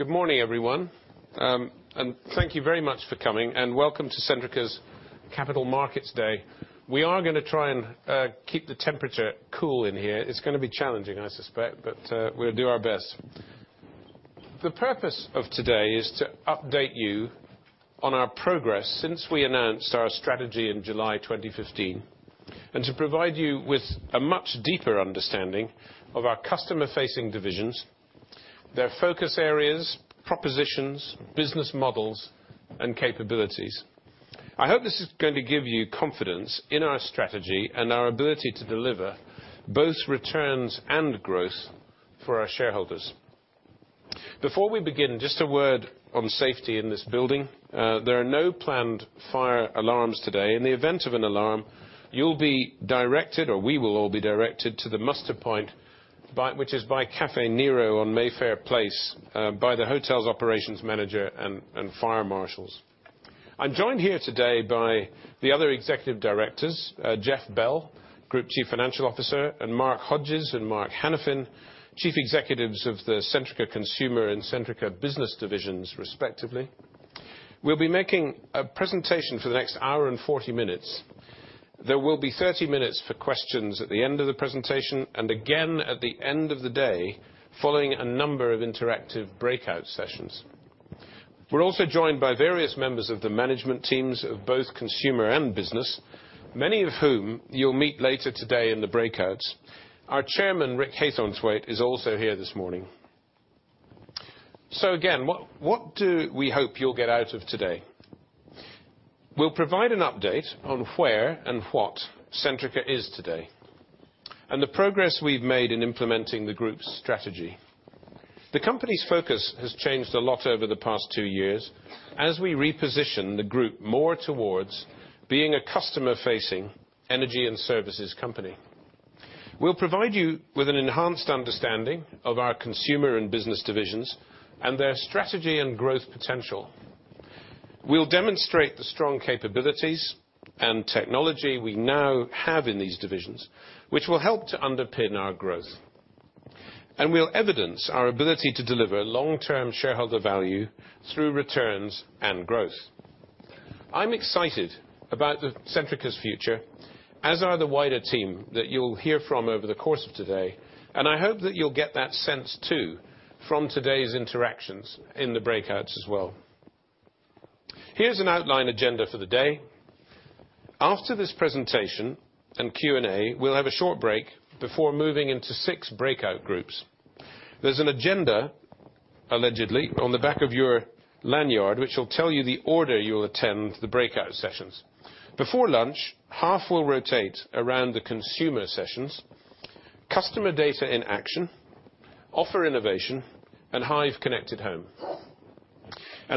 Good morning, everyone. Thank you very much for coming, and welcome to Centrica's Capital Markets Day. We are going to try and keep the temperature cool in here. It's going to be challenging, I suspect, but we'll do our best. The purpose of today is to update you on our progress since we announced our strategy in July 2015, and to provide you with a much deeper understanding of our customer-facing divisions, their focus areas, propositions, business models, and capabilities. I hope this is going to give you confidence in our strategy and our ability to deliver both returns and growth for our shareholders. Before we begin, just a word on safety in this building. There are no planned fire alarms today. In the event of an alarm, you'll be directed, or we will all be directed, to the muster point which is by Caffè Nero on Mayfair Place, by the hotel's operations manager and fire marshals. I'm joined here today by the other executive directors, Jeff Bell, Group Chief Financial Officer, and Mark Hodges and Mark Hanafin, Chief Executives of the Centrica Consumer and Centrica Business divisions, respectively. We'll be making a presentation for the next 1 hour and 40 minutes. There will be 30 minutes for questions at the end of the presentation, and again at the end of the day, following a number of interactive breakout sessions. We're also joined by various members of the management teams of both Consumer and Business, many of whom you'll meet later today in the breakouts. Our Chairman, Rick Haythornthwaite, is also here this morning. Again, what do we hope you'll get out of today? We'll provide an update on where and what Centrica is today, and the progress we've made in implementing the group's strategy. The company's focus has changed a lot over the past two years, as we reposition the group more towards being a customer-facing energy and services company. We'll provide you with an enhanced understanding of our Consumer and Business divisions, and their strategy and growth potential. We'll demonstrate the strong capabilities and technology we now have in these divisions, which will help to underpin our growth. We'll evidence our ability to deliver long-term shareholder value through returns and growth. I'm excited about Centrica's future, as are the wider team that you'll hear from over the course of today. I hope that you'll get that sense too, from today's interactions in the breakouts as well. Here's an outline agenda for the day. After this presentation and Q&A, we'll have a short break before moving into six breakout groups. There's an agenda, allegedly, on the back of your lanyard, which will tell you the order you'll attend the breakout sessions. Before lunch, half will rotate around the Consumer sessions: Customer Data in Action, Offer Innovation, and Hive Connected Home.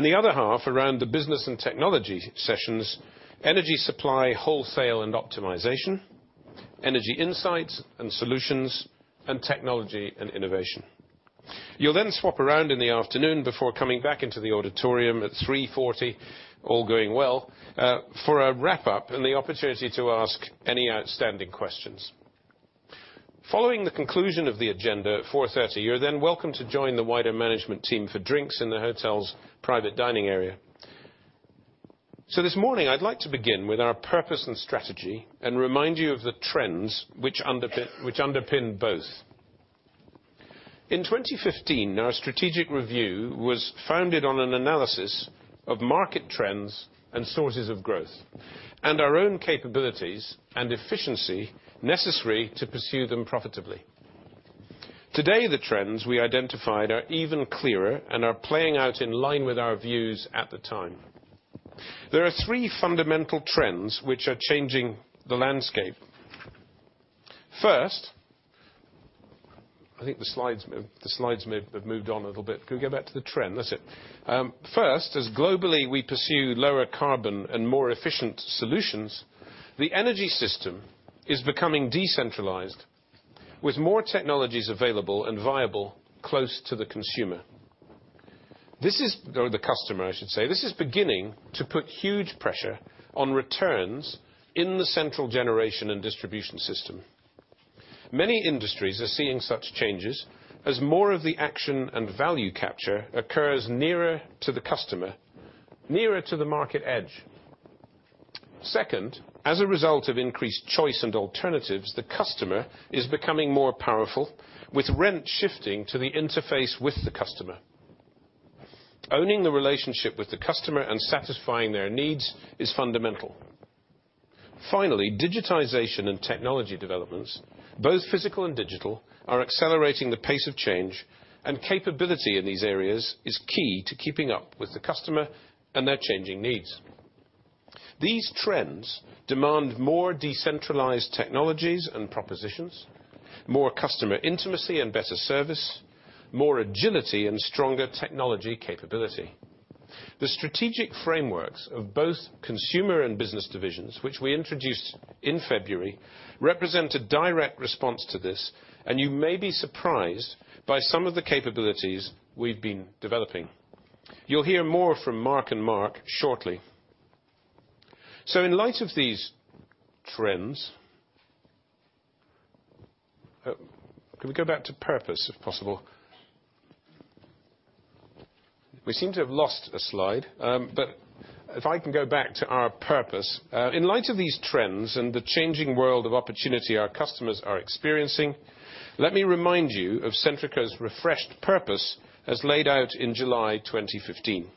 The other half around the Business and Technology sessions: Energy Supply Wholesale and Optimization, Energy Insights and Solutions, and Technology and Innovation. You'll swap around in the afternoon before coming back into the auditorium at 3:40 P.M., all going well, for a wrap-up and the opportunity to ask any outstanding questions. Following the conclusion of the agenda at 4:30 P.M., you're welcome to join the wider management team for drinks in the hotel's private dining area. This morning, I'd like to begin with our purpose and strategy and remind you of the trends which underpin both. In 2015, our strategic review was founded on an analysis of market trends and sources of growth, and our own capabilities and efficiency necessary to pursue them profitably. Today, the trends we identified are even clearer and are playing out in line with our views at the time. There are three fundamental trends which are changing the landscape. First I think the slides may have moved on a little bit. Can we go back to the trend? That's it. First, as globally we pursue lower carbon and more efficient solutions, the energy system is becoming decentralized, with more technologies available and viable close to the consumer. Or the customer, I should say. This is beginning to put huge pressure on returns in the central generation and distribution system. Many industries are seeing such changes as more of the action and value capture occurs nearer to the customer, nearer to the market edge. Second, as a result of increased choice and alternatives, the customer is becoming more powerful, with rent shifting to the interface with the customer. Owning the relationship with the customer and satisfying their needs is fundamental. Finally, digitization and technology developments, both physical and digital, are accelerating the pace of change, and capability in these areas is key to keeping up with the customer and their changing needs. These trends demand more decentralized technologies and propositions, more customer intimacy and better service, more agility, and stronger technology capability. The strategic frameworks of both Consumer and Business divisions, which we introduced in February, represent a direct response to this, and you may be surprised by some of the capabilities we've been developing. You'll hear more from Mark and Mark shortly. In light of these trends Can we go back to purpose, if possible? We seem to have lost a slide. If I can go back to our purpose. In light of these trends and the changing world of opportunity our customers are experiencing, let me remind you of Centrica's refreshed purpose as laid out in July 2015.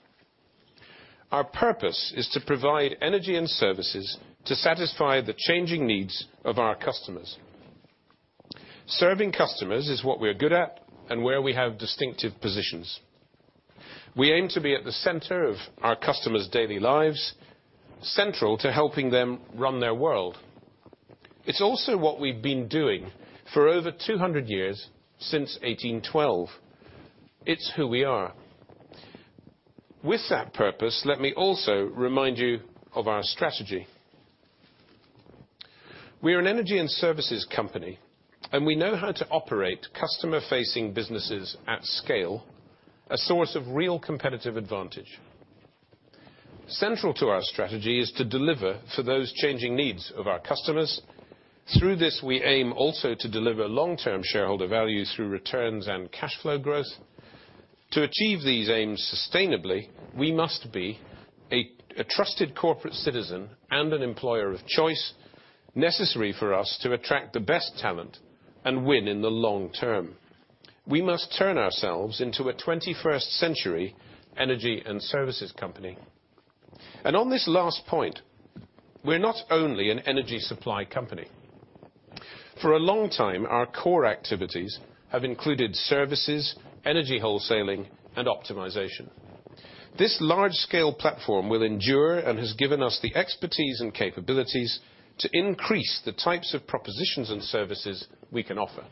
Our purpose is to provide energy and services to satisfy the changing needs of our customers. Serving customers is what we are good at and where we have distinctive positions. We aim to be at the center of our customers' daily lives, central to helping them run their world. It's also what we've been doing for over 200 years, since 1812. It's who we are. With that purpose, let me also remind you of our strategy. We are an energy and services company, and we know how to operate customer-facing businesses at scale, a source of real competitive advantage. Central to our strategy is to deliver for those changing needs of our customers. Through this, we aim also to deliver long-term shareholder value through returns and cash flow growth. To achieve these aims sustainably, we must be a trusted corporate citizen and an employer of choice, necessary for us to attract the best talent and win in the long term. We must turn ourselves into a 21st century energy and services company. On this last point, we're not only an energy supply company. For a long time, our core activities have included services, energy wholesaling, and optimization. This large-scale platform will endure and has given us the expertise and capabilities to increase the types of propositions and services we can offer.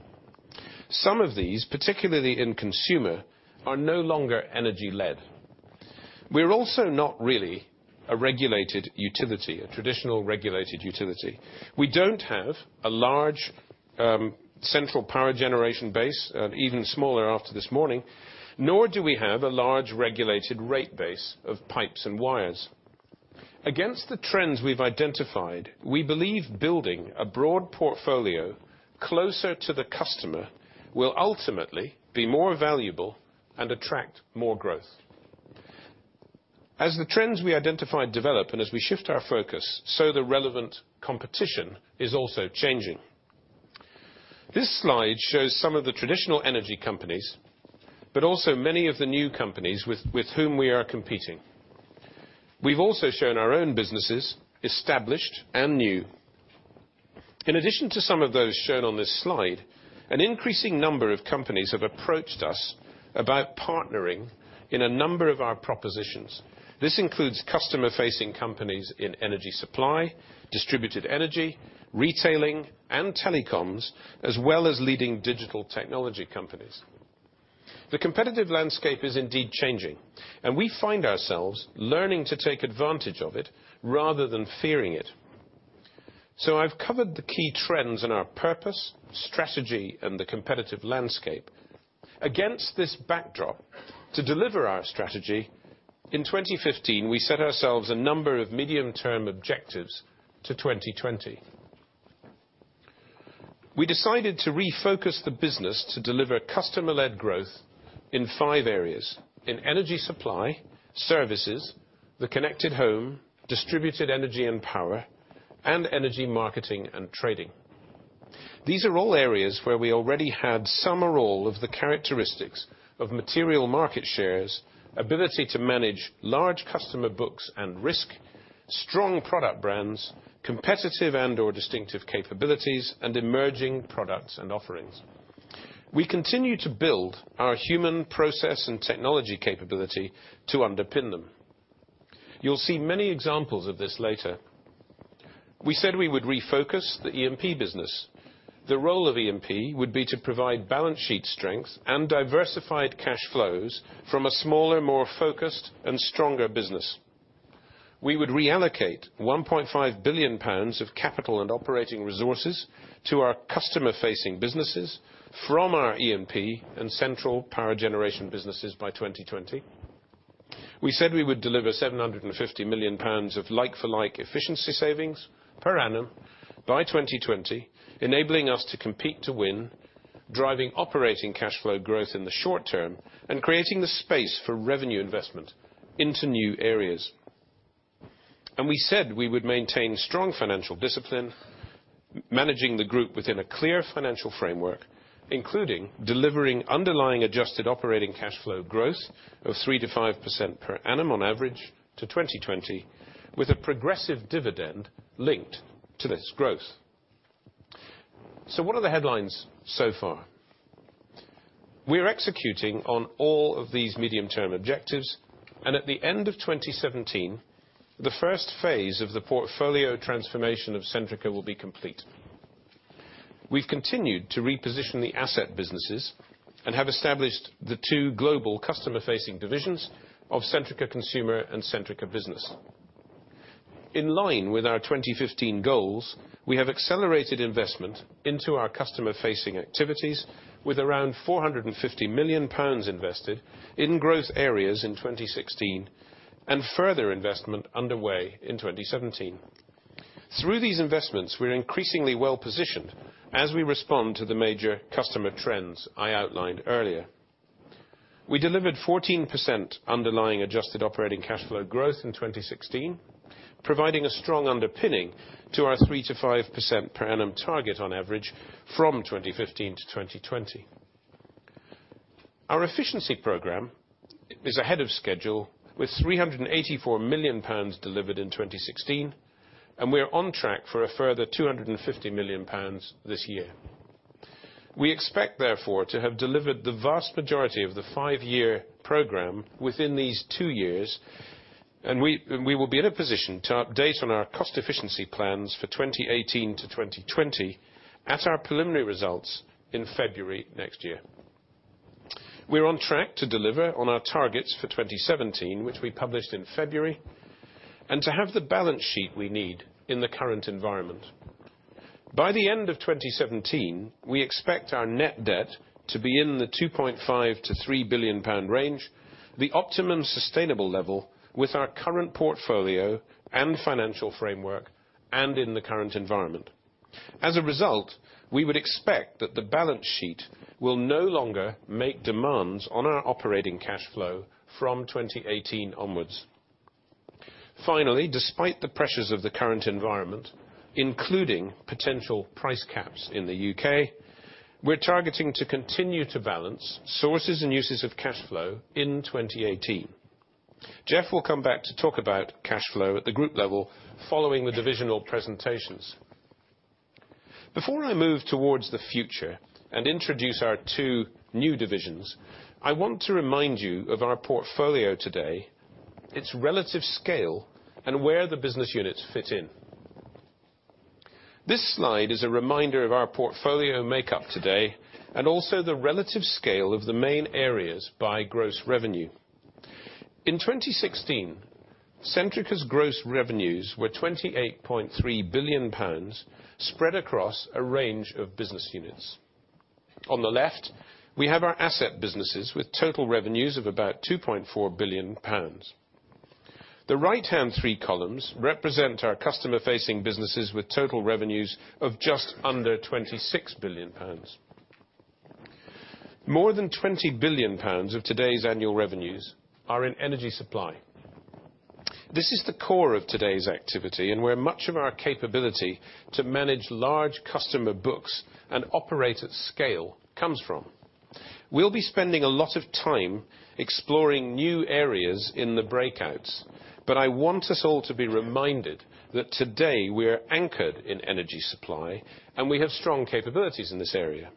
Some of these, particularly in consumer, are no longer energy-led. We are also not really a traditional regulated utility. We don't have a large central power generation base, even smaller after this morning, nor do we have a large regulated rate base of pipes and wires. Against the trends we've identified, we believe building a broad portfolio closer to the customer will ultimately be more valuable and attract more growth. As the trends we identified develop and as we shift our focus, the relevant competition is also changing. This slide shows some of the traditional energy companies, but also many of the new companies with whom we are competing. We've also shown our own businesses, established and new. In addition to some of those shown on this slide, an increasing number of companies have approached us about partnering in a number of our propositions. This includes customer-facing companies in energy supply, Distributed Energy, retailing, and telecoms, as well as leading digital technology companies. The competitive landscape is indeed changing, and we find ourselves learning to take advantage of it rather than fearing it. I've covered the key trends in our purpose, strategy, and the competitive landscape. Against this backdrop, to deliver our strategy, in 2015, we set ourselves a number of medium-term objectives to 2020. We decided to refocus the business to deliver customer-led growth in five areas: in energy supply, services, the Connected Home, Distributed Energy & Power, and Energy Marketing & Trading. These are all areas where we already had some or all of the characteristics of material market shares, ability to manage large customer books and risk, strong product brands, competitive and/or distinctive capabilities, and emerging products and offerings. We continue to build our human process and technology capability to underpin them. You'll see many examples of this later. We said we would refocus the EMP business. The role of EMP would be to provide balance sheet strength and diversified cash flows from a smaller, more focused, and stronger business. We would reallocate 1.5 billion pounds of capital and operating resources to our customer-facing businesses from our EMP and central power generation businesses by 2020. We said we would deliver 750 million pounds of like-for-like efficiency savings per annum by 2020, enabling us to compete to win, driving operating cash flow growth in the short term, and creating the space for revenue investment into new areas. We said we would maintain strong financial discipline, managing the group within a clear financial framework, including delivering underlying adjusted operating cash flow growth of 3%-5% per annum on average to 2020, with a progressive dividend linked to this growth. What are the headlines so far? We are executing on all of these medium-term objectives, and at the end of 2017, the first phase of the portfolio transformation of Centrica will be complete. We've continued to reposition the asset businesses and have established the two global customer-facing divisions of Centrica Consumer and Centrica Business. In line with our 2015 goals, we have accelerated investment into our customer-facing activities with around 450 million pounds invested in growth areas in 2016, and further investment underway in 2017. Through these investments, we are increasingly well-positioned as we respond to the major customer trends I outlined earlier. We delivered 14% underlying adjusted operating cash flow growth in 2016, providing a strong underpinning to our 3%-5% per annum target on average from 2015 to 2020. Our efficiency program is ahead of schedule with 384 million pounds delivered in 2016, and we are on track for a further 250 million pounds this year. We expect, therefore, to have delivered the vast majority of the five-year program within these two years, and we will be in a position to update on our cost efficiency plans for 2018 to 2020 at our preliminary results in February next year. We're on track to deliver on our targets for 2017, which we published in February, and to have the balance sheet we need in the current environment. By the end of 2017, we expect our net debt to be in the 2.5 billion-3 billion pound range, the optimum sustainable level with our current portfolio and financial framework and in the current environment. As a result, we would expect that the balance sheet will no longer make demands on our operating cash flow from 2018 onwards. Finally, despite the pressures of the current environment, including potential price caps in the U.K., we're targeting to continue to balance sources and uses of cash flow in 2018. Jeff will come back to talk about cash flow at the group level following the divisional presentations. Before I move towards the future and introduce our two new divisions, I want to remind you of our portfolio today, its relative scale, and where the business units fit in. This slide is a reminder of our portfolio makeup today, and also the relative scale of the main areas by gross revenue. In 2016, Centrica's gross revenues were 28.3 billion pounds, spread across a range of business units. On the left, we have our asset businesses with total revenues of about 2.4 billion pounds. The right-hand three columns represent our customer-facing businesses with total revenues of just under 26 billion pounds. More than 20 billion pounds of today's annual revenues are in energy supply. This is the core of today's activity and where much of our capability to manage large customer books and operate at scale comes from. We'll be spending a lot of time exploring new areas in the breakouts, but I want us all to be reminded that today we are anchored in energy supply, and we have strong capabilities in this area.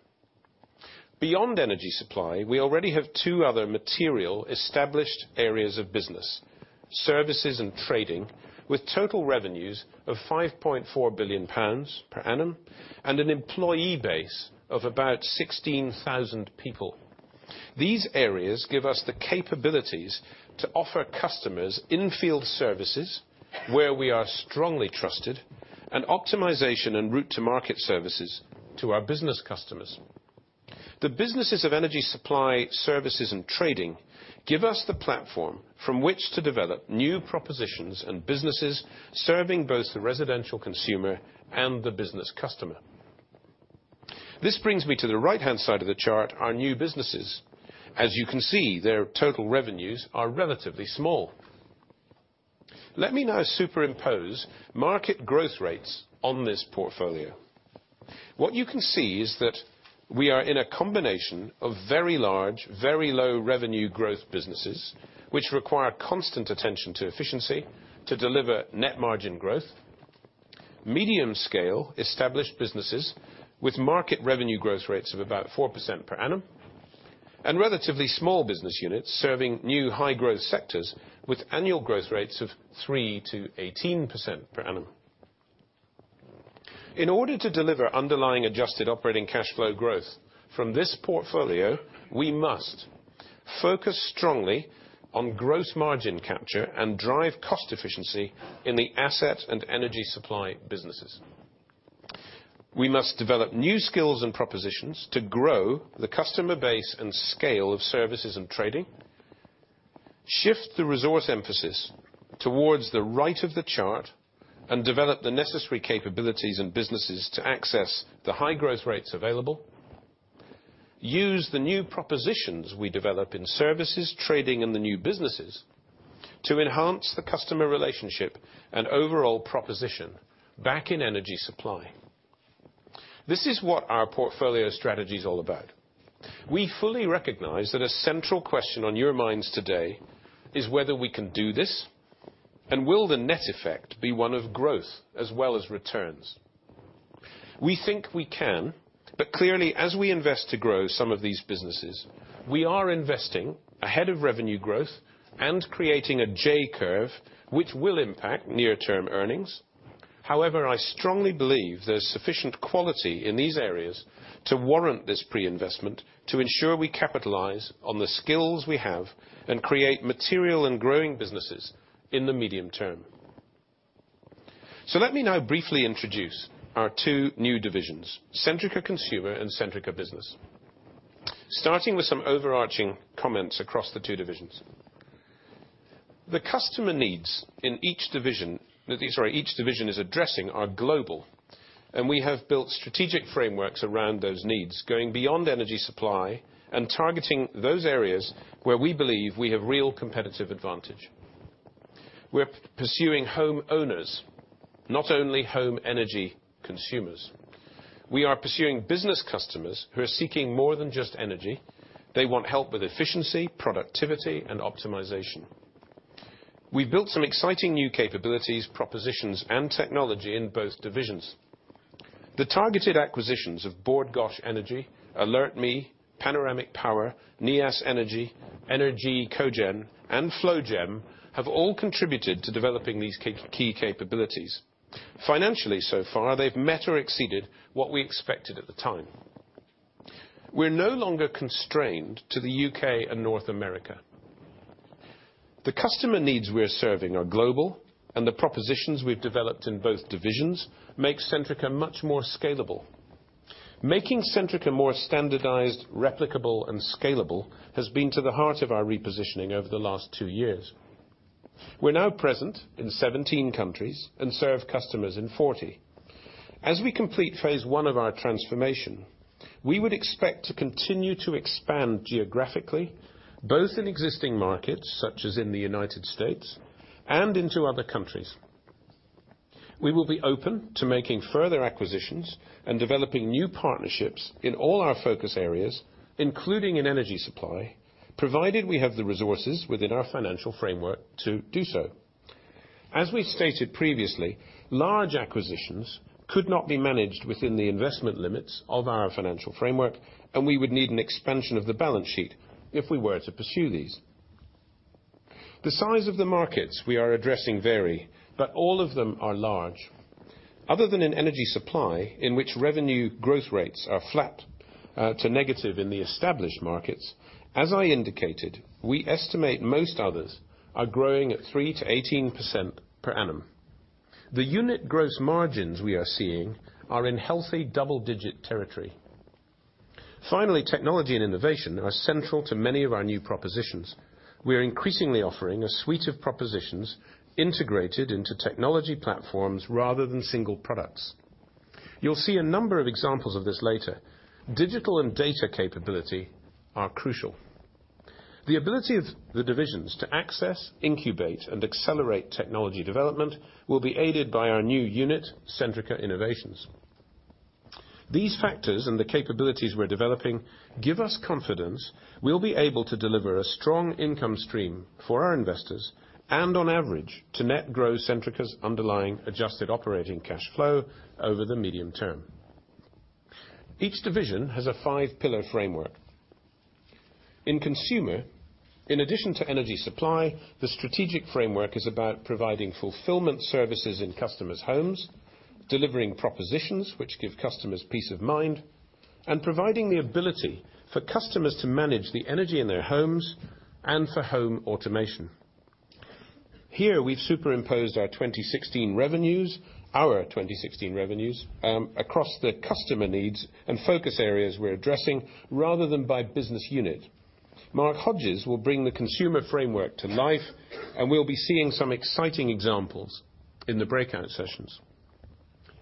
Beyond energy supply, we already have two other material established areas of business, services, and trading, with total revenues of 5.4 billion pounds per annum, and an employee base of about 16,000 people. These areas give us the capabilities to offer customers in-field services where we are strongly trusted, and optimization and route to market services to our business customers. The businesses of energy supply services and trading give us the platform from which to develop new propositions and businesses serving both the residential consumer and the business customer. This brings me to the right-hand side of the chart, our new businesses. As you can see, their total revenues are relatively small. Let me now superimpose market growth rates on this portfolio. What you can see is that we are in a combination of very large, very low revenue growth businesses, which require constant attention to efficiency to deliver net margin growth, medium scale established businesses with market revenue growth rates of about 4% per annum, and relatively small business units serving new high growth sectors with annual growth rates of 3% to 18% per annum. In order to deliver underlying adjusted operating cash flow growth from this portfolio, we must focus strongly on gross margin capture and drive cost efficiency in the asset and energy supply businesses. We must develop new skills and propositions to grow the customer base and scale of services and trading, shift the resource emphasis towards the right of the chart. Develop the necessary capabilities and businesses to access the high growth rates available. Use the new propositions we develop in services, trading, and the new businesses to enhance the customer relationship and overall proposition back in energy supply. This is what our portfolio strategy is all about. We fully recognize that a central question on your minds today is whether we can do this. Will the net effect be one of growth as well as returns? We think we can. Clearly, as we invest to grow some of these businesses, we are investing ahead of revenue growth and creating a J curve, which will impact near-term earnings. However, I strongly believe there's sufficient quality in these areas to warrant this pre-investment to ensure we capitalize on the skills we have and create material and growing businesses in the medium term. Let me now briefly introduce our two new divisions, Centrica Consumer and Centrica Business. Starting with some overarching comments across the two divisions. The customer needs in each division is addressing are global. We have built strategic frameworks around those needs, going beyond energy supply and targeting those areas where we believe we have real competitive advantage. We're pursuing homeowners, not only home energy consumers. We are pursuing business customers who are seeking more than just energy. They want help with efficiency, productivity, and optimization. We've built some exciting new capabilities, propositions, and technology in both divisions. The targeted acquisitions of Bord Gáis Energy, AlertMe, Panoramic Power, Neas Energy, ENER-G Cogen, and FlowGem have all contributed to developing these key capabilities. Financially so far, they've met or exceeded what we expected at the time. We're no longer constrained to the U.K. and North America. The customer needs we are serving are global. The propositions we've developed in both divisions make Centrica much more scalable. Making Centrica more standardized, replicable, and scalable has been to the heart of our repositioning over the last two years. We're now present in 17 countries and serve customers in 40. As we complete phase 1 of our transformation, we would expect to continue to expand geographically, both in existing markets such as in the U.S. and into other countries. We will be open to making further acquisitions and developing new partnerships in all our focus areas, including in energy supply, provided we have the resources within our financial framework to do so. As we stated previously, large acquisitions could not be managed within the investment limits of our financial framework, and we would need an expansion of the balance sheet if we were to pursue these. The size of the markets we are addressing vary, but all of them are large. Other than in energy supply, in which revenue growth rates are flat to negative in the established markets, as I indicated, we estimate most others are growing at 3%-18% per annum. The unit gross margins we are seeing are in healthy double-digit territory. Finally, technology and innovation are central to many of our new propositions. We are increasingly offering a suite of propositions integrated into technology platforms rather than single products. You'll see a number of examples of this later. Digital and data capability are crucial. The ability of the divisions to access, incubate, and accelerate technology development will be aided by our new unit, Centrica Innovations. These factors and the capabilities we're developing give us confidence we'll be able to deliver a strong income stream for our investors and on average to net grow Centrica's underlying adjusted operating cash flow over the medium term. Each division has a five-pillar framework. In consumer, in addition to energy supply, the strategic framework is about providing fulfillment services in customers' homes, delivering propositions which give customers peace of mind, and providing the ability for customers to manage the energy in their homes and for home automation. Here we've superimposed our 2016 revenues across the customer needs and focus areas we're addressing rather than by business unit. Mark Hodges will bring the consumer framework to life. We'll be seeing some exciting examples in the breakout sessions.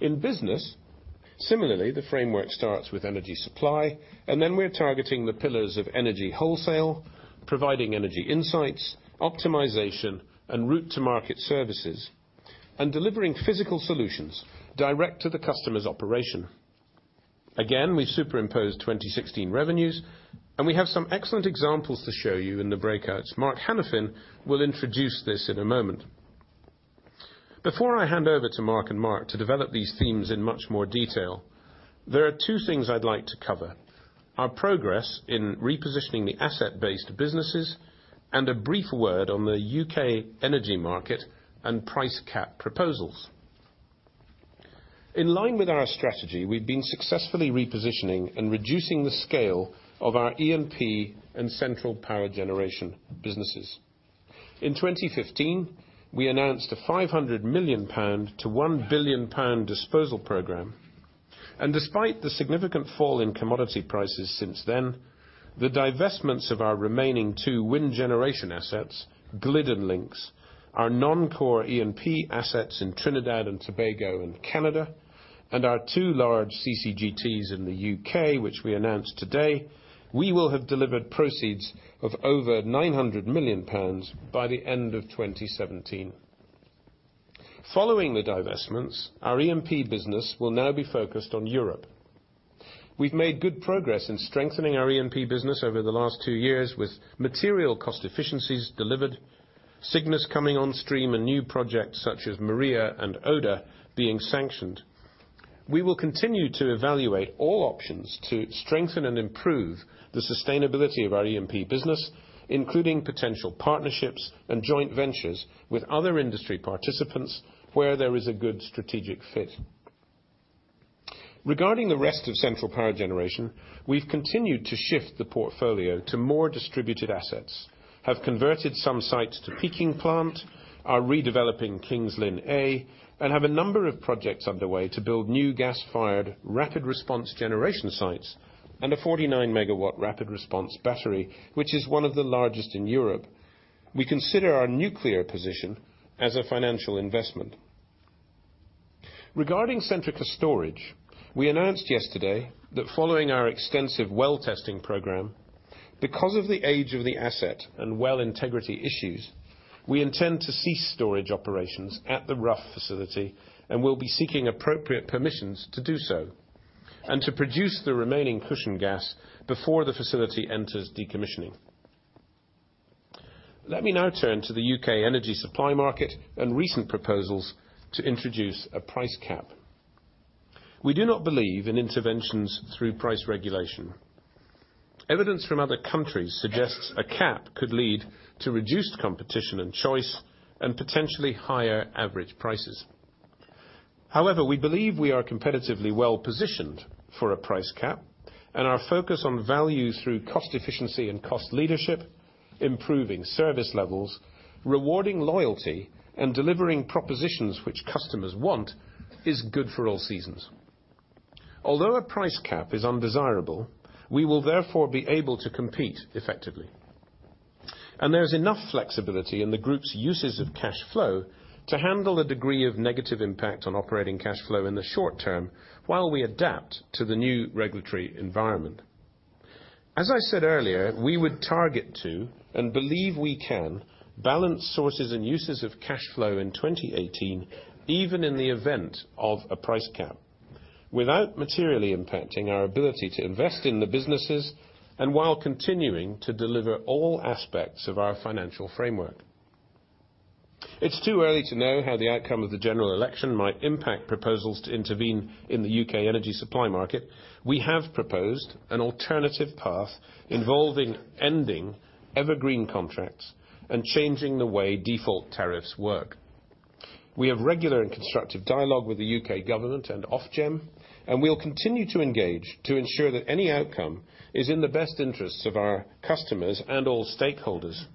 In business, similarly, the framework starts with energy supply. Then we're targeting the pillars of energy wholesale, providing energy insights, optimization, and route to market services, and delivering physical solutions direct to the customer's operation. Again, we've superimposed 2016 revenues. We have some excellent examples to show you in the breakouts. Mark Hanafin will introduce this in a moment. Before I hand over to Mark and Mark to develop these themes in much more detail, there are two things I'd like to cover: our progress in repositioning the asset-based businesses, and a brief word on the U.K. energy market and price cap proposals. In line with our strategy, we've been successfully repositioning and reducing the scale of our EMP and central power generation businesses. In 2015, we announced a 500 million-1 billion pound disposal program. Despite the significant fall in commodity prices since then, the divestments of our remaining two wind generation assets, Lincs, our non-core EMP assets in Trinidad and Tobago and Canada, and our two large CCGTs in the U.K., which we announced today, we will have delivered proceeds of over 900 million pounds by the end of 2017. Following the divestments, our EMP business will now be focused on Europe. We've made good progress in strengthening our EMP business over the last two years with material cost efficiencies delivered, Cygnus coming on stream, and new projects such as Maria and Oda being sanctioned. We will continue to evaluate all options to strengthen and improve the sustainability of our EMP business, including potential partnerships and joint ventures with other industry participants where there is a good strategic fit. Regarding the rest of central power generation, we have continued to shift the portfolio to more distributed assets, have converted some sites to peaking plant, are redeveloping King's Lynn A, and have a number of projects underway to build new gas-fired rapid response generation sites and a 49-megawatt rapid response battery, which is one of the largest in Europe. We consider our nuclear position as a financial investment. Regarding Centrica Storage, we announced yesterday that following our extensive well testing program, because of the age of the asset and well integrity issues, we intend to cease storage operations at the Rough facility, and will be seeking appropriate permissions to do so, and to produce the remaining cushion gas before the facility enters decommissioning. Let me now turn to the U.K. energy supply market and recent proposals to introduce a price cap. We do not believe in interventions through price regulation. Evidence from other countries suggests a cap could lead to reduced competition and choice, and potentially higher average prices. However, we believe we are competitively well-positioned for a price cap, and our focus on value through cost efficiency and cost leadership, improving service levels, rewarding loyalty, and delivering propositions which customers want, is good for all seasons. Although a price cap is undesirable, we will therefore be able to compete effectively. There is enough flexibility in the group's uses of cash flow to handle a degree of negative impact on operating cash flow in the short term, while we adapt to the new regulatory environment. As I said earlier, we would target to and believe we can balance sources and uses of cash flow in 2018, even in the event of a price cap, without materially impacting our ability to invest in the businesses and while continuing to deliver all aspects of our financial framework. It is too early to know how the outcome of the general election might impact proposals to intervene in the U.K. energy supply market. We have proposed an alternative path involving ending evergreen contracts and changing the way default tariffs work. We have regular and constructive dialogue with the U.K. government and Ofgem, and we will continue to engage to ensure that any outcome is in the best interests of our customers and all stakeholders.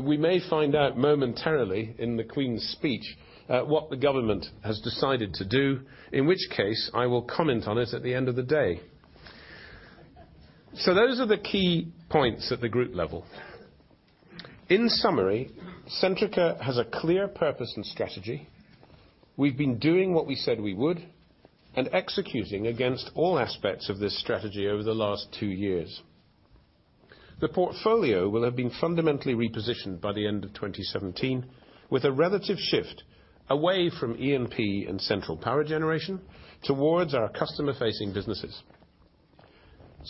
We may find out momentarily in the Queen's Speech, what the government has decided to do, in which case I will comment on it at the end of the day. Those are the key points at the group level. In summary, Centrica has a clear purpose and strategy. We have been doing what we said we would, and executing against all aspects of this strategy over the last two years. The portfolio will have been fundamentally repositioned by the end of 2017, with a relative shift away from E&P and central power generation, towards our customer-facing businesses.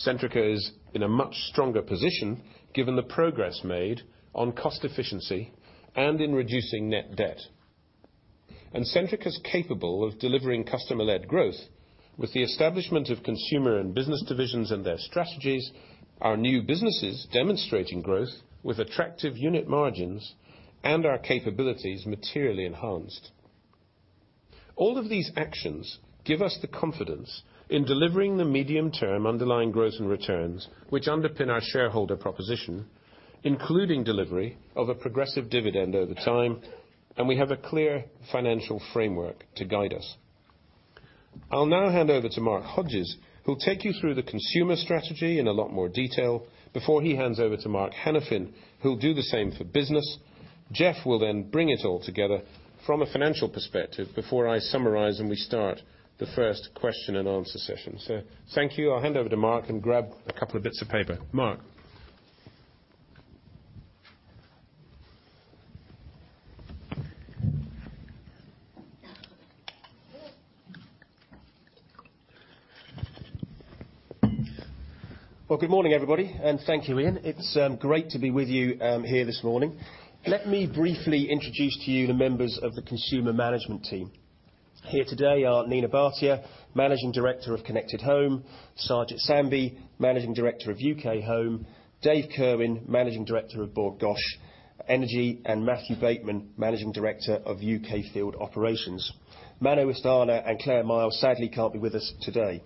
Centrica is in a much stronger position given the progress made on cost efficiency and in reducing net debt. Centrica's capable of delivering customer-led growth, with the establishment of consumer and business divisions and their strategies, our new businesses demonstrating growth with attractive unit margins, and our capabilities materially enhanced. All of these actions give us the confidence in delivering the medium term underlying growth and returns, which underpin our shareholder proposition, including delivery of a progressive dividend over time, and we have a clear financial framework to guide us. I'll now hand over to Mark Hodges, who'll take you through the consumer strategy in a lot more detail before he hands over to Mark Hanafin, who'll do the same for business. Jeff will then bring it all together from a financial perspective before I summarize and we start the first question and answer session. Thank you. I'll hand over to Mark and grab a couple of bits of paper. Mark. Good morning, everybody, and thank you, Iain. It's great to be with you here this morning. Let me briefly introduce to you the members of the consumer management team. Here today are Nina Bhatia, Managing Director of Connected Home, Sarwjit Sambhi, Managing Director of UK Home, Dave Kirwan, Managing Director of Bord Gáis Energy, and Matthew Bateman, Managing Director of UK Field Operations. Mano [Ustana] and Claire Miles sadly can't be with us today.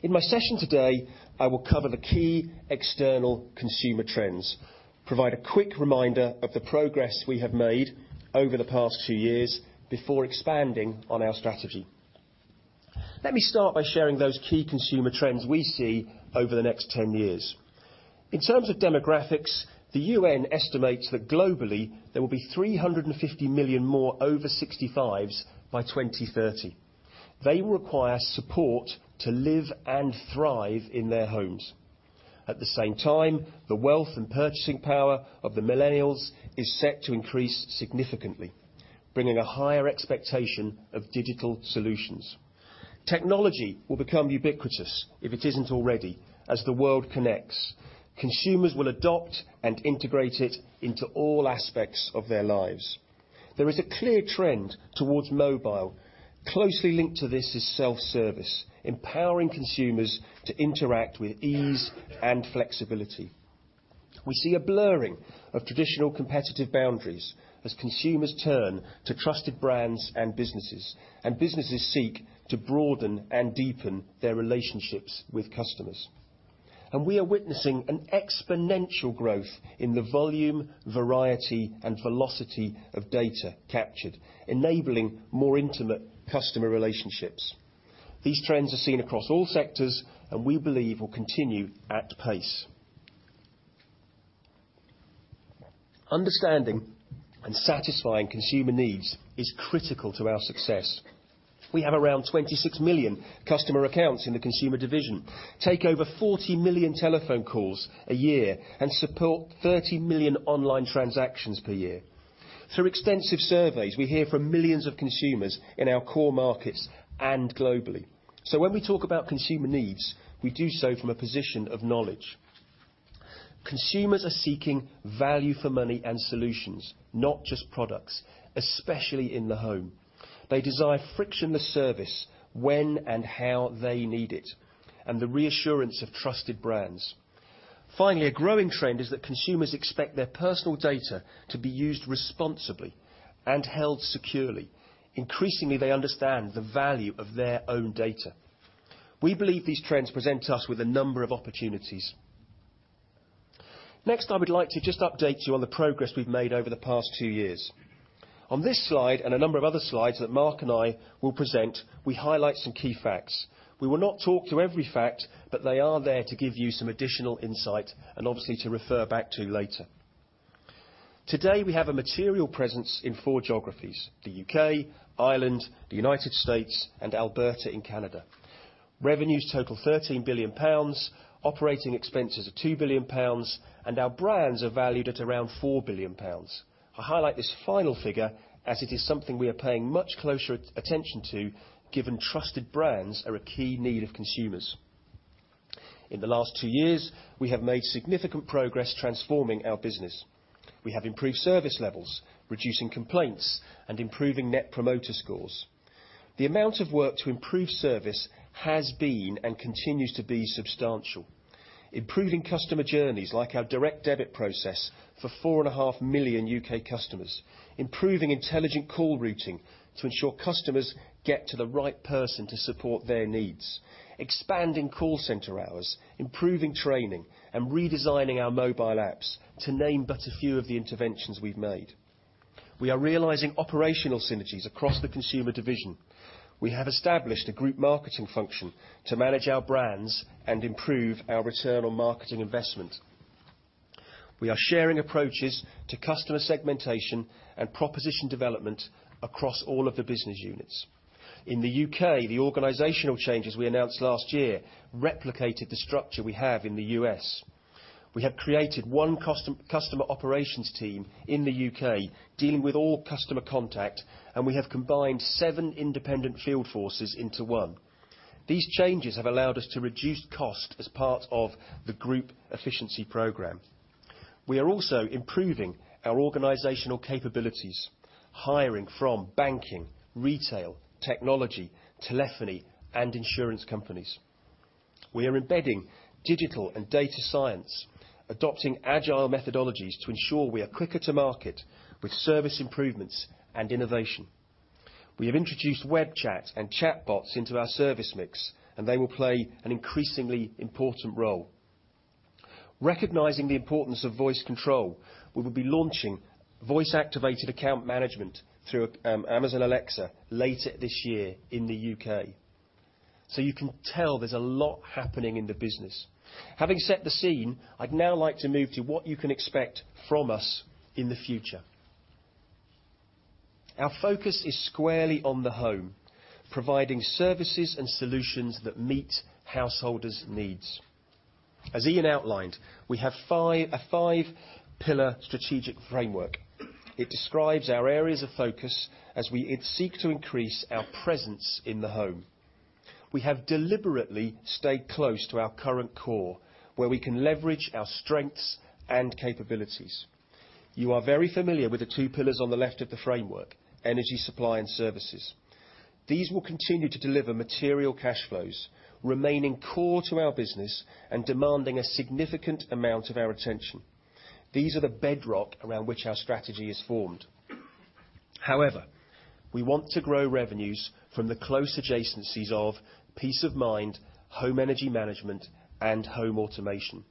In my session today, I will cover the key external consumer trends, provide a quick reminder of the progress we have made over the past two years before expanding on our strategy. Let me start by sharing those key consumer trends we see over the next 10 years. In terms of demographics, the UN estimates that globally, there will be 350 million more over 65s by 2030. They will require support to live and thrive in their homes. At the same time, the wealth and purchasing power of the millennials is set to increase significantly, bringing a higher expectation of digital solutions. Technology will become ubiquitous, if it isn't already, as the world connects. Consumers will adopt and integrate it into all aspects of their lives. There is a clear trend towards mobile. Closely linked to this is self-service, empowering consumers to interact with ease and flexibility. We see a blurring of traditional competitive boundaries as consumers turn to trusted brands and businesses, and businesses seek to broaden and deepen their relationships with customers. We are witnessing an exponential growth in the volume, variety, and velocity of data captured, enabling more intimate customer relationships. These trends are seen across all sectors, and we believe will continue at pace. Understanding and satisfying consumer needs is critical to our success. We have around 26 million customer accounts in the consumer division, take over 40 million telephone calls a year, and support 30 million online transactions per year. Through extensive surveys, we hear from millions of consumers in our core markets and globally. When we talk about consumer needs, we do so from a position of knowledge. Consumers are seeking value for money and solutions, not just products, especially in the home. They desire frictionless service when and how they need it, and the reassurance of trusted brands. Finally, a growing trend is that consumers expect their personal data to be used responsibly and held securely. Increasingly, they understand the value of their own data. We believe these trends present us with a number of opportunities. I would like to just update you on the progress we've made over the past two years. On this slide, and a number of other slides that Mark and I will present, we highlight some key facts. We will not talk through every fact, but they are there to give you some additional insight and obviously, to refer back to later. Today, we have a material presence in four geographies, the U.K., Ireland, the U.S., and Alberta in Canada. Revenues total 13 billion pounds, operating expenses of 2 billion pounds, and our brands are valued at around 4 billion pounds. I highlight this final figure as it is something we are paying much closer attention to, given trusted brands are a key need of consumers. In the last two years, we have made significant progress transforming our business. We have improved service levels, reducing complaints and improving Net Promoter Scores. The amount of work to improve service has been, and continues to be, substantial. Improving customer journeys, like our direct debit process for four and a half million U.K. customers. Improving intelligent call routing to ensure customers get to the right person to support their needs. Expanding call center hours, improving training, and redesigning our mobile apps, to name but a few of the interventions we've made. We are realizing operational synergies across the consumer division. We have established a group marketing function to manage our brands and improve our return on marketing investment. We are sharing approaches to customer segmentation and proposition development across all of the business units. In the U.K., the organizational changes we announced last year replicated the structure we have in the U.S. We have created one customer operations team in the U.K. dealing with all customer contact, and we have combined seven independent field forces into one. These changes have allowed us to reduce cost as part of the group efficiency program. We are also improving our organizational capabilities, hiring from banking, retail, technology, telephony, and insurance companies. We are embedding digital and data science, adopting agile methodologies to ensure we are quicker to market with service improvements and innovation. We have introduced web chat and chatbots into our service mix, and they will play an increasingly important role. Recognizing the importance of voice control, we will be launching voice-activated account management through Amazon Alexa later this year in the U.K. You can tell there's a lot happening in the business. Having set the scene, I'd now like to move to what you can expect from us in the future. Our focus is squarely on the home, providing services and solutions that meet householders' needs. As Iain outlined, we have a five-pillar strategic framework. It describes our areas of focus as we seek to increase our presence in the home. We have deliberately stayed close to our current core, where we can leverage our strengths and capabilities. You are very familiar with the two pillars on the left of the framework, energy supply and services. These will continue to deliver material cash flows, remaining core to our business and demanding a significant amount of our attention. These are the bedrock around which our strategy is formed. However, we want to grow revenues from the close adjacencies of peace of mind, home energy management, and home automation.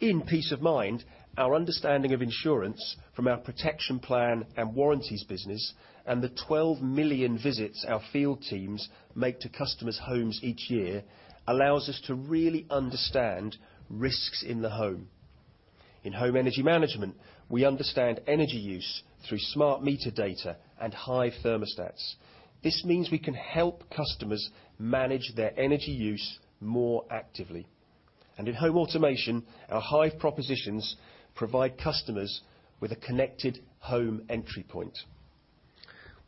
In peace of mind, our understanding of insurance from our protection plan and warranties business, and the 12 million visits our field teams make to customers' homes each year, allows us to really understand risks in the home. In home energy management, we understand energy use through smart meter data and Hive thermostats. This means we can help customers manage their energy use more actively. In home automation, our Hive propositions provide customers with a connected home entry point.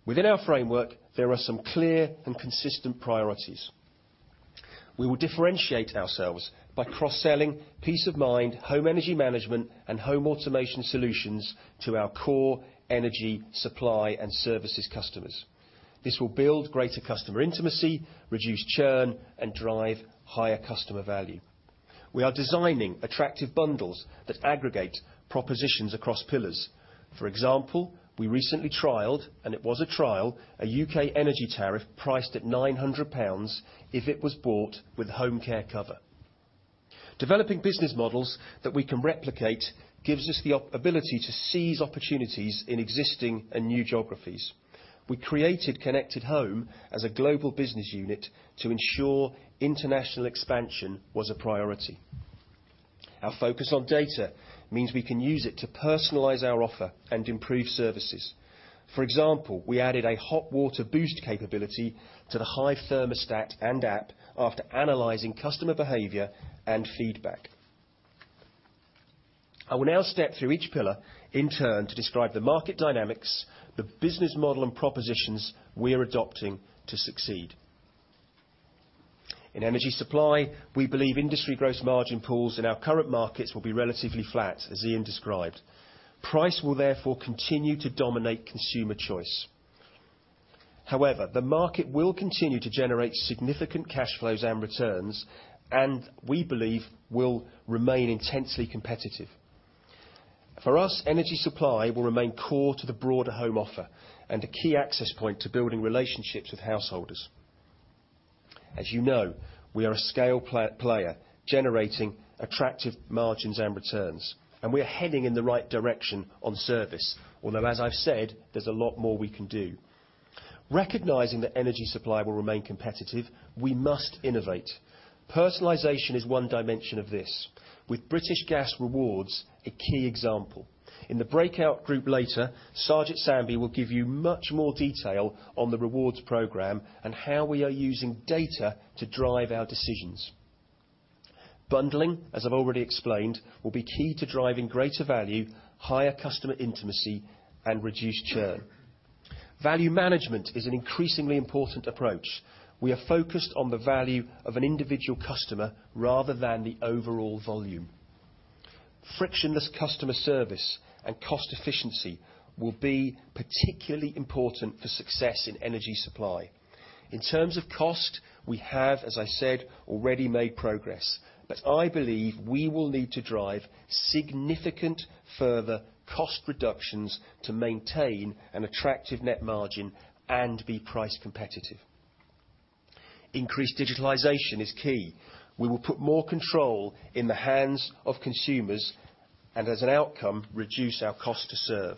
Within our framework, there are some clear and consistent priorities. We will differentiate ourselves by cross-selling peace of mind, home energy management, and home automation solutions to our core energy supply and services customers. This will build greater customer intimacy, reduce churn, and drive higher customer value. We are designing attractive bundles that aggregate propositions across pillars. For example, we recently trialed, and it was a trial, a U.K. energy tariff priced at 900 pounds if it was bought with HomeCare cover. Developing business models that we can replicate gives us the ability to seize opportunities in existing and new geographies. We created Connected Home as a global business unit to ensure international expansion was a priority. Our focus on data means we can use it to personalize our offer and improve services. For example, we added a hot water boost capability to the Hive thermostat and app after analyzing customer behavior and feedback. I will now step through each pillar in turn to describe the market dynamics, the business model and propositions we are adopting to succeed. In energy supply, we believe industry gross margin pools in our current markets will be relatively flat, as Iain described. Price will therefore continue to dominate consumer choice. However, the market will continue to generate significant cash flows and returns, and we believe will remain intensely competitive. For us, energy supply will remain core to the broader home offer and a key access point to building relationships with householders. As you know, we are a scale player generating attractive margins and returns, and we are heading in the right direction on service. Although, as I've said, there's a lot more we can do. Recognizing that energy supply will remain competitive, we must innovate. Personalization is one dimension of this, with British Gas Rewards a key example. In the breakout group later, Sarwjit Sambhi will give you much more detail on the rewards program and how we are using data to drive our decisions. Bundling, as I've already explained, will be key to driving greater value, higher customer intimacy, and reduced churn. Value management is an increasingly important approach. We are focused on the value of an individual customer rather than the overall volume. Frictionless customer service and cost efficiency will be particularly important for success in energy supply. In terms of cost, we have, as I said, already made progress. I believe we will need to drive significant further cost reductions to maintain an attractive net margin and be price competitive. Increased digitalization is key. We will put more control in the hands of consumers and, as an outcome, reduce our cost to serve.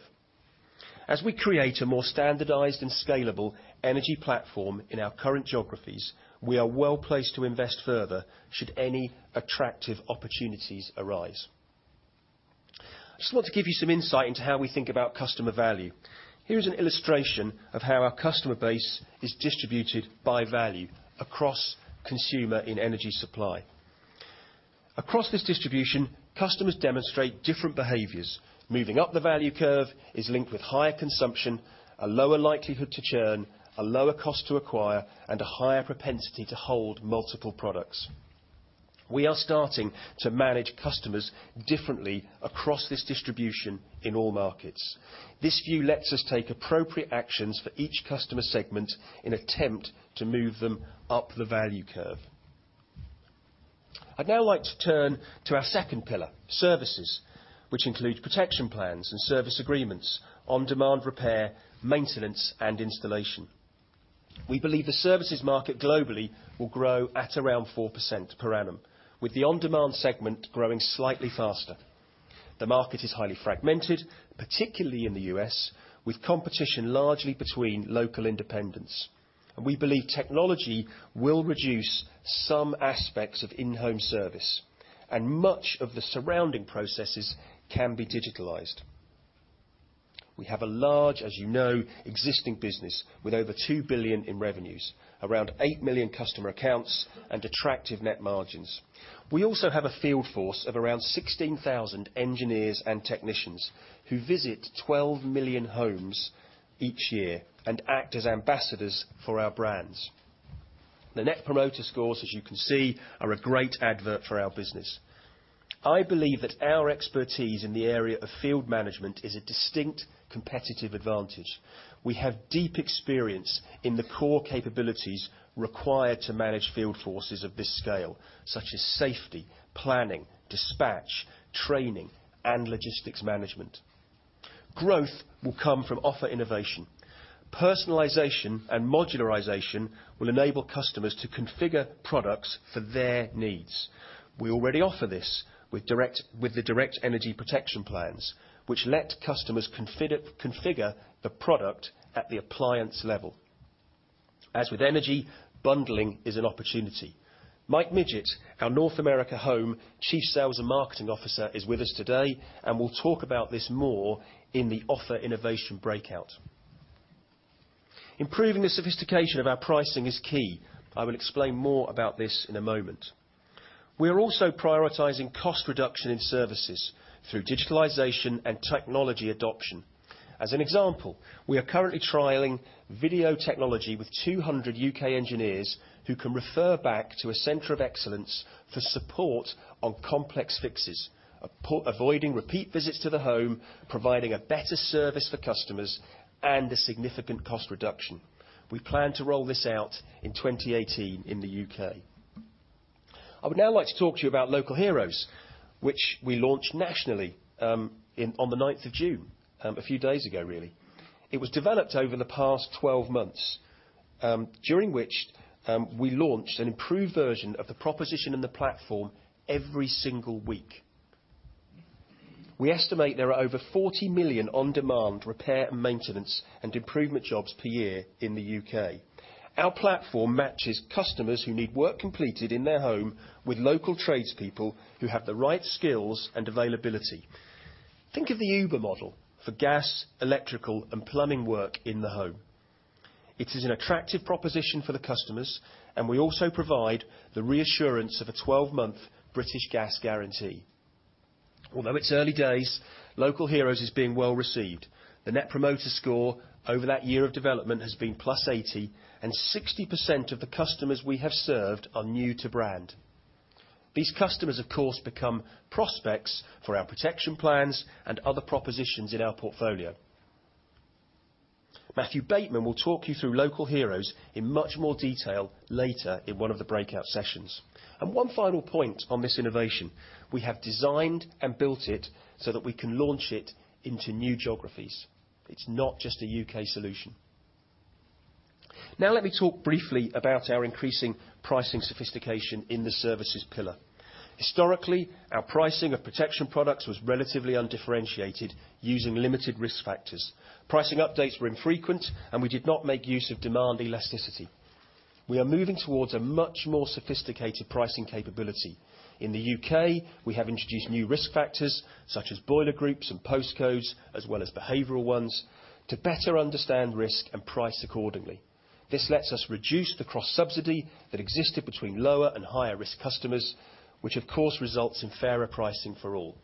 As we create a more standardized and scalable energy platform in our current geographies, we are well-placed to invest further should any attractive opportunities arise. I just want to give you some insight into how we think about customer value. Here is an illustration of how our customer base is distributed by value across consumer in energy supply. Across this distribution, customers demonstrate different behaviors. Moving up the value curve is linked with higher consumption, a lower likelihood to churn, a lower cost to acquire, and a higher propensity to hold multiple products. We are starting to manage customers differently across this distribution in all markets. This view lets us take appropriate actions for each customer segment in attempt to move them up the value curve. I'd now like to turn to our second pillar, services, which include protection plans and service agreements, on-demand repair, maintenance, and installation. We believe the services market globally will grow at around 4% per annum, with the on-demand segment growing slightly faster. The market is highly fragmented, particularly in the U.S., with competition largely between local independents. We believe technology will reduce some aspects of in-home service, and much of the surrounding processes can be digitalized. We have a large, as you know, existing business with over 2 billion in revenues, around 8 million customer accounts and attractive net margins. We also have a field force of around 16,000 engineers and technicians who visit 12 million homes each year and act as ambassadors for our brands. The net promoter scores, as you can see, are a great advert for our business. I believe that our expertise in the area of field management is a distinct competitive advantage. We have deep experience in the core capabilities required to manage field forces of this scale, such as safety, planning, dispatch, training, and logistics management. Growth will come from offer innovation. Personalization and modularization will enable customers to configure products for their needs. We already offer this with the Direct Energy protection plans, which let customers configure the product at the appliance level. As with energy, bundling is an opportunity. Mike Midgett, our North America Home Chief Sales and Marketing Officer, is with us today and will talk about this more in the offer innovation breakout. Improving the sophistication of our pricing is key. I will explain more about this in a moment. We are also prioritizing cost reduction in services through digitalization and technology adoption. As an example, we are currently trialing video technology with 200 U.K. engineers who can refer back to a center of excellence for support on complex fixes, avoiding repeat visits to the home, providing a better service for customers and a significant cost reduction. We plan to roll this out in 2018 in the U.K. I would now like to talk to you about Local Heroes, which we launched nationally on the 9th of June, a few days ago, really. It was developed over the past 12 months, during which we launched an improved version of the proposition and the platform every single week. We estimate there are over 40 million on-demand repair and maintenance and improvement jobs per year in the U.K. Our platform matches customers who need work completed in their home with local tradespeople who have the right skills and availability. Think of the Uber model for gas, electrical, and plumbing work in the home. It is an attractive proposition for the customers, and we also provide the reassurance of a 12-month British Gas guarantee. Although it's early days, Local Heroes is being well-received. The net promoter score over that year of development has been +80, and 60% of the customers we have served are new to brand. These customers, of course, become prospects for our protection plans and other propositions in our portfolio. Matthew Bateman will talk you through Local Heroes in much more detail later in one of the breakout sessions. One final point on this innovation. We have designed and built it so that we can launch it into new geographies. It's not just a U.K. solution. Let me talk briefly about our increasing pricing sophistication in the services pillar. Historically, our pricing of protection products was relatively undifferentiated, using limited risk factors. Pricing updates were infrequent, and we did not make use of demand elasticity. We are moving towards a much more sophisticated pricing capability. In the U.K., we have introduced new risk factors, such as boiler groups and postcodes, as well as behavioral ones, to better understand risk and price accordingly. This lets us reduce the cross-subsidy that existed between lower and higher risk customers, which of course, results in fairer pricing for all.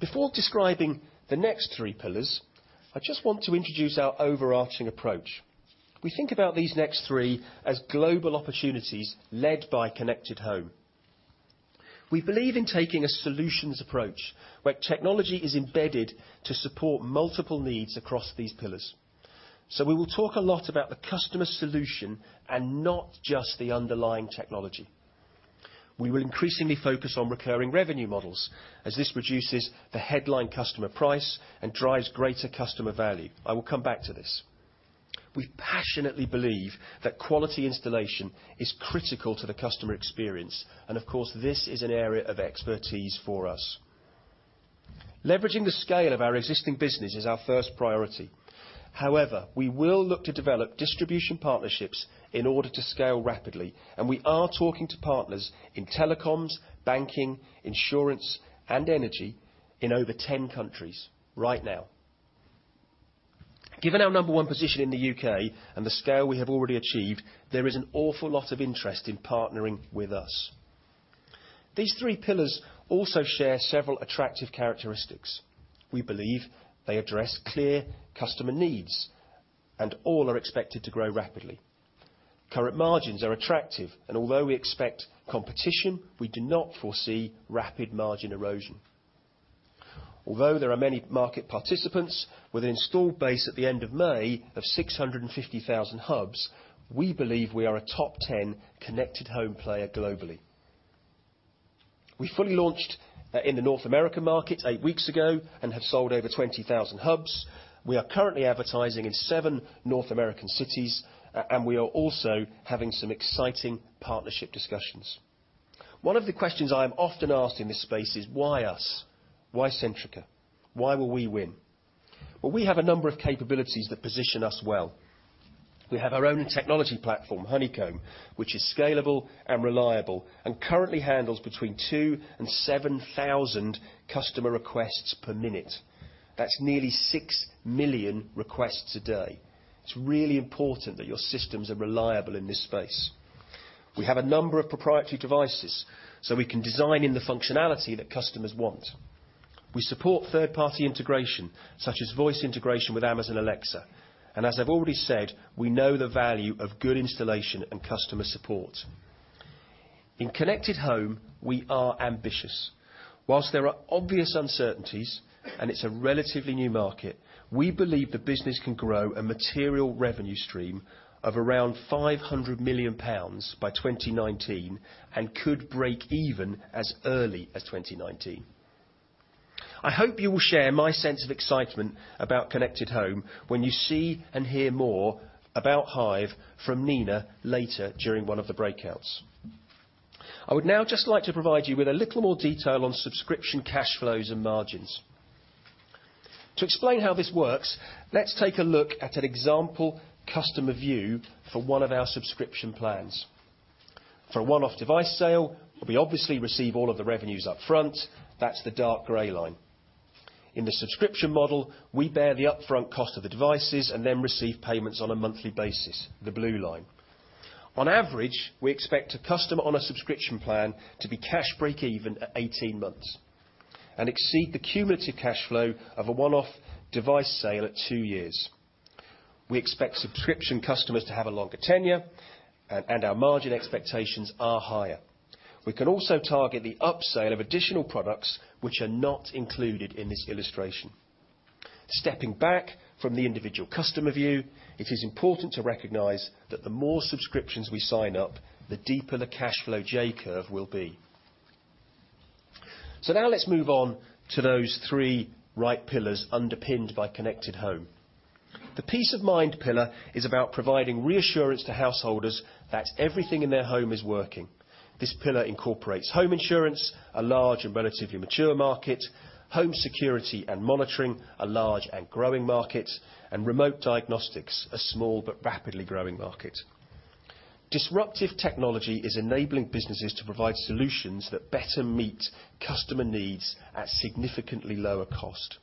Before describing the next three pillars, I just want to introduce our overarching approach. We think about these next three as global opportunities led by Connected Home. We believe in taking a solutions approach, where technology is embedded to support multiple needs across these pillars. We will talk a lot about the customer solution and not just the underlying technology. We will increasingly focus on recurring revenue models, as this reduces the headline customer price and drives greater customer value. I will come back to this. We passionately believe that quality installation is critical to the customer experience. Of course, this is an area of expertise for us. Leveraging the scale of our existing business is our first priority. We will look to develop distribution partnerships in order to scale rapidly. We are talking to partners in telecoms, banking, insurance, and energy in over 10 countries right now. Given our number one position in the U.K. and the scale we have already achieved, there is an awful lot of interest in partnering with us. These three pillars also share several attractive characteristics. We believe they address clear customer needs. All are expected to grow rapidly. Current margins are attractive, and although we expect competition, we do not foresee rapid margin erosion. There are many market participants, with an installed base at the end of May of 650,000 hubs, we believe we are a top 10 Connected Home player globally. We fully launched in the North American market eight weeks ago and have sold over 20,000 hubs. We are currently advertising in seven North American cities, and we are also having some exciting partnership discussions. One of the questions I am often asked in this space is why us? Why Centrica? Why will we win? Well, we have a number of capabilities that position us well. We have our own technology platform, Honeycomb, which is scalable and reliable and currently handles between two and 7,000 customer requests per minute. That's nearly six million requests a day. It's really important that your systems are reliable in this space. We have a number of proprietary devices, so we can design in the functionality that customers want. We support third-party integration, such as voice integration with Amazon Alexa. As I've already said, we know the value of good installation and customer support. In Connected Home, we are ambitious. Whilst there are obvious uncertainties, and it's a relatively new market, we believe the business can grow a material revenue stream of around 500 million pounds by 2019 and could break even as early as 2019. I hope you will share my sense of excitement about Connected Home when you see and hear more about Hive from Nina later during one of the breakouts. I would now just like to provide you with a little more detail on subscription cash flows and margins. To explain how this works, let's take a look at an example customer view for one of our subscription plans. For a one-off device sale, we obviously receive all of the revenues up front. That's the dark gray line. In the subscription model, we bear the upfront cost of the devices and then receive payments on a monthly basis, the blue line. On average, we expect a customer on a subscription plan to be cash breakeven at 18 months and exceed the cumulative cash flow of a one-off device sale at two years. We expect subscription customers to have a longer tenure, and our margin expectations are higher. We can also target the upsale of additional products which are not included in this illustration. Stepping back from the individual customer view, it is important to recognize that the more subscriptions we sign up, the deeper the cash flow J curve will be. Now let's move on to those three right pillars underpinned by Connected Home. The Peace of Mind pillar is about providing reassurance to householders that everything in their home is working. This pillar incorporates home insurance, a large and relatively mature market, home security and monitoring, a large and growing market, and remote diagnostics, a small but rapidly growing market. Disruptive technology is enabling businesses to provide solutions that better meet customer needs at significantly lower cost.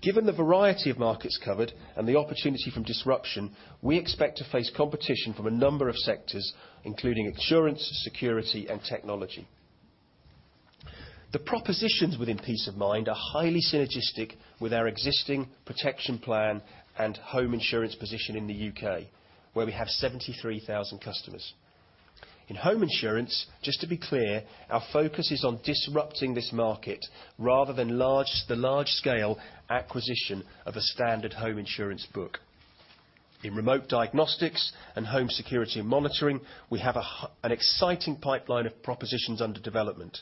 Given the variety of markets covered and the opportunity from disruption, we expect to face competition from a number of sectors, including insurance, security, and technology. The propositions within Peace of Mind are highly synergistic with our existing protection plan and home insurance position in the U.K., where we have 73,000 customers. In home insurance, just to be clear, our focus is on disrupting this market rather than the large-scale acquisition of a standard home insurance book. In remote diagnostics and home security and monitoring, we have an exciting pipeline of propositions under development.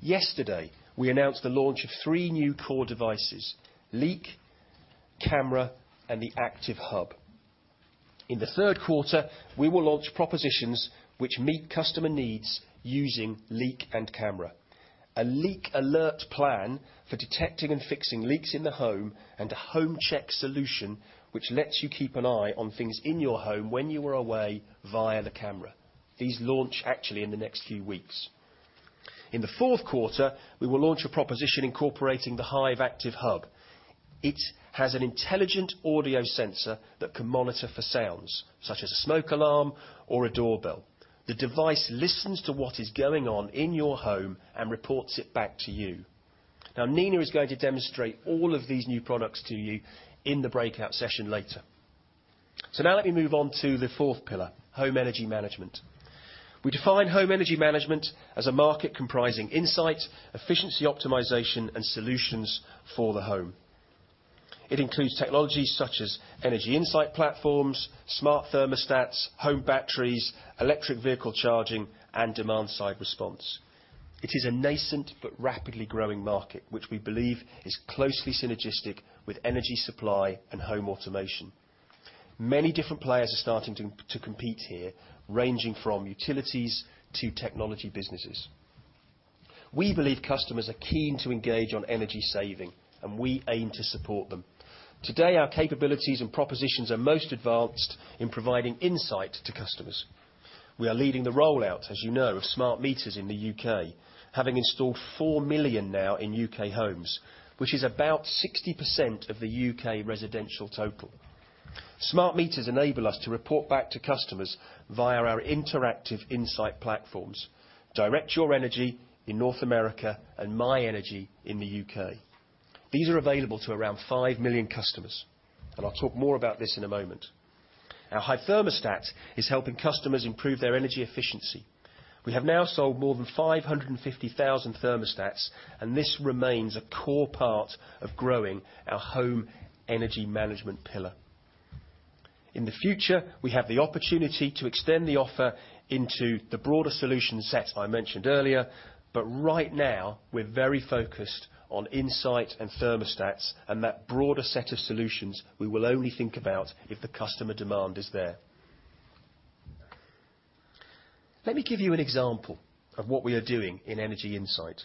Yesterday, we announced the launch of three new core devices, Leak, Camera, and the Active Hub. In the third quarter, we will launch propositions which meet customer needs using Leak and Camera. A Leak Alert Plan for detecting and fixing leaks in the home, and a Home Check Solution, which lets you keep an eye on things in your home when you are away via the camera. These launch actually in the next few weeks. In the fourth quarter, we will launch a proposition incorporating the Hive Active Hub. It has an intelligent audio sensor that can monitor for sounds, such as a smoke alarm or a doorbell. The device listens to what is going on in your home and reports it back to you. Nina is going to demonstrate all of these new products to you in the breakout session later. Now let me move on to the fourth pillar, home energy management. We define home energy management as a market comprising insight, efficiency optimization, and solutions for the home. It includes technologies such as energy insight platforms, smart thermostats, home batteries, electric vehicle charging, and demand-side response. It is a nascent but rapidly growing market, which we believe is closely synergistic with energy supply and home automation. Many different players are starting to compete here, ranging from utilities to technology businesses. We believe customers are keen to engage on energy saving, and we aim to support them. Today, our capabilities and propositions are most advanced in providing insight to customers. We are leading the rollout, as you know, of smart meters in the U.K., having installed 4 million now in U.K. homes, which is about 60% of the U.K. residential total. Smart meters enable us to report back to customers via our interactive insight platforms, Direct Your Energy in North America and My Energy in the U.K. These are available to around 5 million customers, and I'll talk more about this in a moment. Our Hive thermostat is helping customers improve their energy efficiency. We have now sold more than 550,000 thermostats, and this remains a core part of growing our home energy management pillar. In the future, we have the opportunity to extend the offer into the broader solution set I mentioned earlier, but right now we're very focused on insight and thermostats, and that broader set of solutions we will only think about if the customer demand is there. Let me give you an example of what we are doing in energy insight.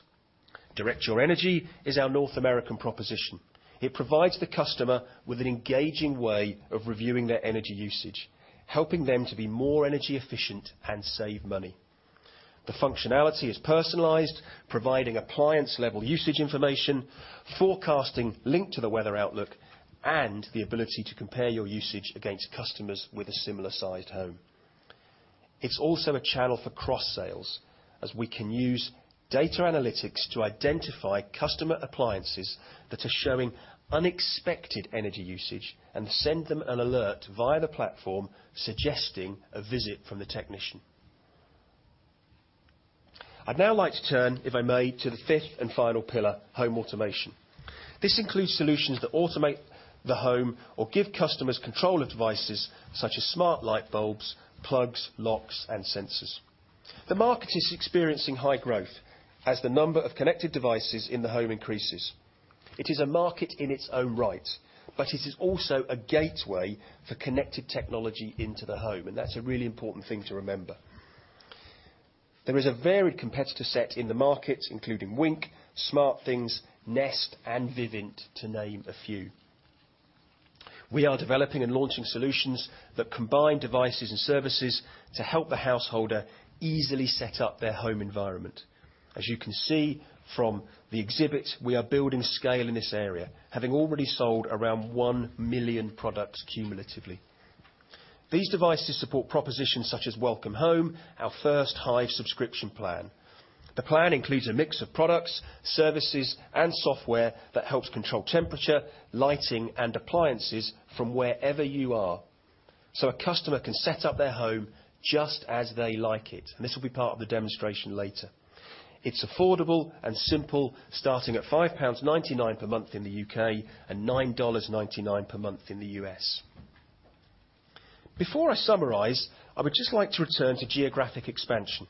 Direct Your Energy is our North American proposition. It provides the customer with an engaging way of reviewing their energy usage, helping them to be more energy efficient and save money. The functionality is personalized, providing appliance-level usage information, forecasting linked to the weather outlook, and the ability to compare your usage against customers with a similar-sized home. It's also a channel for cross-sales, as we can use data analytics to identify customer appliances that are showing unexpected energy usage and send them an alert via the platform suggesting a visit from the technician. I'd now like to turn, if I may, to the fifth and final pillar, home automation. This includes solutions that automate the home or give customers control of devices such as smart light bulbs, plugs, locks, and sensors. The market is experiencing high growth as the number of connected devices in the home increases. It is a market in its own right, but it is also a gateway for connected technology into the home, and that's a really important thing to remember. There is a varied competitor set in the market, including Wink, SmartThings, Nest, and Vivint, to name a few. We are developing and launching solutions that combine devices and services to help the householder easily set up their home environment. As you can see from the exhibit, we are building scale in this area, having already sold around 1 million products cumulatively. These devices support propositions such as Hive Welcome Home, our first Hive subscription plan. The plan includes a mix of products, services, and software that helps control temperature, lighting, and appliances from wherever you are. A customer can set up their home just as they like it, and this will be part of the demonstration later. It's affordable and simple, starting at 5.99 pounds per month in the U.K. and $9.99 per month in the U.S. Before I summarize, I would just like to return to geographic expansion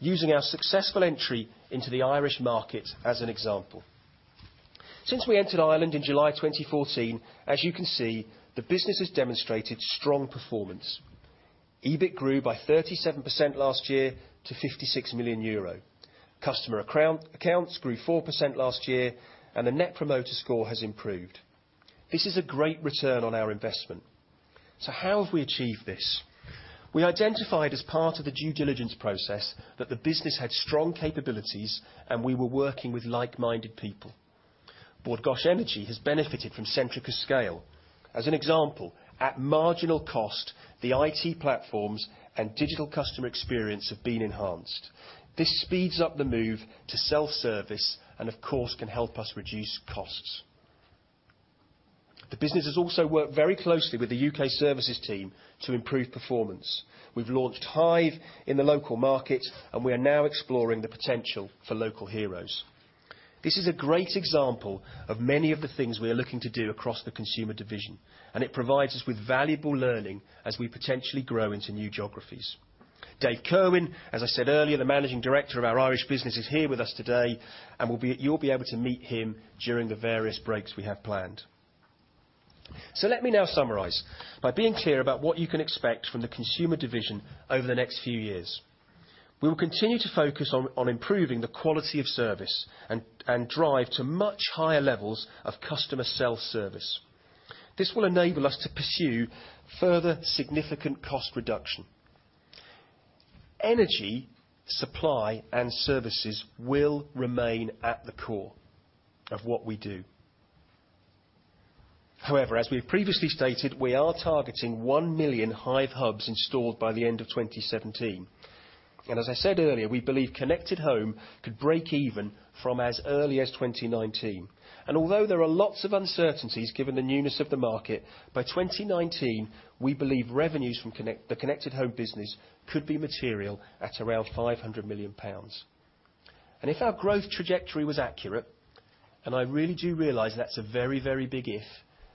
using our successful entry into the Irish market as an example. Since we entered Ireland in July 2014, as you can see, the business has demonstrated strong performance. EBIT grew by 37% last year to 56 million euro. Customer accounts grew 4% last year, and the net promoter score has improved. This is a great return on our investment. How have we achieved this? We identified as part of the due diligence process that the business had strong capabilities and we were working with like-minded people. Bord Gáis Energy has benefited from Centrica's scale. As an example, at marginal cost, the IT platforms and digital customer experience have been enhanced. This speeds up the move to self-service and of course, can help us reduce costs. The business has also worked very closely with the U.K. services team to improve performance. We've launched Hive in the local market, and we are now exploring the potential for Local Heroes. This is a great example of many of the things we are looking to do across the consumer division, and it provides us with valuable learning as we potentially grow into new geographies. Dave Kirwan, as I said earlier, the managing director of our Irish business is here with us today, and you'll be able to meet him during the various breaks we have planned. Let me now summarize by being clear about what you can expect from the consumer division over the next few years. We will continue to focus on improving the quality of service and drive to much higher levels of customer self-service. This will enable us to pursue further significant cost reduction. Energy supply and services will remain at the core of what we do. However, as we have previously stated, we are targeting 1 million Hive Hubs installed by the end of 2017. As I said earlier, we believe Connected Home could break even from as early as 2019. Although there are lots of uncertainties given the newness of the market, by 2019, we believe revenues from the Connected Home business could be material at around 500 million pounds. If our growth trajectory was accurate, and I really do realize that's a very, very big if,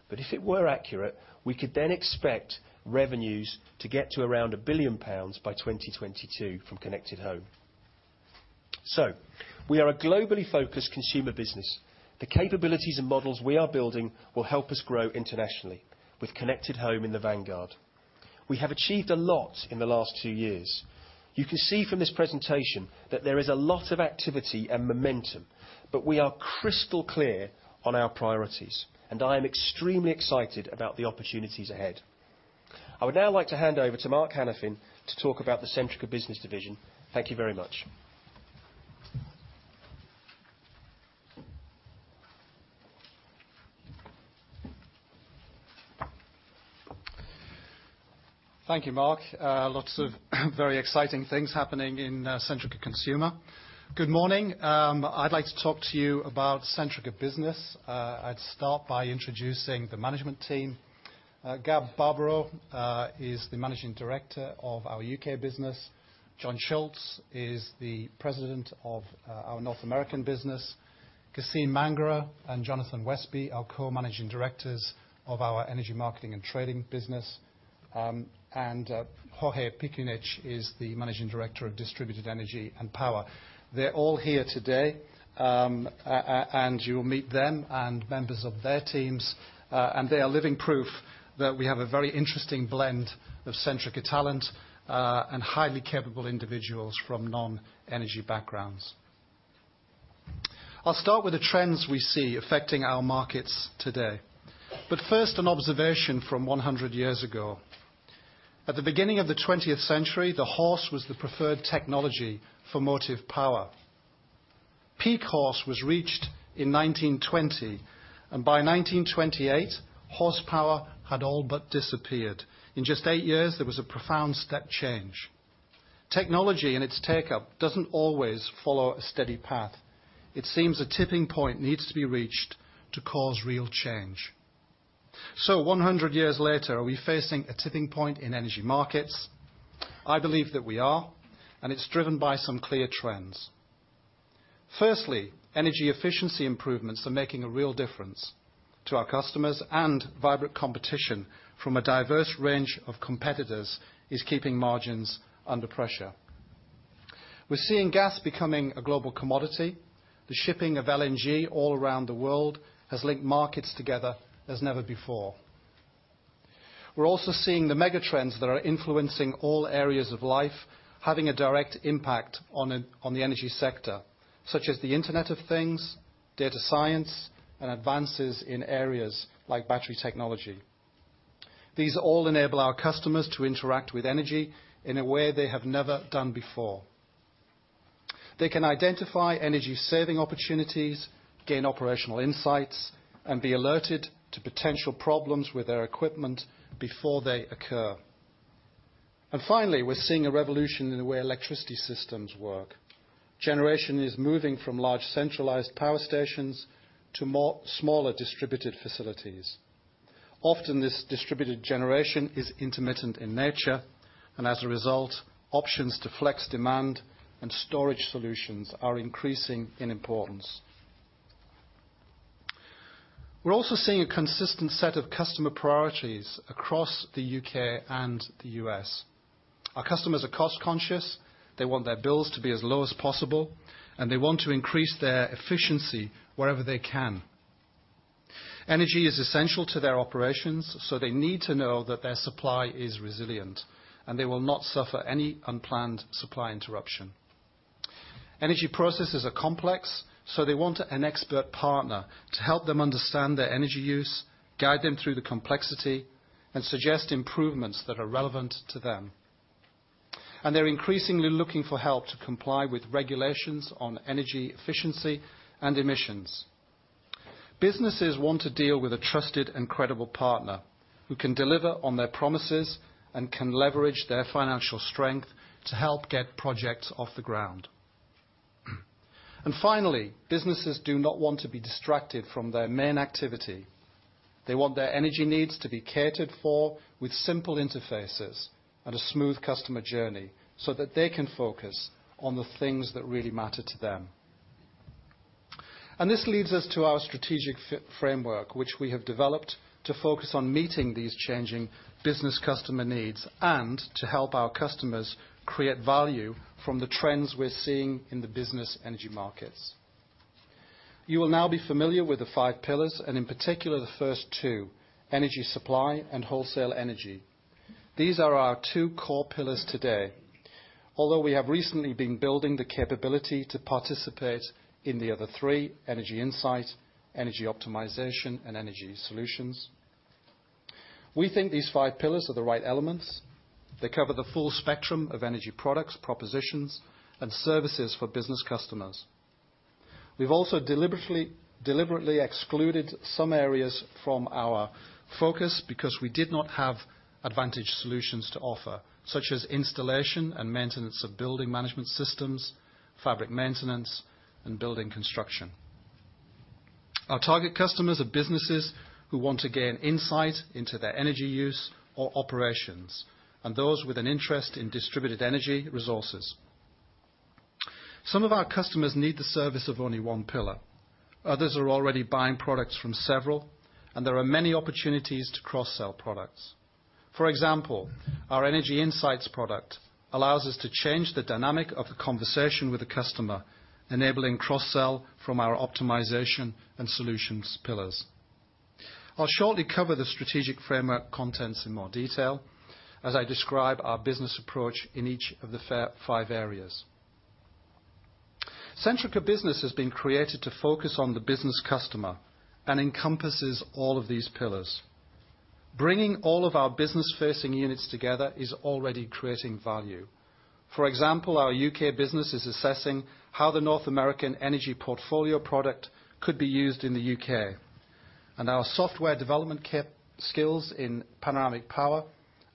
but if it were accurate, we could then expect revenues to get to around 1 billion pounds by 2022 from Connected Home. We are a globally focused consumer business. The capabilities and models we are building will help us grow internationally with Connected Home in the vanguard. We have achieved a lot in the last two years. You can see from this presentation that there is a lot of activity and momentum, but we are crystal clear on our priorities, and I am extremely excited about the opportunities ahead. I would now like to hand over to Mark Hanafin to talk about the Centrica Business division. Thank you very much. Thank you, Mark. Lots of very exciting things happening in Centrica Consumer. Good morning. I'd like to talk to you about Centrica Business. I'd start by introducing the management team. Gab Barbaro is the Managing Director of our U.K. business. John Schultz is the President of our North America Business. Cassim Mangerah and Jonathan Westby, our Co-Managing Directors of our Energy Marketing & Trading business. Jorge Pikunic is the Managing Director of Distributed Energy & Power. They're all here today, and you'll meet them and members of their teams. They are living proof that we have a very interesting blend of Centrica talent, and highly capable individuals from non-energy backgrounds. I'll start with the trends we see affecting our markets today. But first, an observation from 100 years ago. At the beginning of the 20th century, the horse was the preferred technology for motive power. Peak horse was reached in 1920, and by 1928, horsepower had all but disappeared. In just 8 years, there was a profound step change. Technology and its take-up doesn't always follow a steady path. It seems a tipping point needs to be reached to cause real change. 100 years later, are we facing a tipping point in energy markets? I believe that we are, and it's driven by some clear trends. Firstly, energy efficiency improvements are making a real difference to our customers, and vibrant competition from a diverse range of competitors is keeping margins under pressure. We're seeing gas becoming a global commodity. The shipping of LNG all around the world has linked markets together as never before. We're also seeing the mega trends that are influencing all areas of life, having a direct impact on the energy sector, such as the Internet of Things, data science, and advances in areas like battery technology. These all enable our customers to interact with energy in a way they have never done before. They can identify energy-saving opportunities, gain operational insights, and be alerted to potential problems with their equipment before they occur. Finally, we're seeing a revolution in the way electricity systems work. Generation is moving from large centralized power stations to smaller distributed facilities. Often, this distributed generation is intermittent in nature, and as a result, options to flex demand and storage solutions are increasing in importance. We're also seeing a consistent set of customer priorities across the U.K. and the U.S. Our customers are cost conscious. They want their bills to be as low as possible, they want to increase their efficiency wherever they can. Energy is essential to their operations, so they need to know that their supply is resilient, they will not suffer any unplanned supply interruption. Energy processes are complex, so they want an expert partner to help them understand their energy use, guide them through the complexity, and suggest improvements that are relevant to them. They're increasingly looking for help to comply with regulations on energy efficiency and emissions. Businesses want to deal with a trusted and credible partner, who can deliver on their promises and can leverage their financial strength to help get projects off the ground. Finally, businesses do not want to be distracted from their main activity. They want their energy needs to be catered for with simple interfaces and a smooth customer journey, they can focus on the things that really matter to them. This leads us to our strategic framework, which we have developed to focus on meeting these changing business customer needs and to help our customers create value from the trends we're seeing in the business energy markets. You will now be familiar with the five pillars, and in particular, the first two, energy supply and wholesale energy. These are our two core pillars today. We have recently been building the capability to participate in the other three, energy insight, energy optimization, and energy solutions. We think these five pillars are the right elements. They cover the full spectrum of energy products, propositions, and services for business customers. We've also deliberately excluded some areas from our focus because we did not have advantage solutions to offer, such as installation and maintenance of building management systems, fabric maintenance, and building construction. Our target customers are businesses who want to gain insight into their energy use or operations, those with an interest in distributed energy resources. Some of our customers need the service of only one pillar. Others are already buying products from several, there are many opportunities to cross-sell products. For example, our energy insights product allows us to change the dynamic of the conversation with the customer, enabling cross-sell from our optimization and solutions pillars. I'll shortly cover the strategic framework contents in more detail as I describe our business approach in each of the five areas. Centrica Business has been created to focus on the business customer and encompasses all of these pillars. Bringing all of our business-facing units together is already creating value. For example, our U.K. business is assessing how the North American energy portfolio product could be used in the U.K., our software development skills in Panoramic Power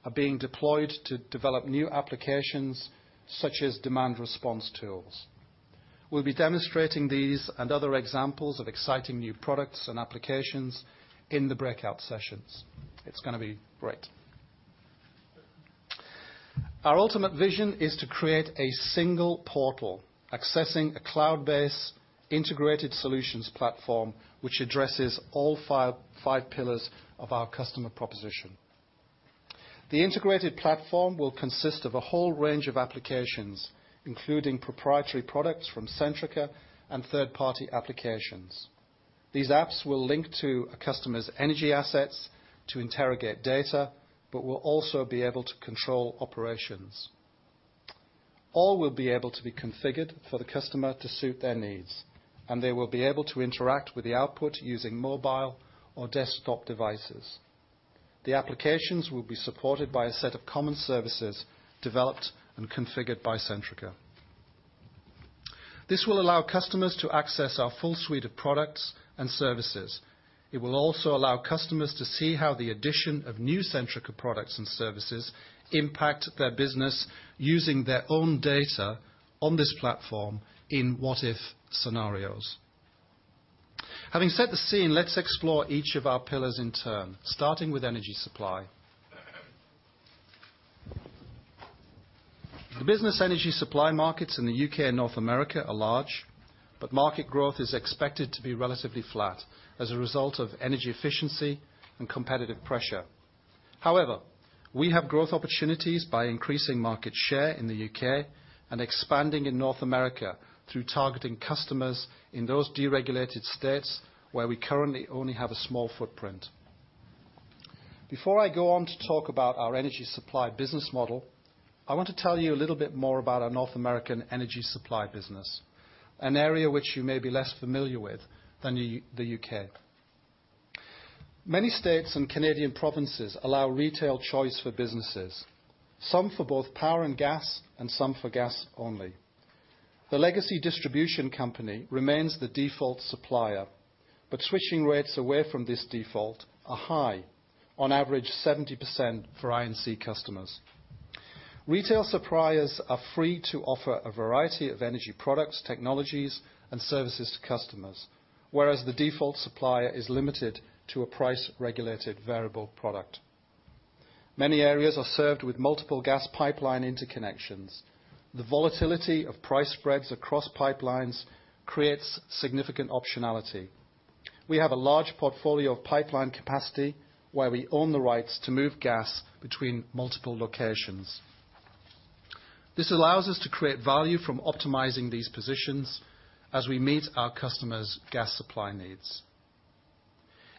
are being deployed to develop new applications such as demand response tools. We'll be demonstrating these and other examples of exciting new products and applications in the breakout sessions. It's going to be great. Our ultimate vision is to create a single portal accessing a cloud-based integrated solutions platform, which addresses all five pillars of our customer proposition. The integrated platform will consist of a whole range of applications, including proprietary products from Centrica and third-party applications. These apps will link to a customer's energy assets to interrogate data, will also be able to control operations. All will be able to be configured for the customer to suit their needs, and they will be able to interact with the output using mobile or desktop devices. The applications will be supported by a set of common services developed and configured by Centrica. This will allow customers to access our full suite of products and services. It will also allow customers to see how the addition of new Centrica products and services impact their business using their own data on this platform in what-if scenarios. Having set the scene, let's explore each of our pillars in turn, starting with energy supply. The business energy supply markets in the U.K. and North America are large. Market growth is expected to be relatively flat as a result of energy efficiency and competitive pressure. We have growth opportunities by increasing market share in the U.K. and expanding in North America through targeting customers in those deregulated states where we currently only have a small footprint. Before I go on to talk about our energy supply business model, I want to tell you a little bit more about our North American energy supply business, an area which you may be less familiar with than the U.K. Many states and Canadian provinces allow retail choice for businesses, some for both power and gas and some for gas only. The legacy distribution company remains the default supplier. Switching rates away from this default are high, on average 70% for I&C customers. Retail suppliers are free to offer a variety of energy products, technologies, and services to customers, whereas the default supplier is limited to a price-regulated variable product. Many areas are served with multiple gas pipeline interconnections. The volatility of price spreads across pipelines creates significant optionality. We have a large portfolio of pipeline capacity where we own the rights to move gas between multiple locations. This allows us to create value from optimizing these positions as we meet our customers' gas supply needs.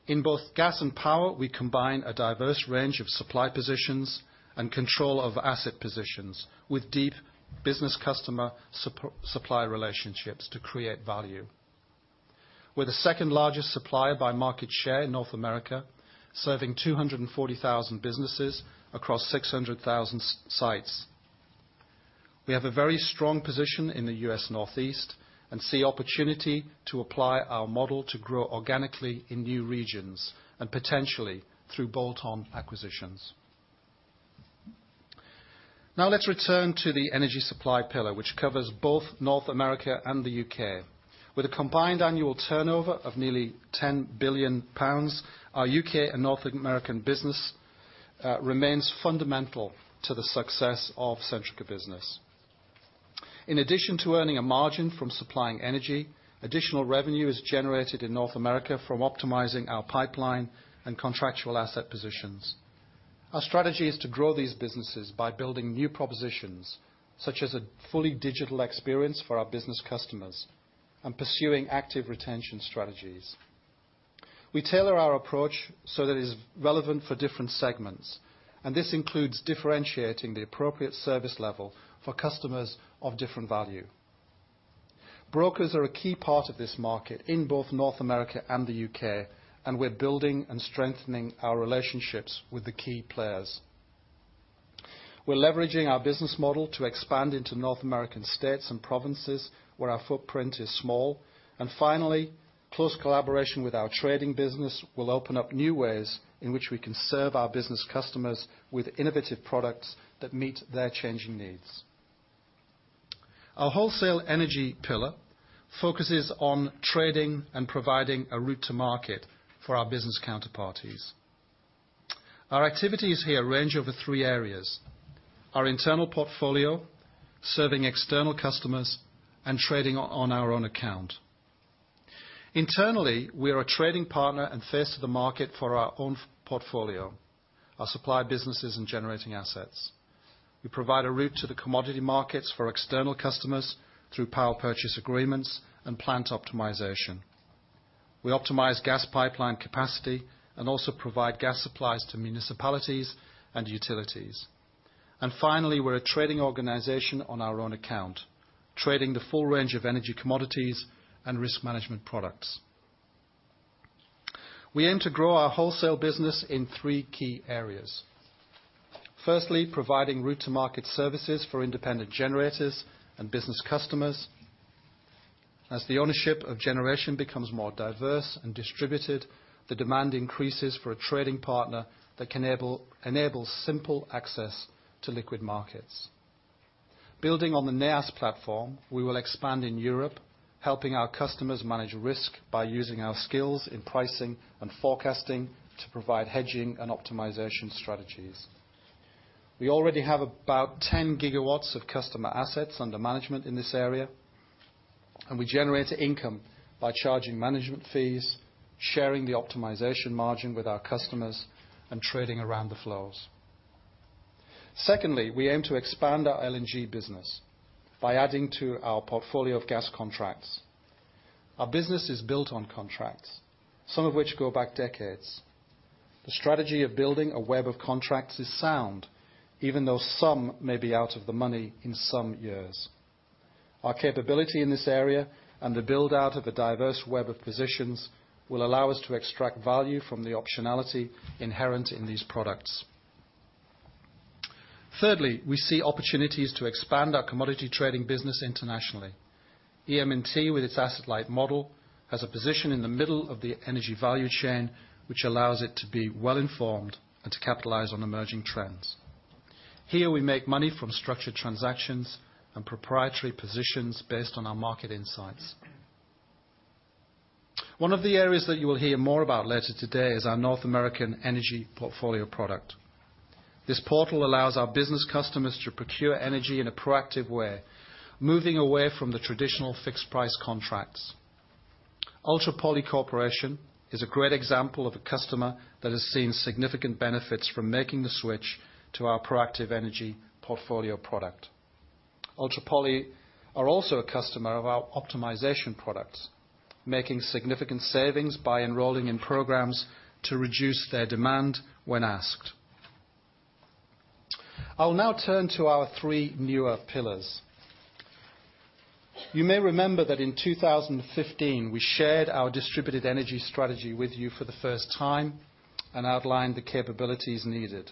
In both gas and power, we combine a diverse range of supply positions and control of asset positions with deep business customer supply relationships to create value. We're the second largest supplier by market share in North America, serving 240,000 businesses across 600,000 sites. We have a very strong position in the U.S. Northeast and see opportunity to apply our model to grow organically in new regions and potentially through bolt-on acquisitions. Let's return to the energy supply pillar, which covers both North America and the U.K. With a combined annual turnover of nearly 10 billion pounds, our U.K. and North American business remains fundamental to the success of Centrica Business. In addition to earning a margin from supplying energy, additional revenue is generated in North America from optimizing our pipeline and contractual asset positions. Our strategy is to grow these businesses by building new propositions, such as a fully digital experience for our business customers and pursuing active retention strategies. We tailor our approach so that it is relevant for different segments. This includes differentiating the appropriate service level for customers of different value. Brokers are a key part of this market in both North America and the U.K. We're building and strengthening our relationships with the key players. We're leveraging our business model to expand into North American states and provinces where our footprint is small. Finally, close collaboration with our trading business will open up new ways in which we can serve our business customers with innovative products that meet their changing needs. Our wholesale energy pillar focuses on trading and providing a route to market for our business counterparties. Our activities here range over three areas, our internal portfolio, serving external customers, and trading on our own account. Internally, we are a trading partner and face the market for our own portfolio, our supply businesses and generating assets. We provide a route to the commodity markets for external customers through power purchase agreements and plant optimization. We optimize gas pipeline capacity and also provide gas supplies to municipalities and utilities. Finally, we're a trading organization on our own account, trading the full range of energy commodities and risk management products. We aim to grow our wholesale business in three key areas. Firstly, providing route to market services for independent generators and business customers. As the ownership of generation becomes more diverse and distributed, the demand increases for a trading partner that can enable simple access to liquid markets. Building on the Neas platform, we will expand in Europe, helping our customers manage risk by using our skills in pricing and forecasting to provide hedging and optimization strategies. We already have about 10 gigawatts of customer assets under management in this area, and we generate income by charging management fees, sharing the optimization margin with our customers, and trading around the flows. Secondly, we aim to expand our LNG business by adding to our portfolio of gas contracts. Our business is built on contracts, some of which go back decades. The strategy of building a web of contracts is sound, even though some may be out of the money in some years. Our capability in this area and the build-out of a diverse web of positions will allow us to extract value from the optionality inherent in these products. Thirdly, we see opportunities to expand our commodity trading business internationally. EM&T, with its asset-light model, has a position in the middle of the energy value chain, which allows it to be well-informed and to capitalize on emerging trends. Here we make money from structured transactions and proprietary positions based on our market insights. One of the areas that you will hear more about later today is our North American energy portfolio product. This portal allows our business customers to procure energy in a proactive way, moving away from the traditional fixed-price contracts. Ultra-Poly Corporation is a great example of a customer that has seen significant benefits from making the switch to our proactive energy portfolio product. Ultra-Poly are also a customer of our optimization products, making significant savings by enrolling in programs to reduce their demand when asked. I will now turn to our three newer pillars. You may remember that in 2015, we shared our distributed energy strategy with you for the first time and outlined the capabilities needed.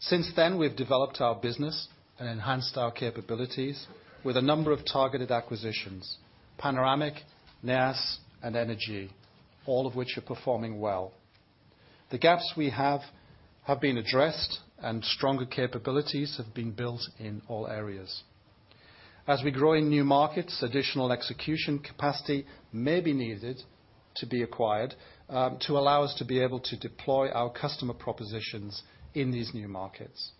Since then, we've developed our business and enhanced our capabilities with a number of targeted acquisitions, Panoramic Power, Neas, and ENER-G, all of which are performing well. The gaps we have have been addressed and stronger capabilities have been built in all areas. As we grow in new markets, additional execution capacity may be needed to be acquired to allow us to be able to deploy our customer propositions in these new markets.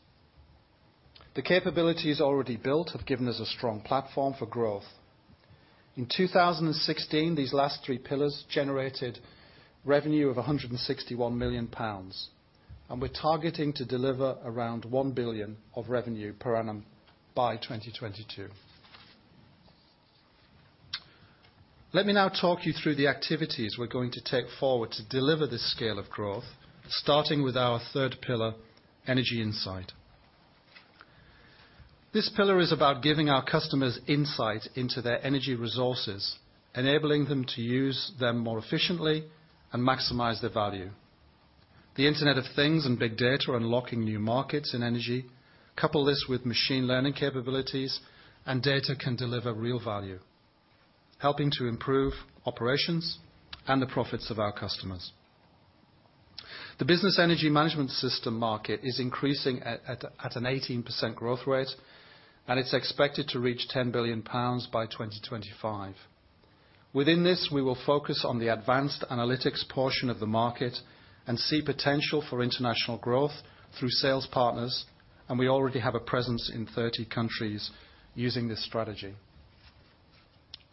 The capabilities already built have given us a strong platform for growth. In 2016, these last three pillars generated revenue of 161 million pounds, we're targeting to deliver around 1 billion of revenue per annum by 2022. Let me now talk you through the activities we're going to take forward to deliver this scale of growth, starting with our third pillar, energy insight. This pillar is about giving our customers insight into their energy resources, enabling them to use them more efficiently and maximize their value. The Internet of Things and big data are unlocking new markets in energy. Couple this with machine learning capabilities, data can deliver real value, helping to improve operations and the profits of our customers. The business energy management system market is increasing at an 18% growth rate, it's expected to reach 10 billion pounds by 2025. Within this, we will focus on the advanced analytics portion of the market and see potential for international growth through sales partners, we already have a presence in 30 countries using this strategy.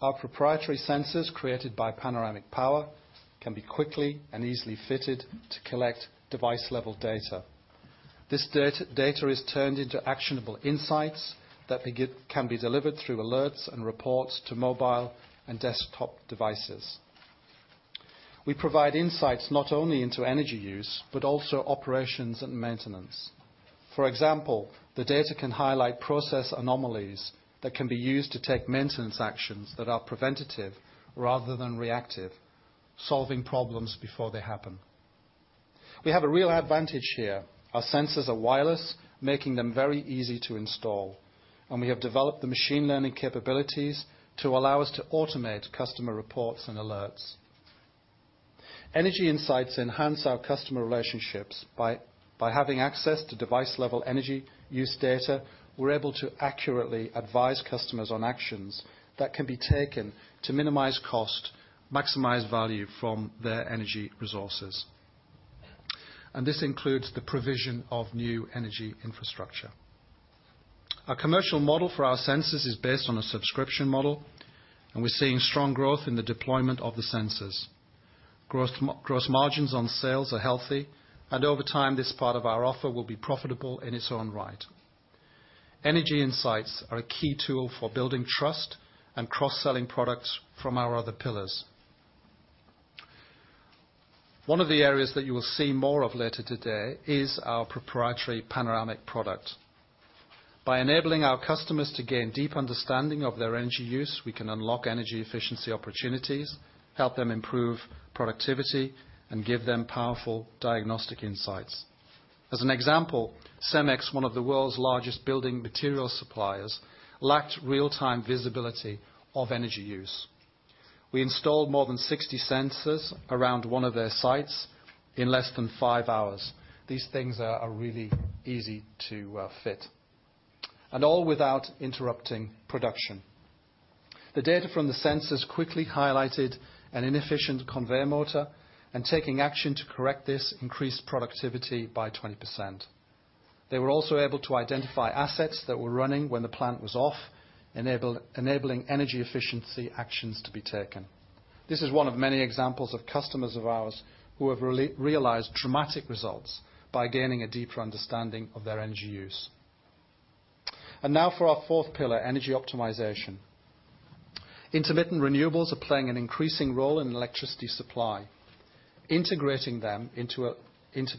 Our proprietary sensors, created by Panoramic Power, can be quickly and easily fitted to collect device-level data. This data is turned into actionable insights that can be delivered through alerts and reports to mobile and desktop devices. We provide insights not only into energy use, but also operations and maintenance. For example, the data can highlight process anomalies that can be used to take maintenance actions that are preventative rather than reactive, solving problems before they happen. We have a real advantage here. Our sensors are wireless, making them very easy to install, we have developed the machine learning capabilities to allow us to automate customer reports and alerts. Energy insights enhance our customer relationships. By having access to device-level energy use data, we're able to accurately advise customers on actions that can be taken to minimize cost, maximize value from their energy resources. This includes the provision of new energy infrastructure. Our commercial model for our sensors is based on a subscription model, we're seeing strong growth in the deployment of the sensors. Gross margins on sales are healthy, over time, this part of our offer will be profitable in its own right. Energy insights are a key tool for building trust and cross-selling products from our other pillars. One of the areas that you will see more of later today is our proprietary Panoramic product. By enabling our customers to gain deep understanding of their energy use, we can unlock energy efficiency opportunities, help them improve productivity, and give them powerful diagnostic insights. As an example, Cemex, one of the world's largest building material suppliers, lacked real-time visibility of energy use. We installed more than 60 sensors around one of their sites in less than five hours. These things are really easy to fit, all without interrupting production. The data from the sensors quickly highlighted an inefficient conveyor motor, taking action to correct this increased productivity by 20%. They were also able to identify assets that were running when the plant was off, enabling energy efficiency actions to be taken. This is one of many examples of customers of ours who have realized dramatic results by gaining a deeper understanding of their energy use. Now for our fourth pillar, energy optimization. Intermittent renewables are playing an increasing role in electricity supply. Integrating them into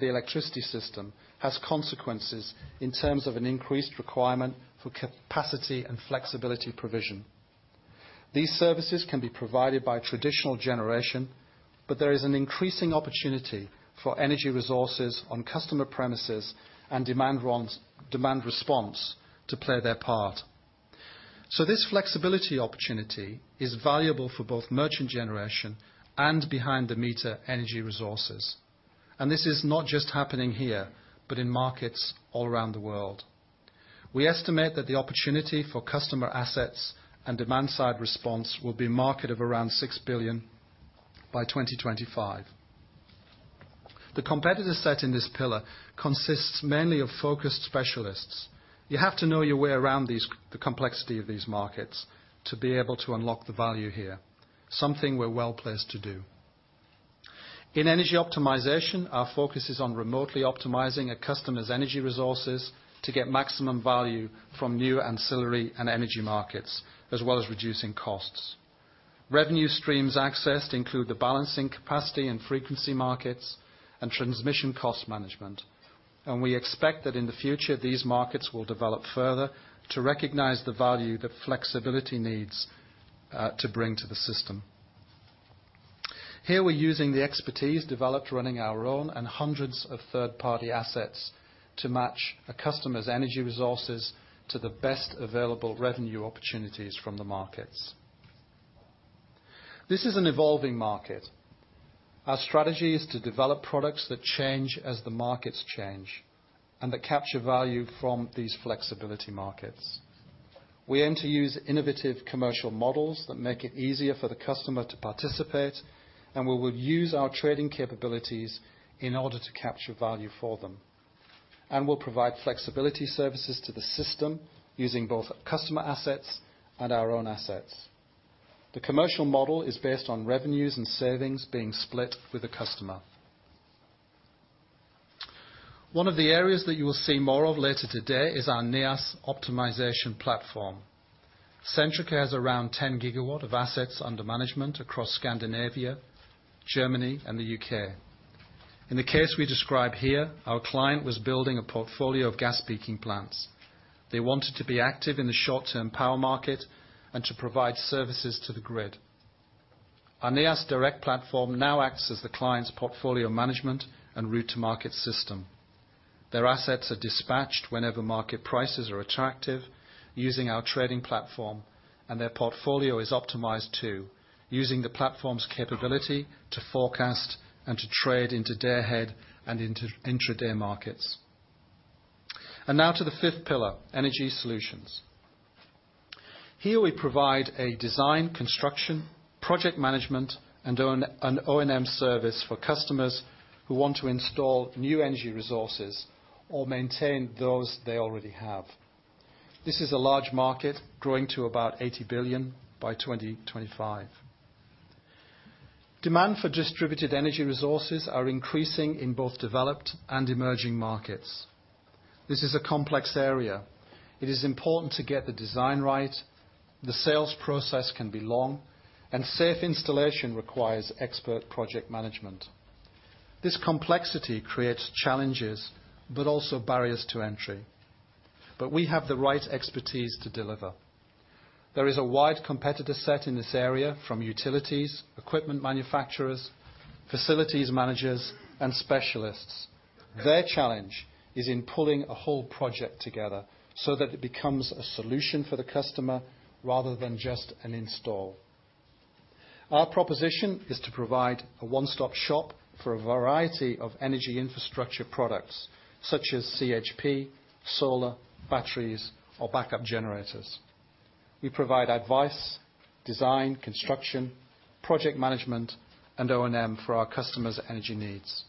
the electricity system has consequences in terms of an increased requirement for capacity and flexibility provision. These services can be provided by traditional generation, but there is an increasing opportunity for energy resources on customer premises and demand response to play their part. This flexibility opportunity is valuable for both merchant generation and behind-the-meter energy resources. This is not just happening here, but in markets all around the world. We estimate that the opportunity for customer assets and demand-side response will be a market of around 6 billion by 2025. The competitor set in this pillar consists mainly of focused specialists. You have to know your way around the complexity of these markets to be able to unlock the value here, something we are well-placed to do. In energy optimization, our focus is on remotely optimizing a customer's energy resources to get maximum value from new ancillary and energy markets, as well as reducing costs. Revenue streams accessed include the balancing capacity and frequency markets and transmission cost management. We expect that in the future, these markets will develop further to recognize the value that flexibility needs to bring to the system. Here we are using the expertise developed running our own and hundreds of third-party assets to match a customer's energy resources to the best available revenue opportunities from the markets. This is an evolving market. Our strategy is to develop products that change as the markets change and that capture value from these flexibility markets. We aim to use innovative commercial models that make it easier for the customer to participate, and we will use our trading capabilities in order to capture value for them. We will provide flexibility services to the system using both customer assets and our own assets. The commercial model is based on revenues and savings being split with the customer. One of the areas that you will see more of later today is our Neas optimization platform. Centrica has around 10 GW of assets under management across Scandinavia, Germany and the U.K. In the case we describe here, our client was building a portfolio of gas peaking plants. They wanted to be active in the short-term power market and to provide services to the grid. Our Neas direct platform now acts as the client's portfolio management and route to market system. Their assets are dispatched whenever market prices are attractive, using our trading platform, and their portfolio is optimized too, using the platform's capability to forecast and to trade into day ahead and into intraday markets. Now to the fifth pillar, energy solutions. Here we provide a design, construction, project management, and O&M service for customers who want to install new energy resources or maintain those they already have. This is a large market, growing to about 80 billion by 2025. Demand for distributed energy resources are increasing in both developed and emerging markets. This is a complex area. It is important to get the design right. The sales process can be long, and safe installation requires expert project management. This complexity creates challenges, but also barriers to entry. But we have the right expertise to deliver. There is a wide competitor set in this area from utilities, equipment manufacturers, facilities managers, and specialists. Their challenge is in pulling a whole project together so that it becomes a solution for the customer rather than just an install. Our proposition is to provide a one-stop shop for a variety of energy infrastructure products, such as CHP, solar, batteries, or backup generators. We provide advice, design, construction, project management and O&M for our customers' energy needs.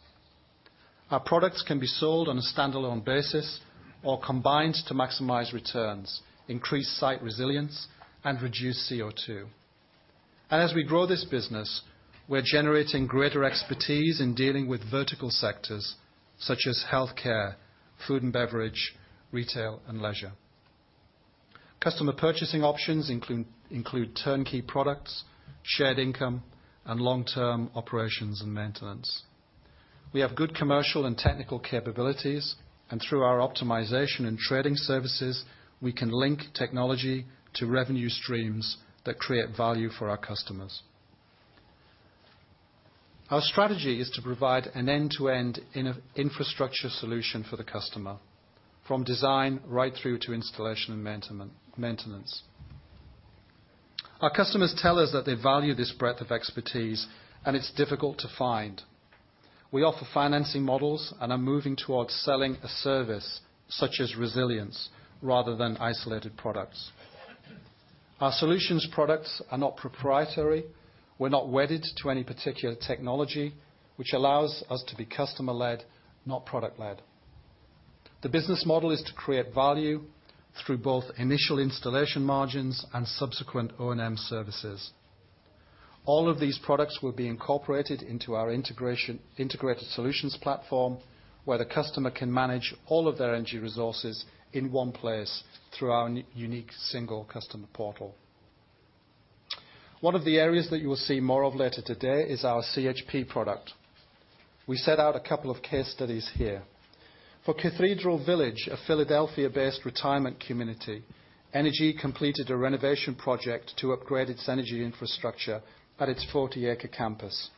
Our products can be sold on a standalone basis or combined to maximize returns, increase site resilience, and reduce CO2. As we grow this business, we're generating greater expertise in dealing with vertical sectors such as healthcare, food and beverage, retail, and leisure. Customer purchasing options include turnkey products, shared income, and long-term operations and maintenance. We have good commercial and technical capabilities, and through our optimization and trading services, we can link technology to revenue streams that create value for our customers. Our strategy is to provide an end-to-end infrastructure solution for the customer, from design right through to installation and maintenance. Our customers tell us that they value this breadth of expertise, and it's difficult to find. We offer financing models and are moving towards selling a service such as resilience rather than isolated products. Our solutions products are not proprietary. We're not wedded to any particular technology, which allows us to be customer-led, not product-led. The business model is to create value through both initial installation margins and subsequent O&M services. All of these products will be incorporated into our integrated solutions platform, where the customer can manage all of their energy resources in one place through our unique single customer portal. One of the areas that you will see more of later today is our CHP product. We set out a couple of case studies here. For Cathedral Village, a Philadelphia-based retirement community, ENER-G completed a renovation project to upgrade its energy infrastructure at its 40-acre campus.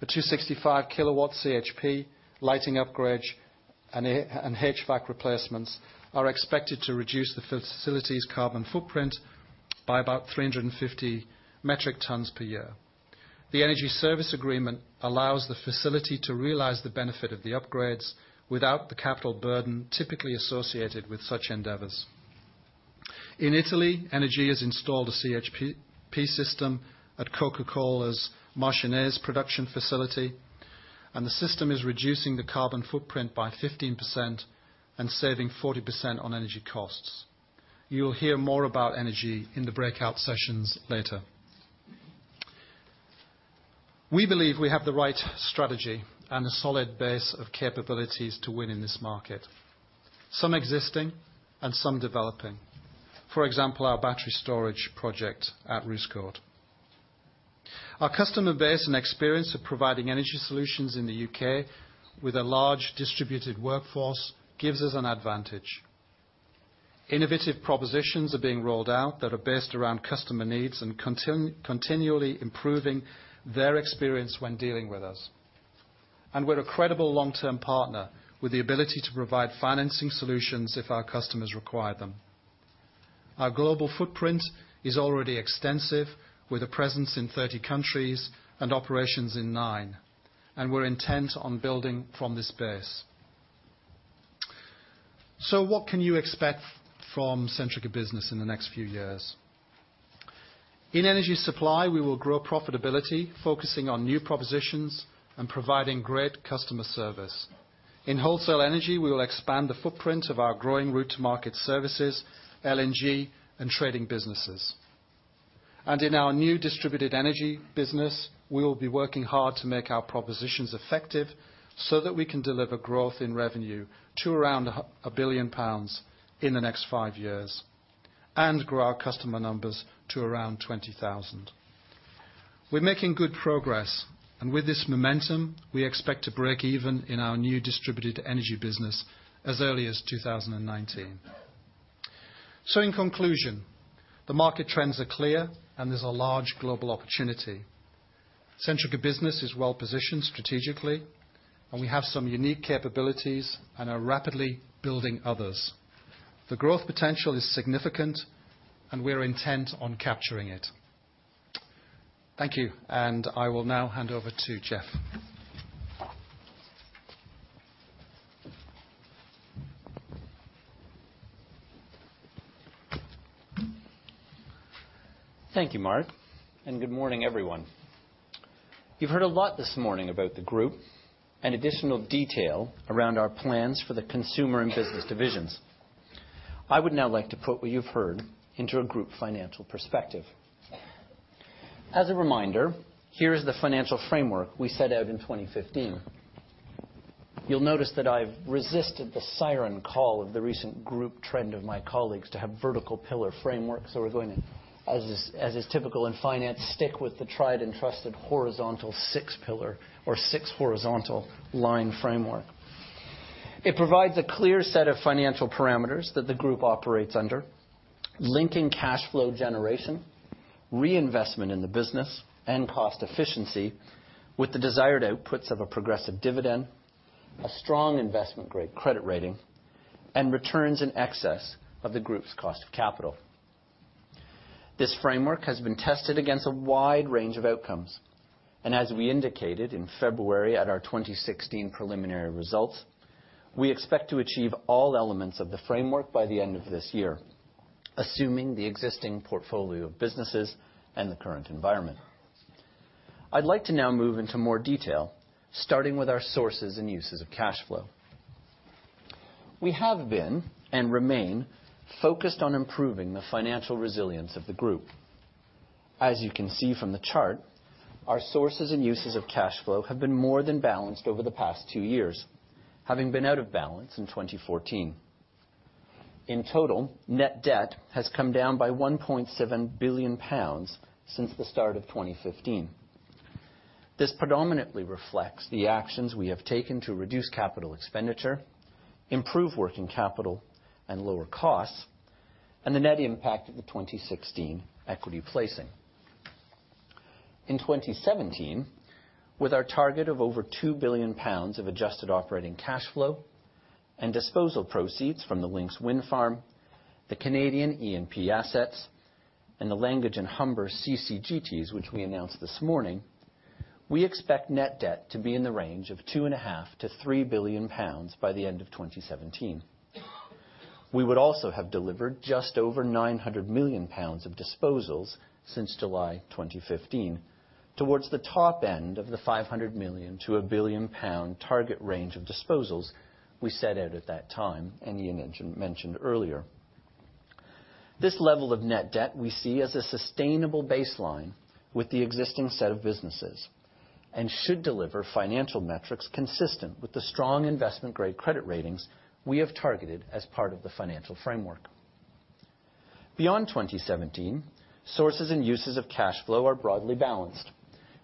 The 265 kW CHP lighting upgrade and HVAC replacements are expected to reduce the facility's carbon footprint by about 350 metric tons per year. The energy service agreement allows the facility to realize the benefit of the upgrades without the capital burden typically associated with such endeavors. In Italy, ENER-G has installed a CHP system at The Coca-Cola Company's Marcianise production facility, and the system is reducing the carbon footprint by 15% and saving 40% on energy costs. You will hear more about ENER-G in the breakout sessions later. We believe we have the right strategy and a solid base of capabilities to win in this market, some existing and some developing. For example, our battery storage project at Roosecote. Our customer base and experience of providing energy solutions in the U.K. with a large distributed workforce gives us an advantage. Innovative propositions are being rolled out that are based around customer needs and continually improving their experience when dealing with us. We're a credible long-term partner with the ability to provide financing solutions if our customers require them. Our global footprint is already extensive, with a presence in 30 countries and operations in nine, and we're intent on building from this base. What can you expect from Centrica Business in the next few years? In energy supply, we will grow profitability, focusing on new propositions and providing great customer service. In wholesale energy, we will expand the footprint of our growing route to market services, LNG, and trading businesses. In our new Distributed Energy business, we will be working hard to make our propositions effective so that we can deliver growth in revenue to around 1 billion pounds in the next 5 years, and grow our customer numbers to around 20,000. We're making good progress, and with this momentum, we expect to break even in our new Distributed Energy business as early as 2019. In conclusion, the market trends are clear and there's a large global opportunity. Centrica Business is well-positioned strategically, and we have some unique capabilities and are rapidly building others. The growth potential is significant, and we're intent on capturing it. Thank you. I will now hand over to Jeff. Thank you, Mark. Good morning, everyone. You've heard a lot this morning about the group and additional detail around our plans for the consumer and business divisions. I would now like to put what you've heard into a group financial perspective. As a reminder, here is the financial framework we set out in 2015. You'll notice that I've resisted the siren call of the recent group trend of my colleagues to have vertical pillar frameworks. We're going to, as is typical in finance, stick with the tried and trusted horizontal 6-pillar or 6-horizontal line framework. It provides a clear set of financial parameters that the group operates under, linking cash flow generation, reinvestment in the business, and cost efficiency with the desired outputs of a progressive dividend, a strong investment-grade credit rating, and returns in excess of the group's cost of capital. This framework has been tested against a wide range of outcomes, and as we indicated in February at our 2016 preliminary results, we expect to achieve all elements of the framework by the end of this year, assuming the existing portfolio of businesses and the current environment. I'd like to now move into more detail, starting with our sources and uses of cash flow. We have been and remain focused on improving the financial resilience of the group. As you can see from the chart, our sources and uses of cash flow have been more than balanced over the past 2 years, having been out of balance in 2014. In total, net debt has come down by 1.7 billion pounds since the start of 2015. This predominantly reflects the actions we have taken to reduce capital expenditure, improve working capital, and lower costs, and the net impact of the 2016 equity placing. In 2017, with our target of over 2 billion pounds of adjusted operating cash flow and disposal proceeds from the Lincs Wind Farm, the Canadian E&P assets, and the Langage and Humber CCGTs, which we announced this morning, we expect net debt to be in the range of 2.5 billion-3 billion pounds by the end of 2017. We would also have delivered just over 900 million pounds of disposals since July 2015, towards the top end of the 500 million-1 billion pound target range of disposals we set out at that time, and Iain mentioned earlier. This level of net debt we see as a sustainable baseline with the existing set of businesses and should deliver financial metrics consistent with the strong investment-grade credit ratings we have targeted as part of the financial framework. Beyond 2017, sources and uses of cash flow are broadly balanced,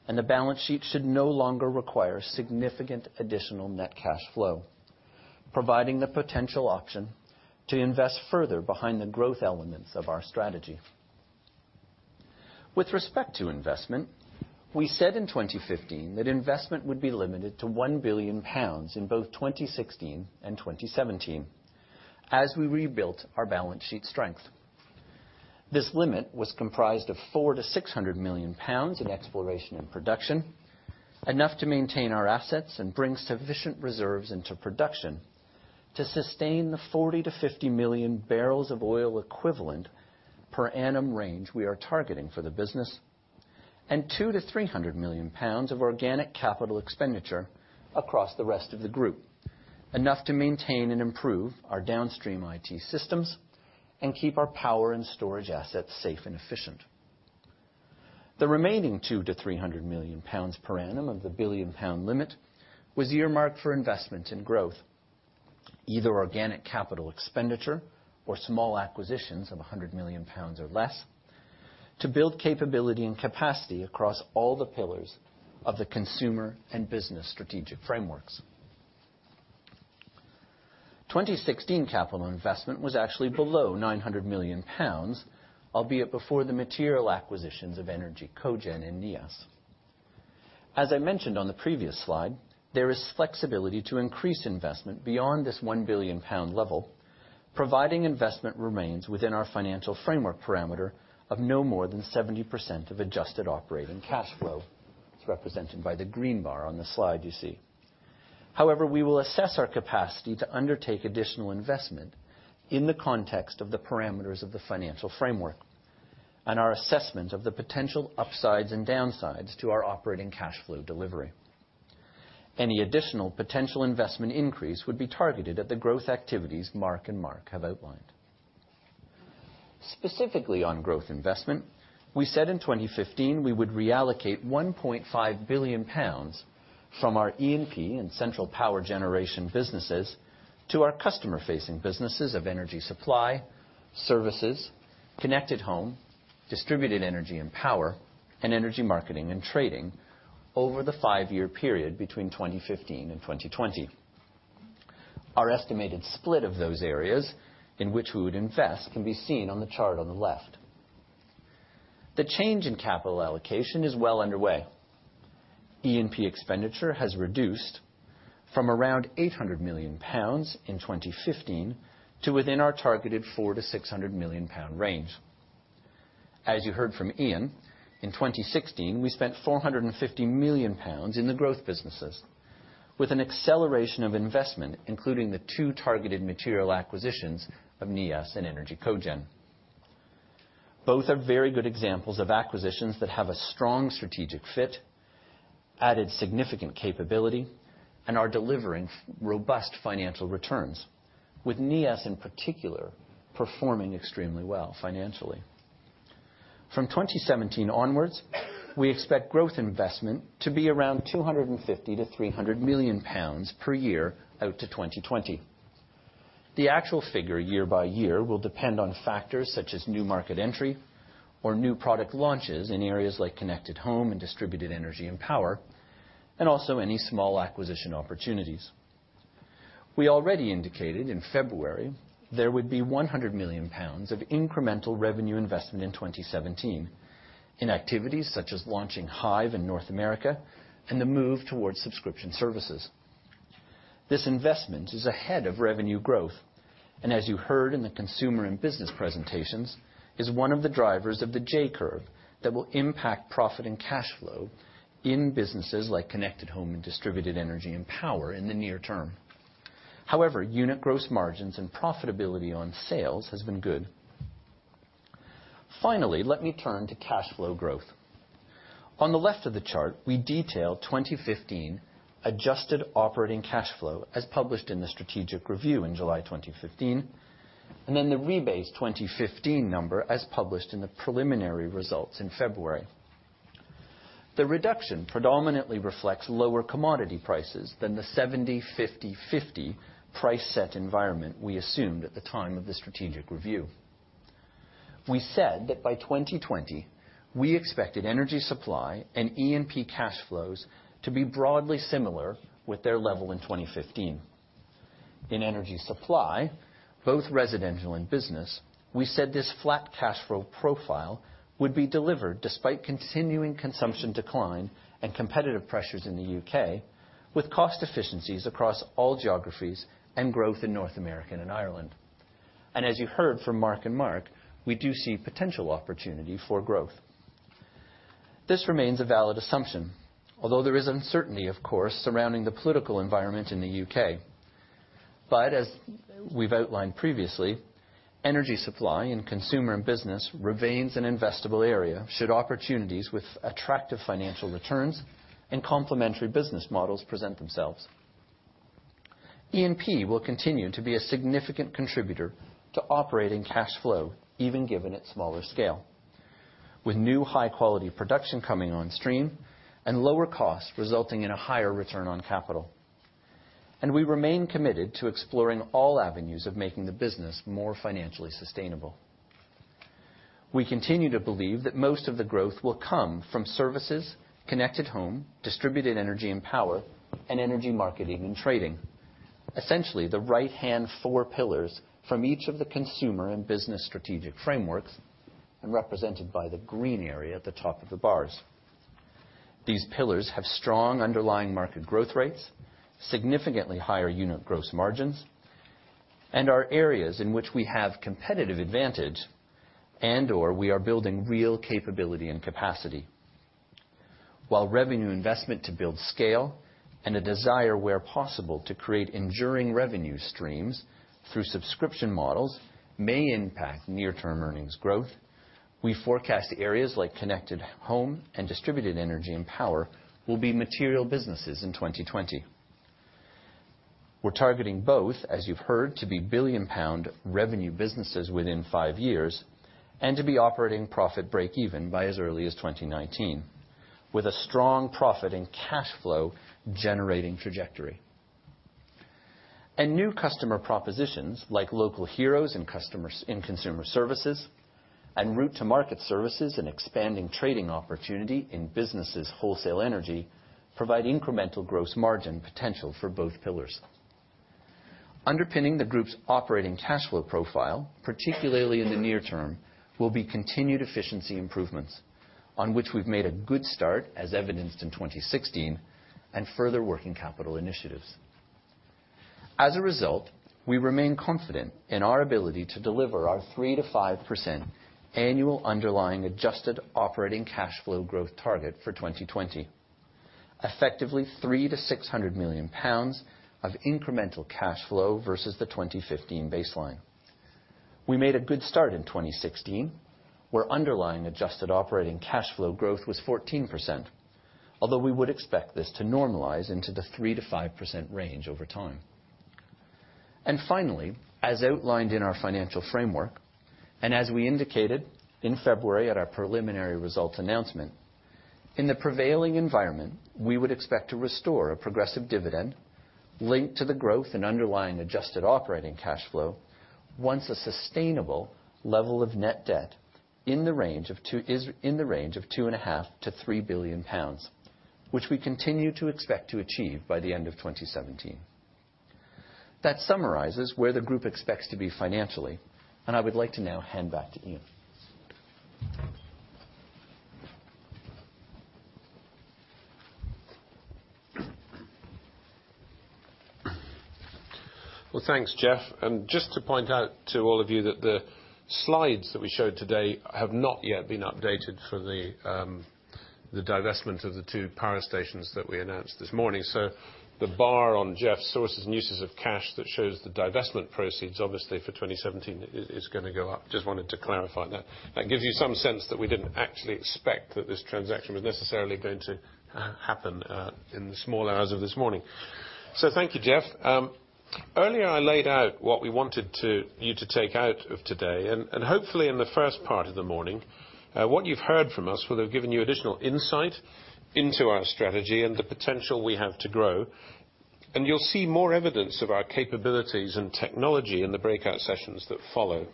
and the balance sheet should no longer require significant additional net cash flow, providing the potential option to invest further behind the growth elements of our strategy. With respect to investment, we said in 2015 that investment would be limited to 1 billion pounds in both 2016 and 2017 as we rebuilt our balance sheet strength. This limit was comprised of 400 million-600 million pounds in exploration and production, enough to maintain our assets and bring sufficient reserves into production to sustain the 40 million-50 million barrels of oil equivalent per annum range we are targeting for the business, and 200 million-300 million pounds of organic capital expenditure across the rest of the group, enough to maintain and improve our downstream IT systems and keep our power and storage assets safe and efficient. The remaining 200 million-300 million pounds per annum of the 1 billion pound limit was earmarked for investment and growth, either organic capital expenditure or small acquisitions of 100 million pounds or less, to build capability and capacity across all the pillars of the consumer and business strategic frameworks. 2016 capital investment was actually below 900 million pounds, albeit before the material acquisitions of ENER-G Cogen and Neas. As I mentioned on the previous slide, there is flexibility to increase investment beyond this 1 billion pound level, providing investment remains within our financial framework parameter of no more than 70% of adjusted operating cash flow. It's represented by the green bar on the slide you see. However, we will assess our capacity to undertake additional investment in the context of the parameters of the financial framework, and our assessment of the potential upsides and downsides to our operating cash flow delivery. Any additional potential investment increase would be targeted at the growth activities Mark and Mark have outlined. Specifically on growth investment, we said in 2015 we would reallocate 1.5 billion pounds from our E&P and central power generation businesses to our customer-facing businesses of energy supply, services, Connected Home, Distributed Energy & Power, and Energy Marketing & Trading over the five-year period between 2015 and 2020. Our estimated split of those areas in which we would invest can be seen on the chart on the left. The change in capital allocation is well underway. E&P expenditure has reduced from around 800 million pounds in 2015 to within our targeted 400 million-600 million pound range. As you heard from Iain, in 2016, we spent 450 million pounds in the growth businesses with an acceleration of investment, including the two targeted material acquisitions of Neas and ENER-G Cogen. Both are very good examples of acquisitions that have a strong strategic fit, added significant capability, and are delivering robust financial returns, with Neas in particular performing extremely well financially. From 2017 onwards, we expect growth investment to be around 250 million-300 million pounds per year out to 2020. The actual figure year by year will depend on factors such as new market entry or new product launches in areas like Connected Home and Distributed Energy & Power, and also any small acquisition opportunities. We already indicated in February there would be 100 million pounds of incremental revenue investment in 2017 in activities such as launching Hive in North America and the move towards subscription services. This investment is ahead of revenue growth, and as you heard in the consumer and business presentations, is one of the drivers of the J-curve that will impact profit and cash flow in businesses like Connected Home and Distributed Energy & Power in the near term. However, unit gross margins and profitability on sales has been good. Finally, let me turn to cash flow growth. On the left of the chart, we detail 2015 adjusted operating cash flow as published in the strategic review in July 2015, and then the rebased 2015 number as published in the preliminary results in February. The reduction predominantly reflects lower commodity prices than the 70/50/50 price set environment we assumed at the time of the strategic review. We said that by 2020, we expected energy supply and E&P cash flows to be broadly similar with their level in 2015. In energy supply, both residential and business, we said this flat cash flow profile would be delivered despite continuing consumption decline and competitive pressures in the U.K., with cost efficiencies across all geographies and growth in North America and Ireland. As you heard from Mark and Mark, we do see potential opportunity for growth. This remains a valid assumption, although there is uncertainty, of course, surrounding the political environment in the U.K. As we've outlined previously, energy supply in consumer and business remains an investable area, should opportunities with attractive financial returns and complementary business models present themselves. E&P will continue to be a significant contributor to operating cash flow, even given its smaller scale, with new high-quality production coming on stream and lower costs resulting in a higher return on capital. We remain committed to exploring all avenues of making the business more financially sustainable. We continue to believe that most of the growth will come from services, Connected Home, Distributed Energy & Power, and Energy Marketing & Trading. Essentially, the right-hand four pillars from each of the consumer and business strategic frameworks, and represented by the green area at the top of the bars. These pillars have strong underlying market growth rates, significantly higher unit gross margins, and are areas in which we have competitive advantage and/or we are building real capability and capacity. While revenue investment to build scale and a desire, where possible, to create enduring revenue streams through subscription models may impact near-term earnings growth, we forecast areas like Connected Home and Distributed Energy & Power will be material businesses in 2020. We're targeting both, as you've heard, to be billion-GBP revenue businesses within five years and to be operating profit breakeven by as early as 2019, with a strong profit and cash flow generating trajectory. New customer propositions like Local Heroes in consumer services And route to market services and expanding trading opportunity in businesses wholesale energy provide incremental gross margin potential for both pillars. Underpinning the group's operating cash flow profile, particularly in the near term, will be continued efficiency improvements, on which we've made a good start, as evidenced in 2016, and further working capital initiatives. We remain confident in our ability to deliver our 3%-5% annual underlying adjusted operating cash flow growth target for 2020. Effectively 300 million-600 million pounds of incremental cash flow versus the 2015 baseline. We made a good start in 2016, where underlying adjusted operating cash flow growth was 14%. Although we would expect this to normalize into the 3%-5% range over time. Finally, as outlined in our financial framework, and as we indicated in February at our preliminary result announcement, in the prevailing environment, we would expect to restore a progressive dividend linked to the growth in underlying adjusted operating cash flow once a sustainable level of net debt is in the range of 2.5 billion-3 billion pounds, which we continue to expect to achieve by the end of 2017. That summarizes where the group expects to be financially. I would like to now hand back to Iain. Well, thanks, Jeff. Just to point out to all of you that the slides that we showed today have not yet been updated for the divestment of the two power stations that we announced this morning. The bar on Jeff's sources and uses of cash that shows the divestment proceeds obviously for 2017 is going to go up. I just wanted to clarify that. That gives you some sense that we didn't actually expect that this transaction was necessarily going to happen in the small hours of this morning. Thank you, Jeff. Earlier, I laid out what we wanted you to take out of today. Hopefully in the first part of the morning, what you've heard from us would have given you additional insight into our strategy and the potential we have to grow. You'll see more evidence of our capabilities and technology in the breakout sessions that follow.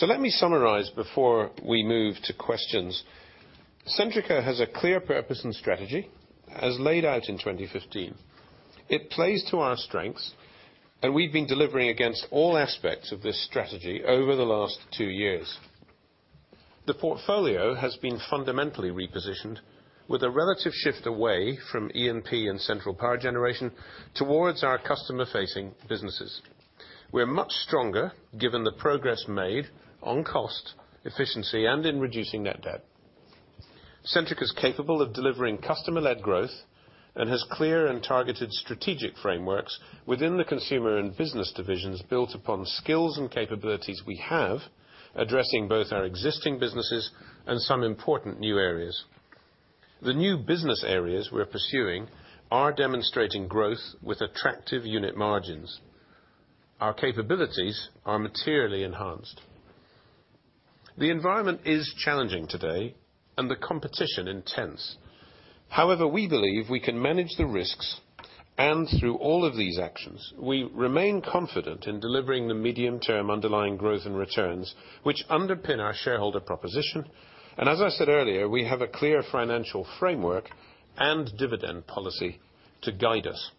Let me summarize before we move to questions. Centrica has a clear purpose and strategy, as laid out in 2015. It plays to our strengths, and we've been delivering against all aspects of this strategy over the last two years. The portfolio has been fundamentally repositioned with a relative shift away from E&P and central power generation towards our customer-facing businesses. We are much stronger given the progress made on cost, efficiency, and in reducing net debt. Centrica is capable of delivering customer-led growth and has clear and targeted strategic frameworks within the Consumer and Business divisions built upon skills and capabilities we have, addressing both our existing businesses and some important new areas. The new business areas we're pursuing are demonstrating growth with attractive unit margins. Our capabilities are materially enhanced. The environment is challenging today, and the competition intense. However, we believe we can manage the risks, and through all of these actions, we remain confident in delivering the medium-term underlying growth and returns which underpin our shareholder proposition. As I said earlier, we have a clear financial framework and dividend policy to guide us.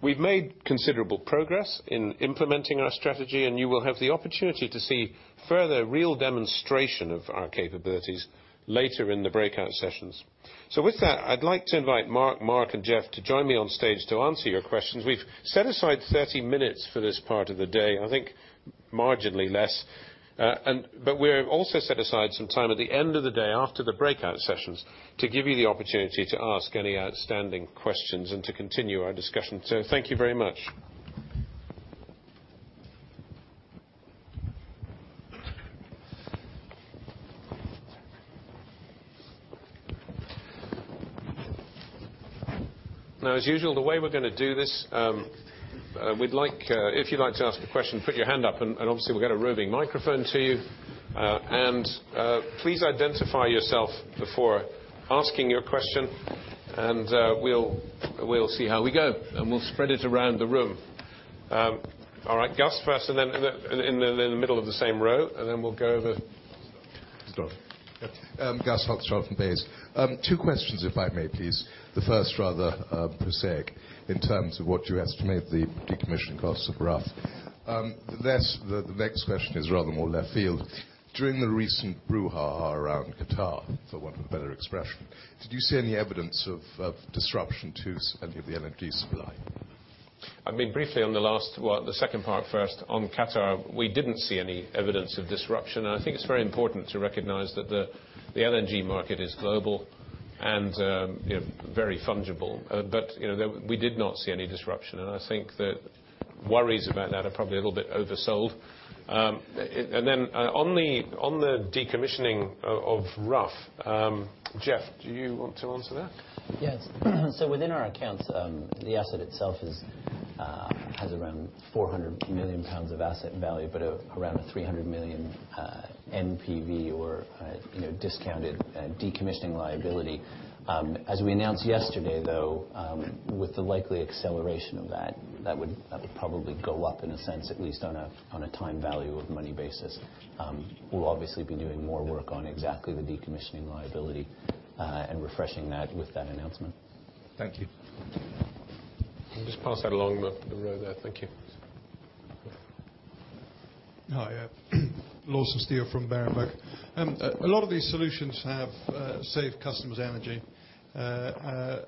We've made considerable progress in implementing our strategy, and you will have the opportunity to see further real demonstration of our capabilities later in the breakout sessions. With that, I'd like to invite Mark, and Jeff to join me on stage to answer your questions. We've set aside 30 minutes for this part of the day. I think marginally less. We've also set aside some time at the end of the day after the breakout sessions to give you the opportunity to ask any outstanding questions and to continue our discussion. Thank you very much. Now, as usual, the way we're going to do this, if you'd like to ask a question, put your hand up and obviously we'll get a roving microphone to you. Please identify yourself before asking your question, and we'll see how we go. We'll spread it around the room. All right, Gus first, and then in the middle of the same row, and then we'll go over Gus. Sorry. Yeah. Gus Hochschild from Barclays. Two questions, if I may, please. The first rather prosaic in terms of what you estimate the decommissioning costs of Rough. The next question is rather more left field. During the recent brouhaha around Qatar, for want of a better expression, did you see any evidence of disruption to any of the LNG supply? I mean, briefly on the second part first. On Qatar, we didn't see any evidence of disruption. I think it's very important to recognize that the LNG market is global and very fungible. We did not see any disruption, and I think that worries about that are probably a little bit oversold. On the decommissioning of Rough, Jeff, do you want to answer that? Yes. Within our accounts, the asset itself has around 400 million pounds of asset value, around a 300 million NPV or Discounted decommissioning liability. As we announced yesterday, though, with the likely acceleration of that would probably go up in a sense, at least on a time value of money basis. We'll obviously be doing more work on exactly the decommissioning liability, and refreshing that with that announcement. Thank you. We'll just pass that along the row there. Thank you. Hi. Lawson Steele from Berenberg. A lot of these solutions have saved customers energy, I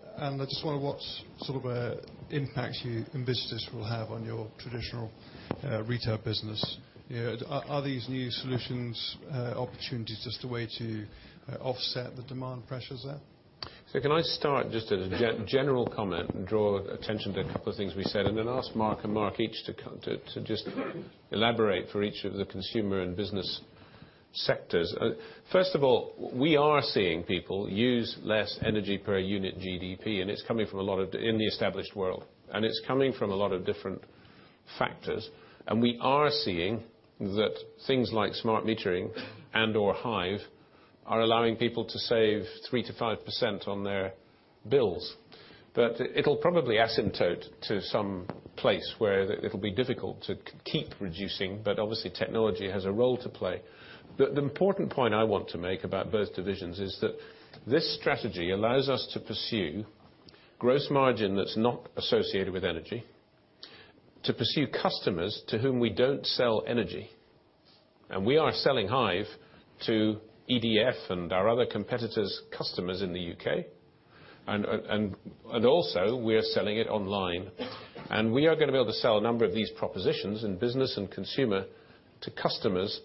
just wonder what sort of impact you envisage this will have on your traditional retail business. Are these new solutions opportunities just a way to offset the demand pressures there? Can I start just as a general comment draw attention to a couple of things we said, then ask Mark and Mark each to just elaborate for each of the consumer and business sectors. First of all, we are seeing people use less energy per unit GDP. It's coming from a lot of different factors. We are seeing that things like smart metering and/or Hive are allowing people to save 3% to 5% on their bills. It'll probably asymptote to some place where it'll be difficult to keep reducing. Obviously, technology has a role to play. The important point I want to make about both divisions is that this strategy allows us to pursue gross margin that's not associated with energy, to pursue customers to whom we don't sell energy. We are selling Hive to EDF and our other competitors' customers in the U.K. Also, we are selling it online. We are going to be able to sell a number of these propositions in business and consumer to customers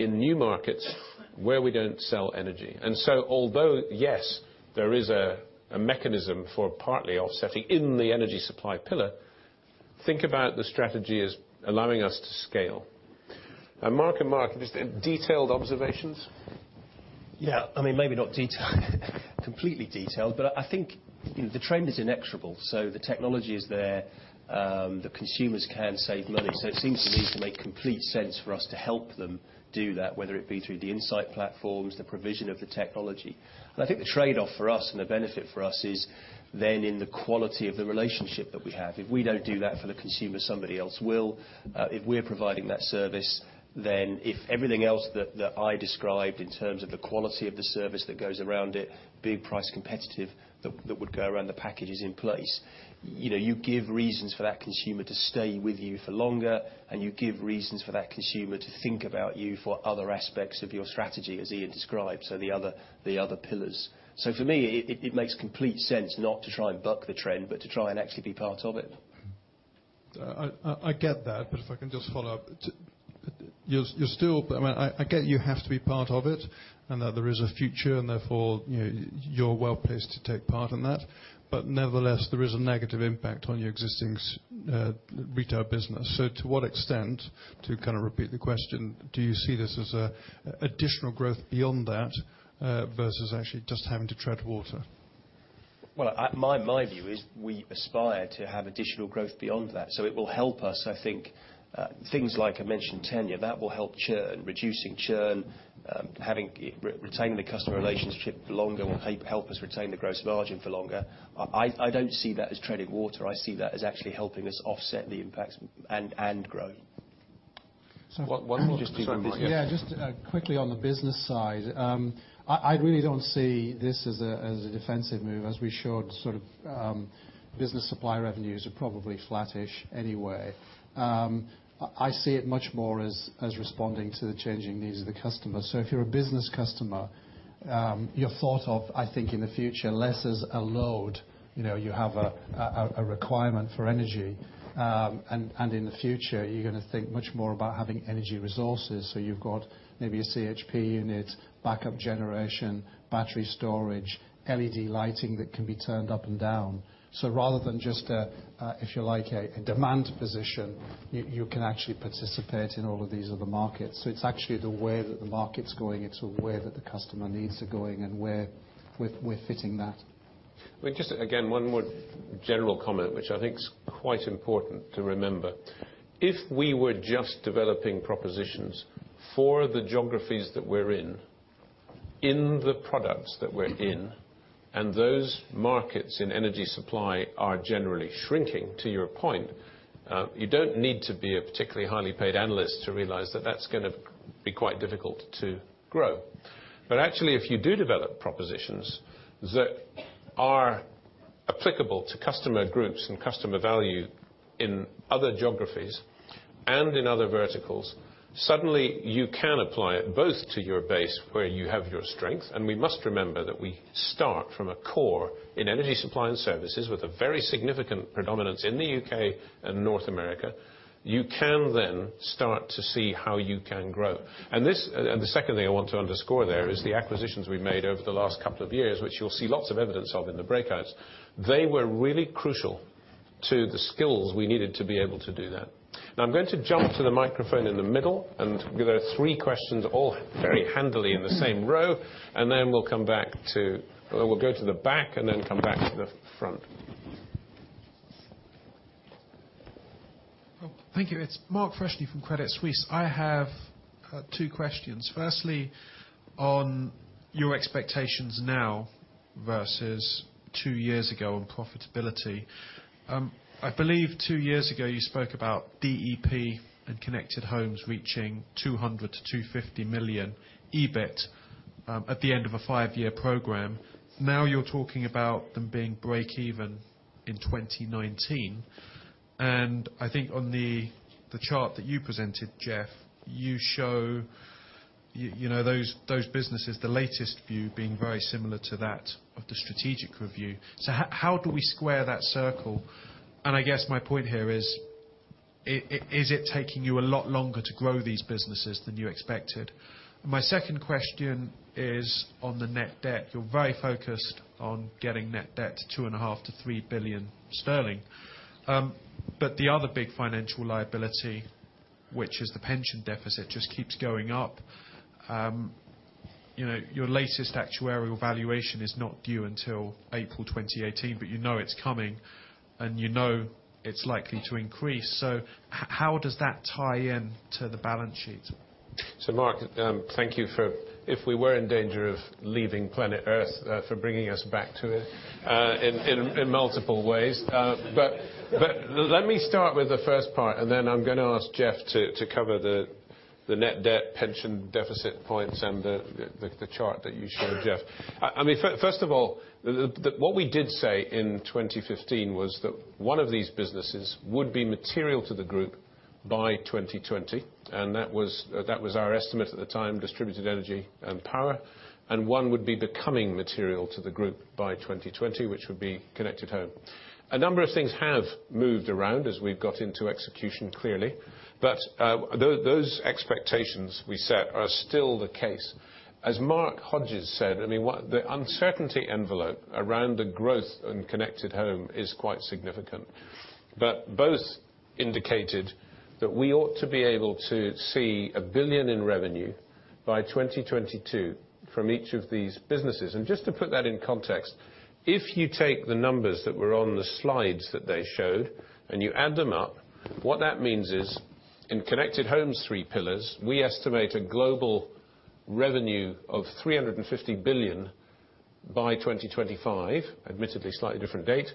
in new markets where we don't sell energy. Although, yes, there is a mechanism for partly offsetting in the energy supply pillar, think about the strategy as allowing us to scale. Mark and Mark, just detailed observations? Yeah. Maybe not completely detailed, but I think the trend is inexorable. The technology is there. The consumers can save money, it seems to me to make complete sense for us to help them do that, whether it be through the insight platforms, the provision of the technology. I think the trade-off for us and the benefit for us is then in the quality of the relationship that we have. If we don't do that for the consumer, somebody else will. If we're providing that service, then if everything else that I described in terms of the quality of the service that goes around it, being price competitive, that would go around the packages in place. You give reasons for that consumer to stay with you for longer, you give reasons for that consumer to think about you for other aspects of your strategy, as Iain described, the other pillars. For me, it makes complete sense not to try and buck the trend, but to try and actually be part of it. I get that, if I can just follow up. I get you have to be part of it, that there is a future, and therefore, you're well-placed to take part in that. Nevertheless, there is a negative impact on your existing retail business. To what extent, to kind of repeat the question, do you see this as additional growth beyond that versus actually just having to tread water? My view is we aspire to have additional growth beyond that. It will help us, I think, things like I mentioned, Tanya, that will help churn, reducing churn, retaining the customer relationship longer will help us retain the gross margin for longer. I don't see that as treading water. I see that as actually helping us offset the impacts and grow. One more. Sorry, Mark. Yeah, just quickly on the business side. I really don't see this as a defensive move as we showed business supply revenues are probably flattish anyway. I see it much more as responding to the changing needs of the customer. If you're a business customer, you're thought of, I think in the future, less as a load. You have a requirement for energy. In the future, you're going to think much more about having energy resources. You've got maybe a CHP unit, backup generation, battery storage, LED lighting that can be turned up and down. Rather than just a, if you like, a demand position, you can actually participate in all of these other markets. It's actually the way that the market's going, it's the way that the customer needs are going and where we're fitting that. Just, again, one more general comment, which I think is quite important to remember. If we were just developing propositions for the geographies that we're in the products that we're in, and those markets in energy supply are generally shrinking, to your point, you don't need to be a particularly highly paid analyst to realize that that's going to be quite difficult to grow. Actually, if you do develop propositions that are applicable to customer groups and customer value in other geographies and in other verticals, suddenly you can apply it both to your base where you have your strength, and we must remember that we start from a core in energy supply and services with a very significant predominance in the U.K. and North America. You can then start to see how you can grow. The second thing I want to underscore there is the acquisitions we've made over the last couple of years, which you'll see lots of evidence of in the breakouts. They were really crucial to the skills we needed to be able to do that. I'm going to jump to the microphone in the middle, and there are three questions all very handily in the same row, and then we'll go to the back and then come back to the front. Thank you. It's Mark Freshney from Credit Suisse. I have two questions. Firstly, on your expectations now versus two years ago on profitability. I believe two years ago, you spoke about DEP and Connected Homes reaching 200 million-250 million EBIT at the end of a five-year program. You're talking about them being break even in 2019, and I think on the chart that you presented, Jeff, you show those businesses, the latest view being very similar to that of the strategic review. How do we square that circle? I guess my point here is it taking you a lot longer to grow these businesses than you expected? My second question is on the net debt. You're very focused on getting net debt 2.5 billion-3 billion sterling. The other big financial liability, which is the pension deficit, just keeps going up. Your latest actuarial valuation is not due until April 2018, you know it's coming, and you know it's likely to increase. How does that tie in to the balance sheet? Mark, thank you for, if we were in danger of leaving planet Earth, for bringing us back to it in multiple ways. Let me start with the first part, and then I'm going to ask Jeff to cover the net debt pension deficit points and the chart that you showed Jeff. First of all, what we did say in 2015 was that one of these businesses would be material to the group by 2020, and that was our estimate at the time, Distributed Energy & Power. One would be becoming material to the group by 2020, which would be Connected Home. A number of things have moved around as we've got into execution clearly. Those expectations we set are still the case. As Mark Hodges said, the uncertainty envelope around the growth in Connected Home is quite significant. Both indicated that we ought to be able to see 1 billion in revenue by 2022 from each of these businesses. Just to put that in context, if you take the numbers that were on the slides that they showed and you add them up, what that means is in Centrica Connected Home's three pillars, we estimate a global revenue of 350 billion by 2025, admittedly a slightly different date.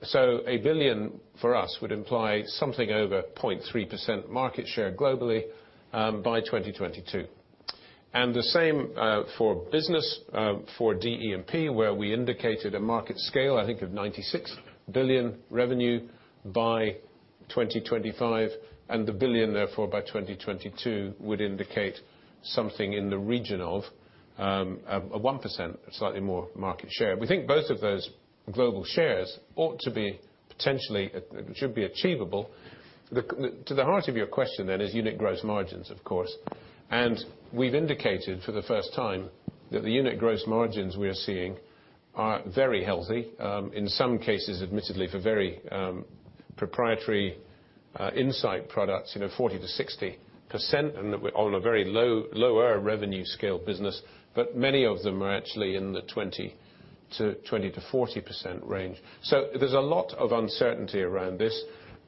A billion for us would imply something over 0.3% market share globally, by 2022. The same for business, for DEMP, where we indicated a market scale, I think of 96 billion revenue by 2025, and the 1 billion therefore by 2022 would indicate something in the region of a 1%, slightly more market share. We think both of those global shares ought to be potentially, should be achievable. To the heart of your question is unit gross margins, of course. We've indicated for the first time that the unit gross margins we are seeing are very healthy. In some cases, admittedly for very proprietary insight products, 40%-60% and on a very lower revenue scale business, but many of them are actually in the 20%-40% range. There's a lot of uncertainty around this.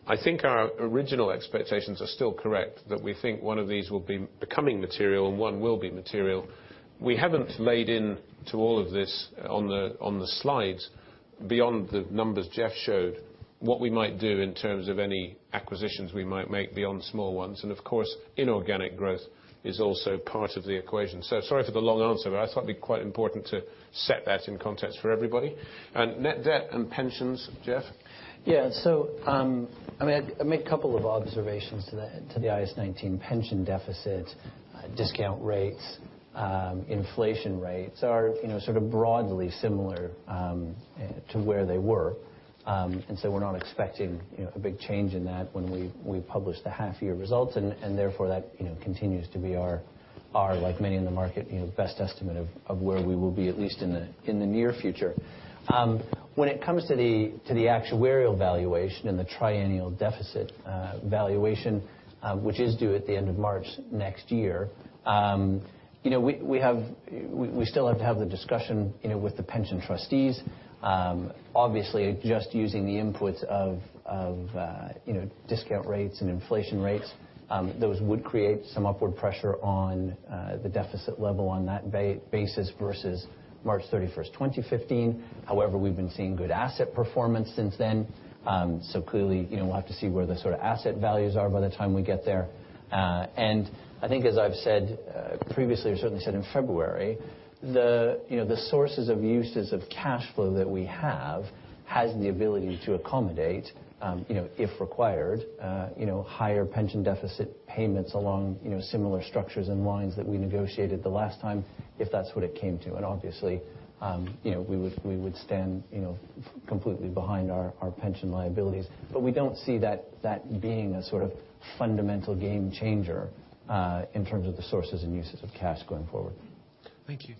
I think our original expectations are still correct, that we think one of these will be becoming material and one will be material. We haven't laid in to all of this on the slides beyond the numbers Jeff showed what we might do in terms of any acquisitions we might make beyond small ones, and of course, inorganic growth is also part of the equation. Sorry for the long answer, but I thought it'd be quite important to set that in context for everybody. Net debt and pensions, Jeff? I make a couple of observations to the IAS 19 pension deficit discount rates. Inflation rates are sort of broadly similar to where they were. We're not expecting a big change in that when we publish the half-year results, therefore that continues to be our, like many in the market, best estimate of where we will be, at least in the near future. When it comes to the actuarial valuation and the triennial deficit valuation, which is due at the end of March next year, we still have to have the discussion with the pension trustees. Obviously, just using the inputs of discount rates and inflation rates, those would create some upward pressure on the deficit level on that basis versus March 31st, 2015. However, we've been seeing good asset performance since then. Clearly, we'll have to see where the sort of asset values are by the time we get there. I think as I've said previously or certainly said in February, the sources of uses of cash flow that we have has the ability to accommodate, if required, higher pension deficit payments along similar structures and lines that we negotiated the last time, if that's what it came to. Obviously, we would stand completely behind our pension liabilities. We don't see that being a sort of fundamental game changer, in terms of the sources and uses of cash going forward. Thank you.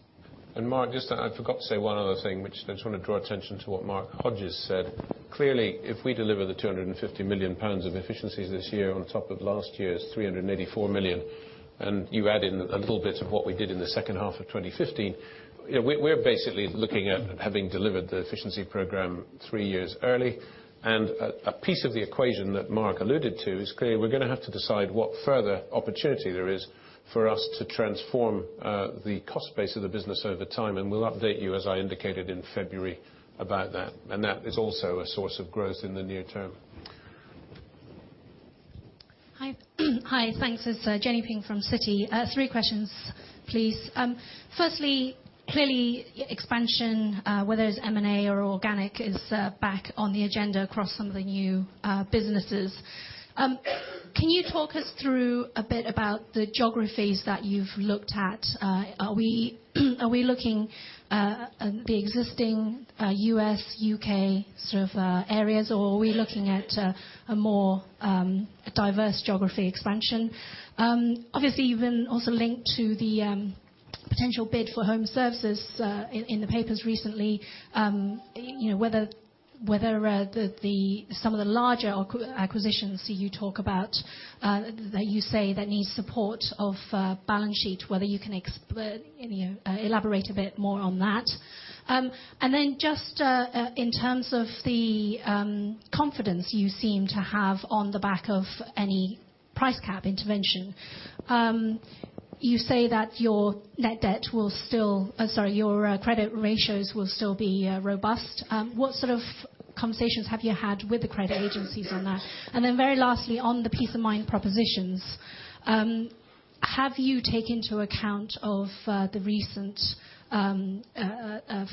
Mark, I forgot to say one other thing, which I just want to draw attention to what Mark Hodges said. Clearly, if we deliver the 250 million pounds of efficiencies this year on top of last year's 384 million, and you add in a little bit of what we did in the second half of 2015, we're basically looking at having delivered the efficiency program three years early. A piece of the equation that Mark alluded to is clearly we're going to have to decide what further opportunity there is for us to transform the cost base of the business over time. We'll update you, as I indicated in February, about that. That is also a source of growth in the near term. Hi. Thanks. It's Jenny Ping from Citi. Three questions, please. Firstly, clearly expansion, whether it's M&A or organic, is back on the agenda across some of the new businesses. Can you talk us through a bit about the geographies that you've looked at? Are we looking at the existing U.S., U.K. sort of areas, or are we looking at a more diverse geography expansion? Obviously, you've been also linked to the potential bid for HomeServe, in the papers recently. Whether some of the larger acquisitions you talk about that you say that needs support of balance sheet, whether you can elaborate a bit more on that. Then just in terms of the confidence you seem to have on the back of any price cap intervention. You say that your credit ratios will still be robust. What sort of conversations have you had with the credit agencies on that? Then very lastly, on the Peace of Mind propositions, have you taken into account of the recent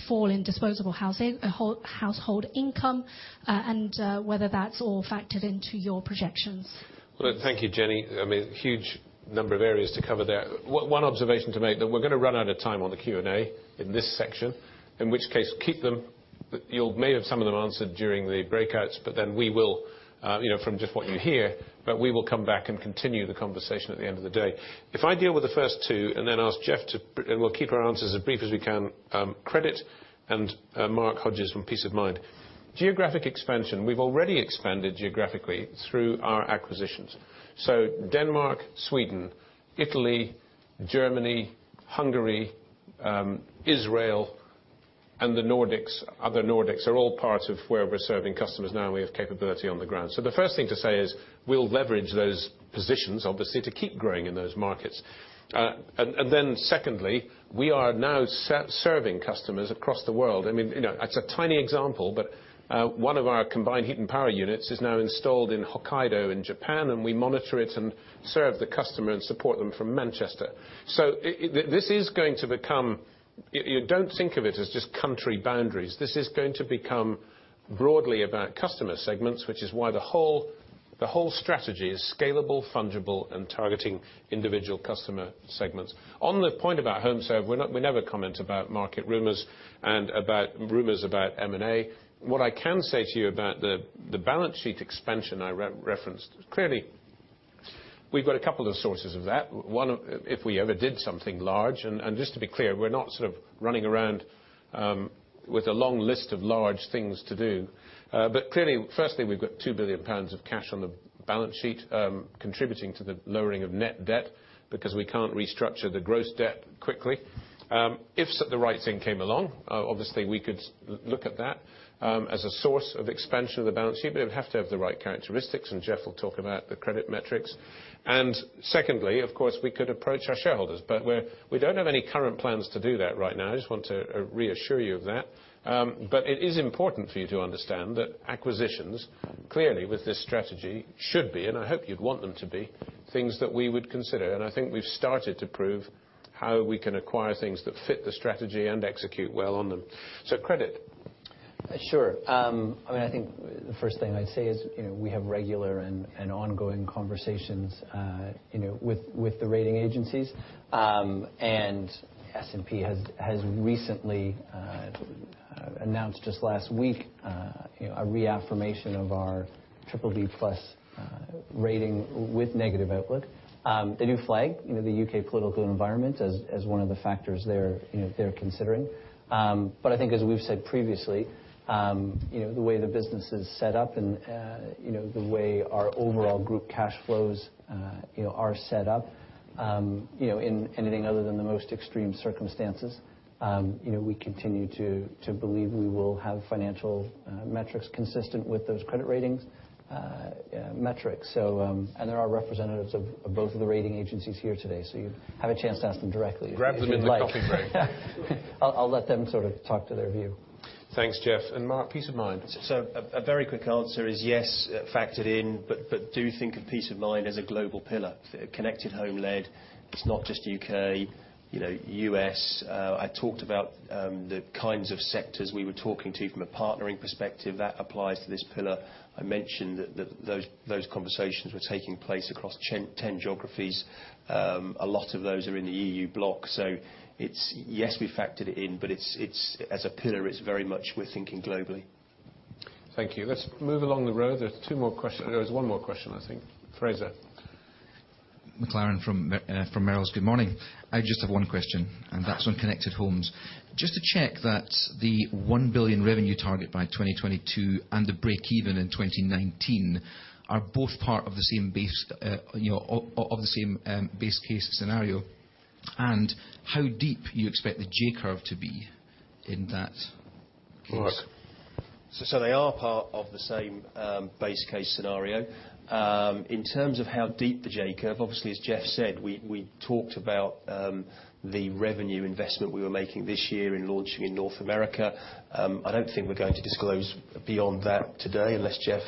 fall in disposable household income, and whether that's all factored into your projections? Well, thank you, Jenny. Huge number of areas to cover there. One observation to make, that we're going to run out of time on the Q&A in this section, in which case keep them. You may have some of them answered during the breakouts, we will, from just what you hear, we will come back and continue the conversation at the end of the day. If I deal with the first two, we'll keep our answers as brief as we can, credit, and Mark Hodges from Peace of Mind. Geographic expansion, we've already expanded geographically through our acquisitions. Denmark, Sweden, Italy, Germany, Hungary, Israel, and other Nordics are all parts of where we're serving customers now, and we have capability on the ground. The first thing to say is we'll leverage those positions, obviously, to keep growing in those markets. Secondly, we are now serving customers across the world. It's a tiny example, but one of our combined heat and power units is now installed in Hokkaido in Japan, and we monitor it and serve the customer and support them from Manchester. Don't think of it as just country boundaries. This is going to become broadly about customer segments, which is why the whole strategy is scalable, fungible, and targeting individual customer segments. On the point about HomeServe, we never comment about market rumors and about rumors about M&A. What I can say to you about the balance sheet expansion I referenced, clearly, we've got a couple of sources of that. One, if we ever did something large, and just to be clear, we're not sort of running around with a long list of large things to do. Clearly, firstly, we've got 2 billion pounds of cash on the balance sheet, contributing to the lowering of net debt because we can't restructure the gross debt quickly. If the right thing came along, obviously, we could look at that as a source of expansion of the balance sheet, but it would have to have the right characteristics, and Jeff will talk about the credit metrics. Secondly, of course, we could approach our shareholders. We don't have any current plans to do that right now. I just want to reassure you of that. It is important for you to understand that acquisitions, clearly with this strategy should be, and I hope you'd want them to be, things that we would consider. I think we've started to prove how we can acquire things that fit the strategy and execute well on them. Credit. Sure. I think the first thing I'd say is we have regular and ongoing conversations with the rating agencies. S&P has recently announced just last week, a reaffirmation of our BBB+ rating with negative outlook. They do flag the U.K. political environment as one of the factors they're considering. I think as we've said previously, the way the business is set up and the way our overall group cash flows are set up, in anything other than the most extreme circumstances, we continue to believe we will have financial metrics consistent with those credit ratings metrics. There are representatives of both of the rating agencies here today, so you have a chance to ask them directly if you'd like. Grab them in the coffee break. I'll let them sort of talk to their view. Thanks, Jeff. Mark, Peace of Mind. A very quick answer is yes, factored in, but do think of Peace of Mind as a global pillar. Connected Home led. It's not just U.K., U.S. I talked about the kinds of sectors we were talking to from a partnering perspective. That applies to this pillar. I mentioned that those conversations were taking place across 10 geographies. A lot of those are in the EU block. It's, yes, we factored it in, but as a pillar, it's very much we're thinking globally. Thank you. Let's move along the row. There's two more questions. There is one more question, I think. Fraser. McLaren from Merrill's. Good morning. I just have one question, and that's on Connected Homes. Just to check that the 1 billion revenue target by 2022 and the break even in 2019 are both part of the same base case scenario, and how deep you expect the J-curve to be in that case. Mark. They are part of the same base case scenario. In terms of how deep the J-curve, obviously, as Jeff said, we talked about the revenue investment we were making this year in launching in North America. I don't think we're going to disclose beyond that today unless Jeff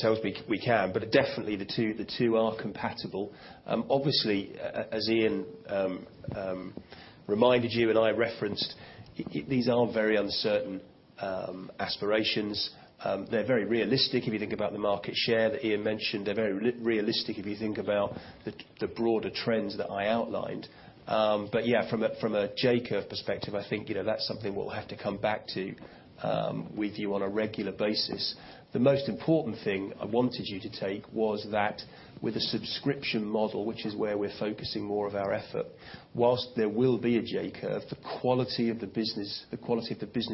tells me we can. Definitely the two are compatible. Obviously, as Iain reminded you and I referenced, these are very uncertain aspirations. They're very realistic if you think about the market share that Iain mentioned. They're very realistic if you think about the broader trends that I outlined. Yeah, from a J-curve perspective, I think that's something we'll have to come back to with you on a regular basis. The most important thing I wanted you to take was that with a subscription model, which is where we're focusing more of our effort, whilst there will be a J-curve, the quality of the business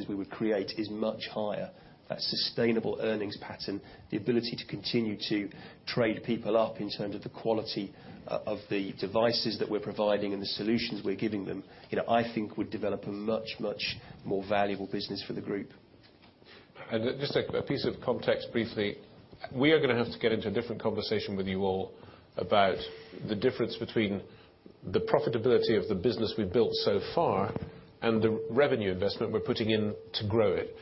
we would create is much higher. That sustainable earnings pattern, the ability to continue to trade people up in terms of the quality of the devices that we're providing and the solutions we're giving them, I think would develop a much more valuable business for the group. Just a piece of context briefly. We are going to have to get into a different conversation with you all about the difference between the profitability of the business we've built so far and the revenue investment we're putting in to grow it.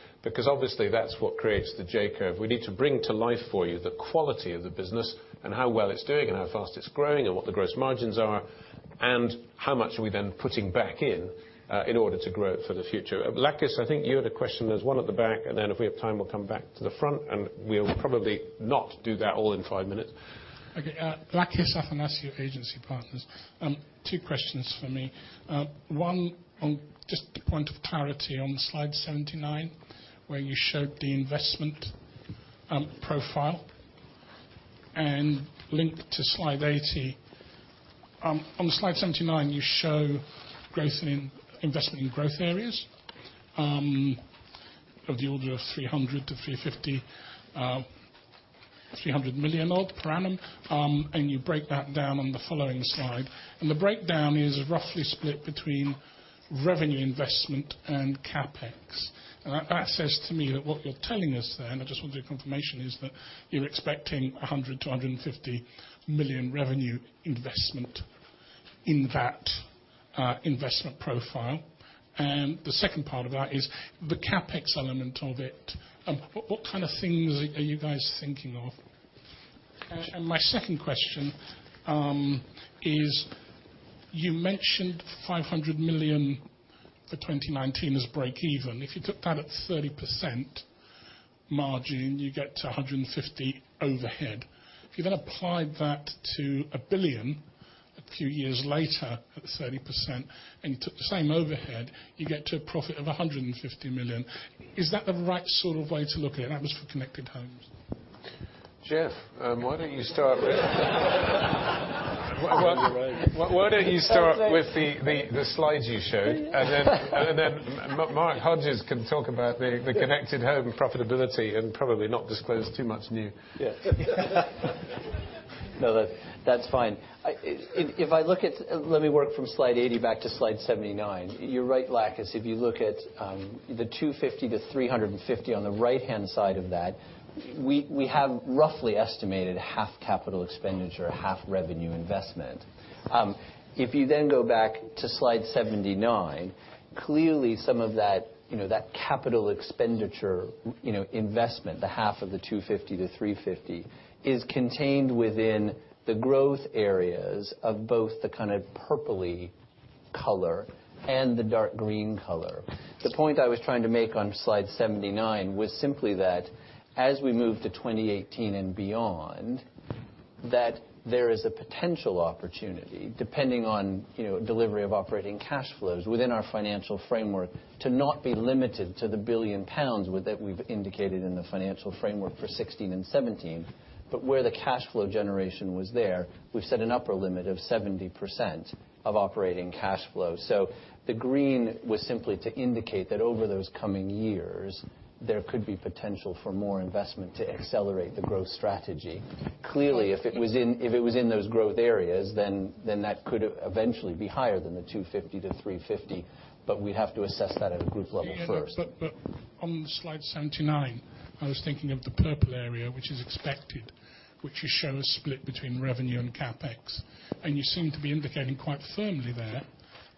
Obviously that's what creates the J-curve. We need to bring to life for you the quality of the business and how well it's doing and how fast it's growing and what the gross margins are, and how much are we then putting back in order to grow it for the future. Lakis, I think you had a question. There's one at the back, and then if we have time, we'll come back to the front, and we'll probably not do that all in five minutes. Okay. Lakis Athanasiou, Agency Partners. Two questions from me. One on just a point of clarity on slide 79, where you showed the investment profile and linked to slide 80. On slide 79, you show investment in growth areas of the order of 300 million to 350 million, 300 million odd per annum, and you break that down on the following slide. The breakdown is roughly split between revenue investment and CapEx. That says to me that what you're telling us there, and I just wanted your confirmation, is that you're expecting 100 million to 150 million revenue investment in that investment profile. The second part of that is the CapEx element of it. What kind of things are you guys thinking of? My second question is, you mentioned 500 million for 2019 as break even. If you took that at 30% margin, you get to 150 overhead. If you applied that to 1 billion a few years later at the 30% and you took the same overhead, you get to a profit of 150 million. Is that the right sort of way to look at it? That was for Connected Home. Jeff, why don't you start with the slides you showed, Mark Hodges can talk about the Connected Home profitability and probably not disclose too much new. Yes. No, that's fine. Let me work from slide 80 back to slide 79. You're right, Lakis. If you look at the 250 to 350 on the right-hand side of that, we have roughly estimated half capital expenditure, half revenue investment. If you then go back to slide 79, clearly some of that capital expenditure investment, the half of the 250 to 350, is contained within the growth areas of both the kind of purpley color and the dark green color. The point I was trying to make on slide 79 was simply that as we move to 2018 and beyond, that there is a potential opportunity, depending on delivery of operating cash flows within our financial framework, to not be limited to the 1 billion pounds that we've indicated in the financial framework for 2016 and 2017. Where the cash flow generation was there, we've set an upper limit of 70% of operating cash flow. The green was simply to indicate that over those coming years, there could be potential for more investment to accelerate the growth strategy. Clearly, if it was in those growth areas, then that could eventually be higher than the 250 to 350, but we'd have to assess that at a group level first. Yeah, on slide 79, I was thinking of the purple area, which is expected, which you show a split between revenue and CapEx. You seem to be indicating quite firmly there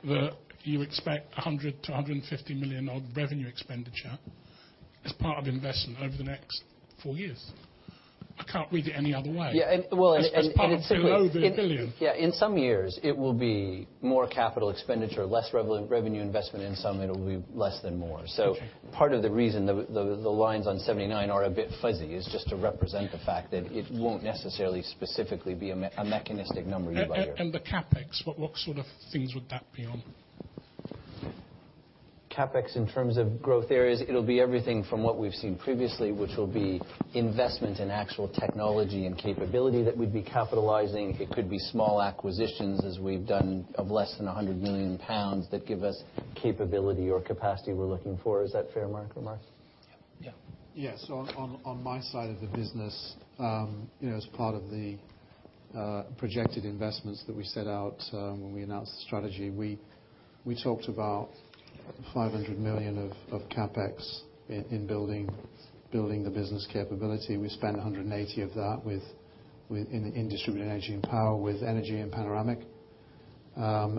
that you expect 100 million to 150 million odd revenue expenditure as part of investment over the next four years. I can't read it any other way. Yeah. Well, As part of over GBP 1 billion. Yeah, in some years, it will be more capital expenditure, less revenue investment. In some, it'll be less than more. Okay. Part of the reason the lines on 79 are a bit fuzzy is just to represent the fact that it won't necessarily specifically be a mechanistic number year by year. The CapEx. What sort of things would that be on? CapEx in terms of growth areas, it'll be everything from what we've seen previously, which will be investment in actual technology and capability that we'd be capitalizing. It could be small acquisitions as we've done of less than 100 million pounds that give us capability or capacity we're looking for. Is that fair Mark or Mark? Yeah. Yes, on my side of the business, as part of the projected investments that we set out when we announced the strategy, we talked about 500 million of CapEx in building the business capability. We spent 180 of that in Distributed Energy & Power with ENER-G and Panoramic Power.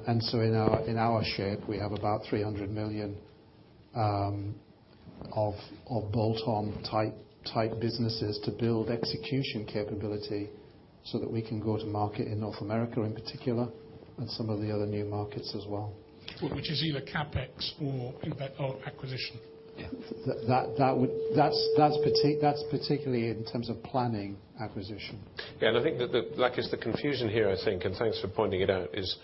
In our shape, we have about 300 million of bolt-on type businesses to build execution capability so that we can go to market in North America in particular, and some of the other new markets as well. Which is either CapEx or acquisition. That's particularly in terms of planning acquisition. I think that is the confusion here, I think, and thanks for pointing it out is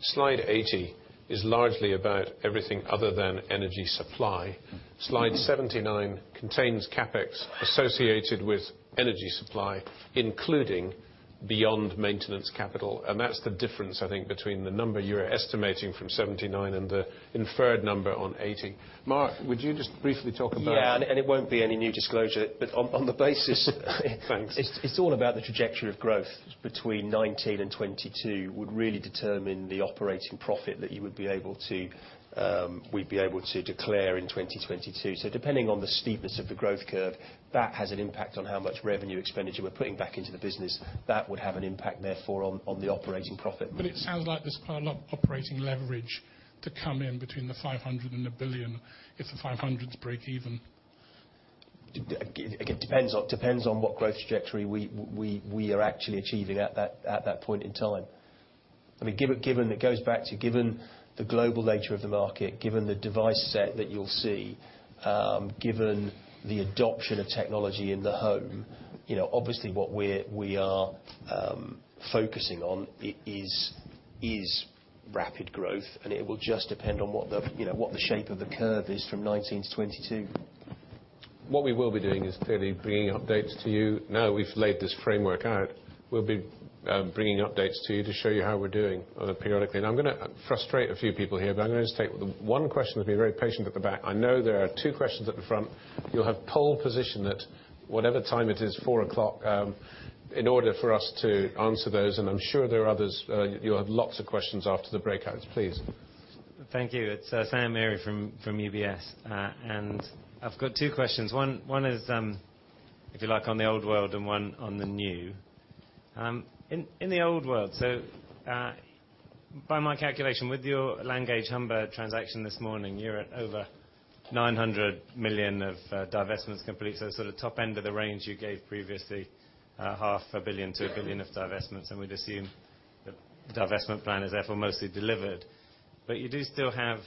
slide 80 is largely about everything other than energy supply. Slide 79 contains CapEx associated with energy supply, including beyond maintenance capital, and that's the difference, I think, between the number you're estimating from 79 and the inferred number on 80. Mark, would you just briefly talk about. It won't be any new disclosure, on the basis. Thanks. It's all about the trajectory of growth between 2019 and 2022 would really determine the operating profit that we'd be able to declare in 2022. Depending on the steepness of the growth curve, that has an impact on how much revenue expenditure we're putting back into the business. That would have an impact, therefore, on the operating profit. It sounds like there's quite a lot operating leverage to come in between the 500 and 1 billion if the GBP 500's breakeven. It depends on what growth trajectory we are actually achieving at that point in time. It goes back to given the global nature of the market, given the device set that you'll see, given the adoption of technology in the home. Obviously, what we are focusing on is rapid growth, and it will just depend on what the shape of the curve is from 2019 to 2022. What we'll be doing is clearly bringing updates to you now we've laid this framework out. We'll be bringing updates to you to show you how we're doing periodically. I'm going to frustrate a few people here, but I'm going to just take the one question who's been very patient at the back. I know there are two questions at the front. You'll have pole position at whatever time it is, 4:00 P.M., in order for us to answer those, and I'm sure there are others, you'll have lots of questions after the breakouts. Please. Thank you. It's Sam Arie from UBS. I've got two questions. One is, if you like, on the old world and one on the new. In the old world, by my calculation, with your Langage Humber transaction this morning, you're at over 900 million of divestments complete, sort of top end of the range you gave previously, half a billion to 1 billion of divestments, and we'd assume the divestment plan is therefore mostly delivered. You do still have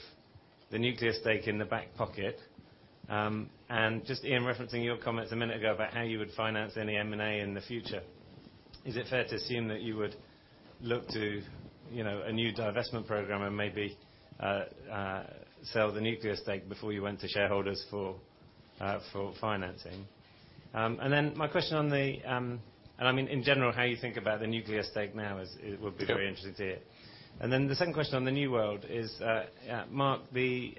the nuclear stake in the back pocket. Just, Iain, referencing your comments a minute ago about how you would finance any M&A in the future, is it fair to assume that you would look to a new divestment program and maybe sell the nuclear stake before you went to shareholders for financing? My question in general, how you think about the nuclear stake now, would be very interesting to hear. The second question on the new world is, Mark, the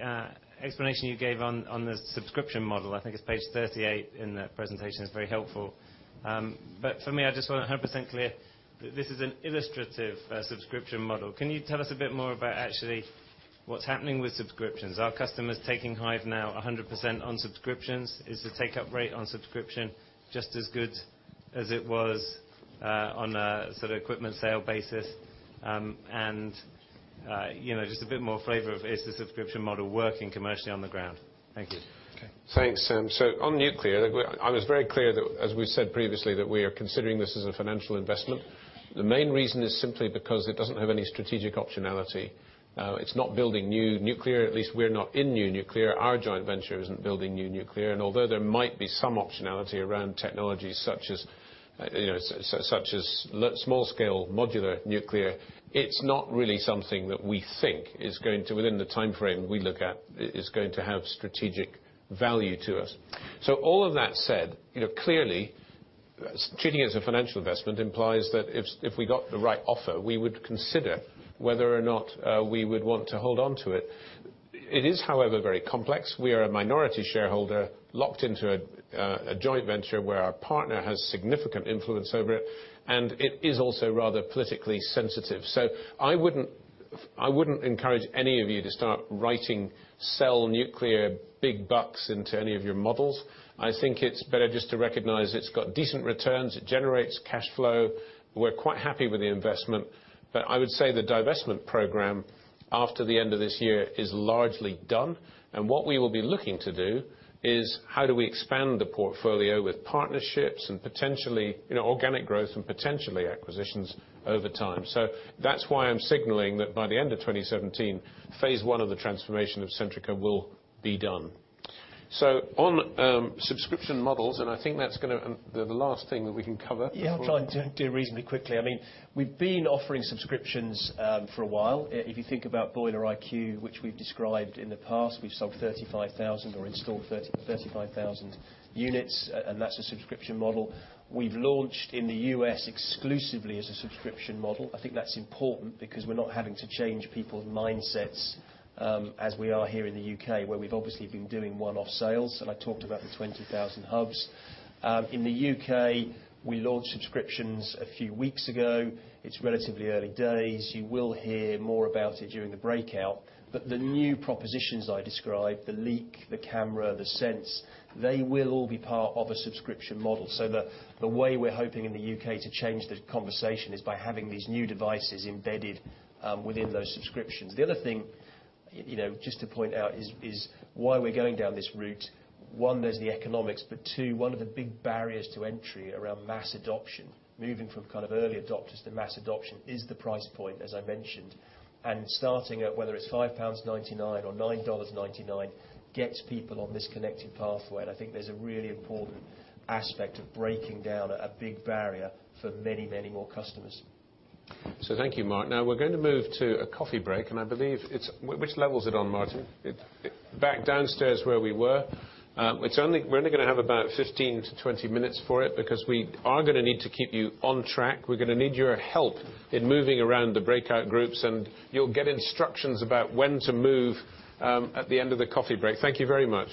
explanation you gave on the subscription model, I think it's page 38 in the presentation, is very helpful. For me, I just want to 100% clear that this is an illustrative subscription model. Can you tell us a bit more about actually what's happening with subscriptions? Are customers taking Hive now 100% on subscriptions? Is the take-up rate on subscription just as good as it was on a sort of equipment sale basis? Just a bit more flavor of, is the subscription model working commercially on the ground? Thank you. Okay, thanks, Sam. On nuclear, I was very clear that, as we said previously, that we are considering this as a financial investment. The main reason is simply because it doesn't have any strategic optionality. It's not building new nuclear, at least we're not in new nuclear. Our joint venture isn't building new nuclear, and although there might be some optionality around technologies such as small scale modular nuclear, it's not really something that we think is going to, within the timeframe we look at, is going to have strategic value to us. All of that said, clearly treating it as a financial investment implies that if we got the right offer, we would consider whether or not we would want to hold onto it. It is, however, very complex. We are a minority shareholder locked into a joint venture where our partner has significant influence over it, and it is also rather politically sensitive. I wouldn't encourage any of you to start writing sell nuclear big bucks into any of your models. I think it's better just to recognize it's got decent returns, it generates cash flow. We're quite happy with the investment. I would say the divestment program after the end of this year is largely done, and what we will be looking to do is how do we expand the portfolio with partnerships and potentially organic growth and potentially acquisitions over time. That's why I'm signaling that by the end of 2017, phase one of the transformation of Centrica will be done. On subscription models, and I think that's going to the last thing that we can cover. Yeah, I'll try and do it reasonably quickly. We've been offering subscriptions for a while. If you think about Boiler IQ, which we've described in the past, we've sold 35,000 or installed 35,000 units, and that's a subscription model. We've launched in the U.S. exclusively as a subscription model. I think that's important because we're not having to change people's mindsets as we are here in the U.K., where we've obviously been doing one-off sales, and I talked about the 20,000 hubs. In the U.K., we launched subscriptions a few weeks ago. It's relatively early days. You will hear more about it during the breakout. The new propositions I described, the Leak, the Camera, the Sense, they will all be part of a subscription model. The way we're hoping in the U.K. to change the conversation is by having these new devices embedded within those subscriptions. The other thing, just to point out, is why we're going down this route. One, there's the economics, but two, one of the big barriers to entry around mass adoption, moving from early adopters to mass adoption is the price point, as I mentioned. Starting at whether it's 5.99 pounds or $9.99 gets people on this connected pathway, and I think there's a really important aspect of breaking down a big barrier for many, many more customers. Thank you, Mark. Now we're going to move to a coffee break, and I believe which level is it on, Martin? Back downstairs where we were. We're only going to have about 15-20 minutes for it because we are going to need to keep you on track. We're going to need your help in moving around the breakout groups, and you'll get instructions about when to move at the end of the coffee break. Thank you very much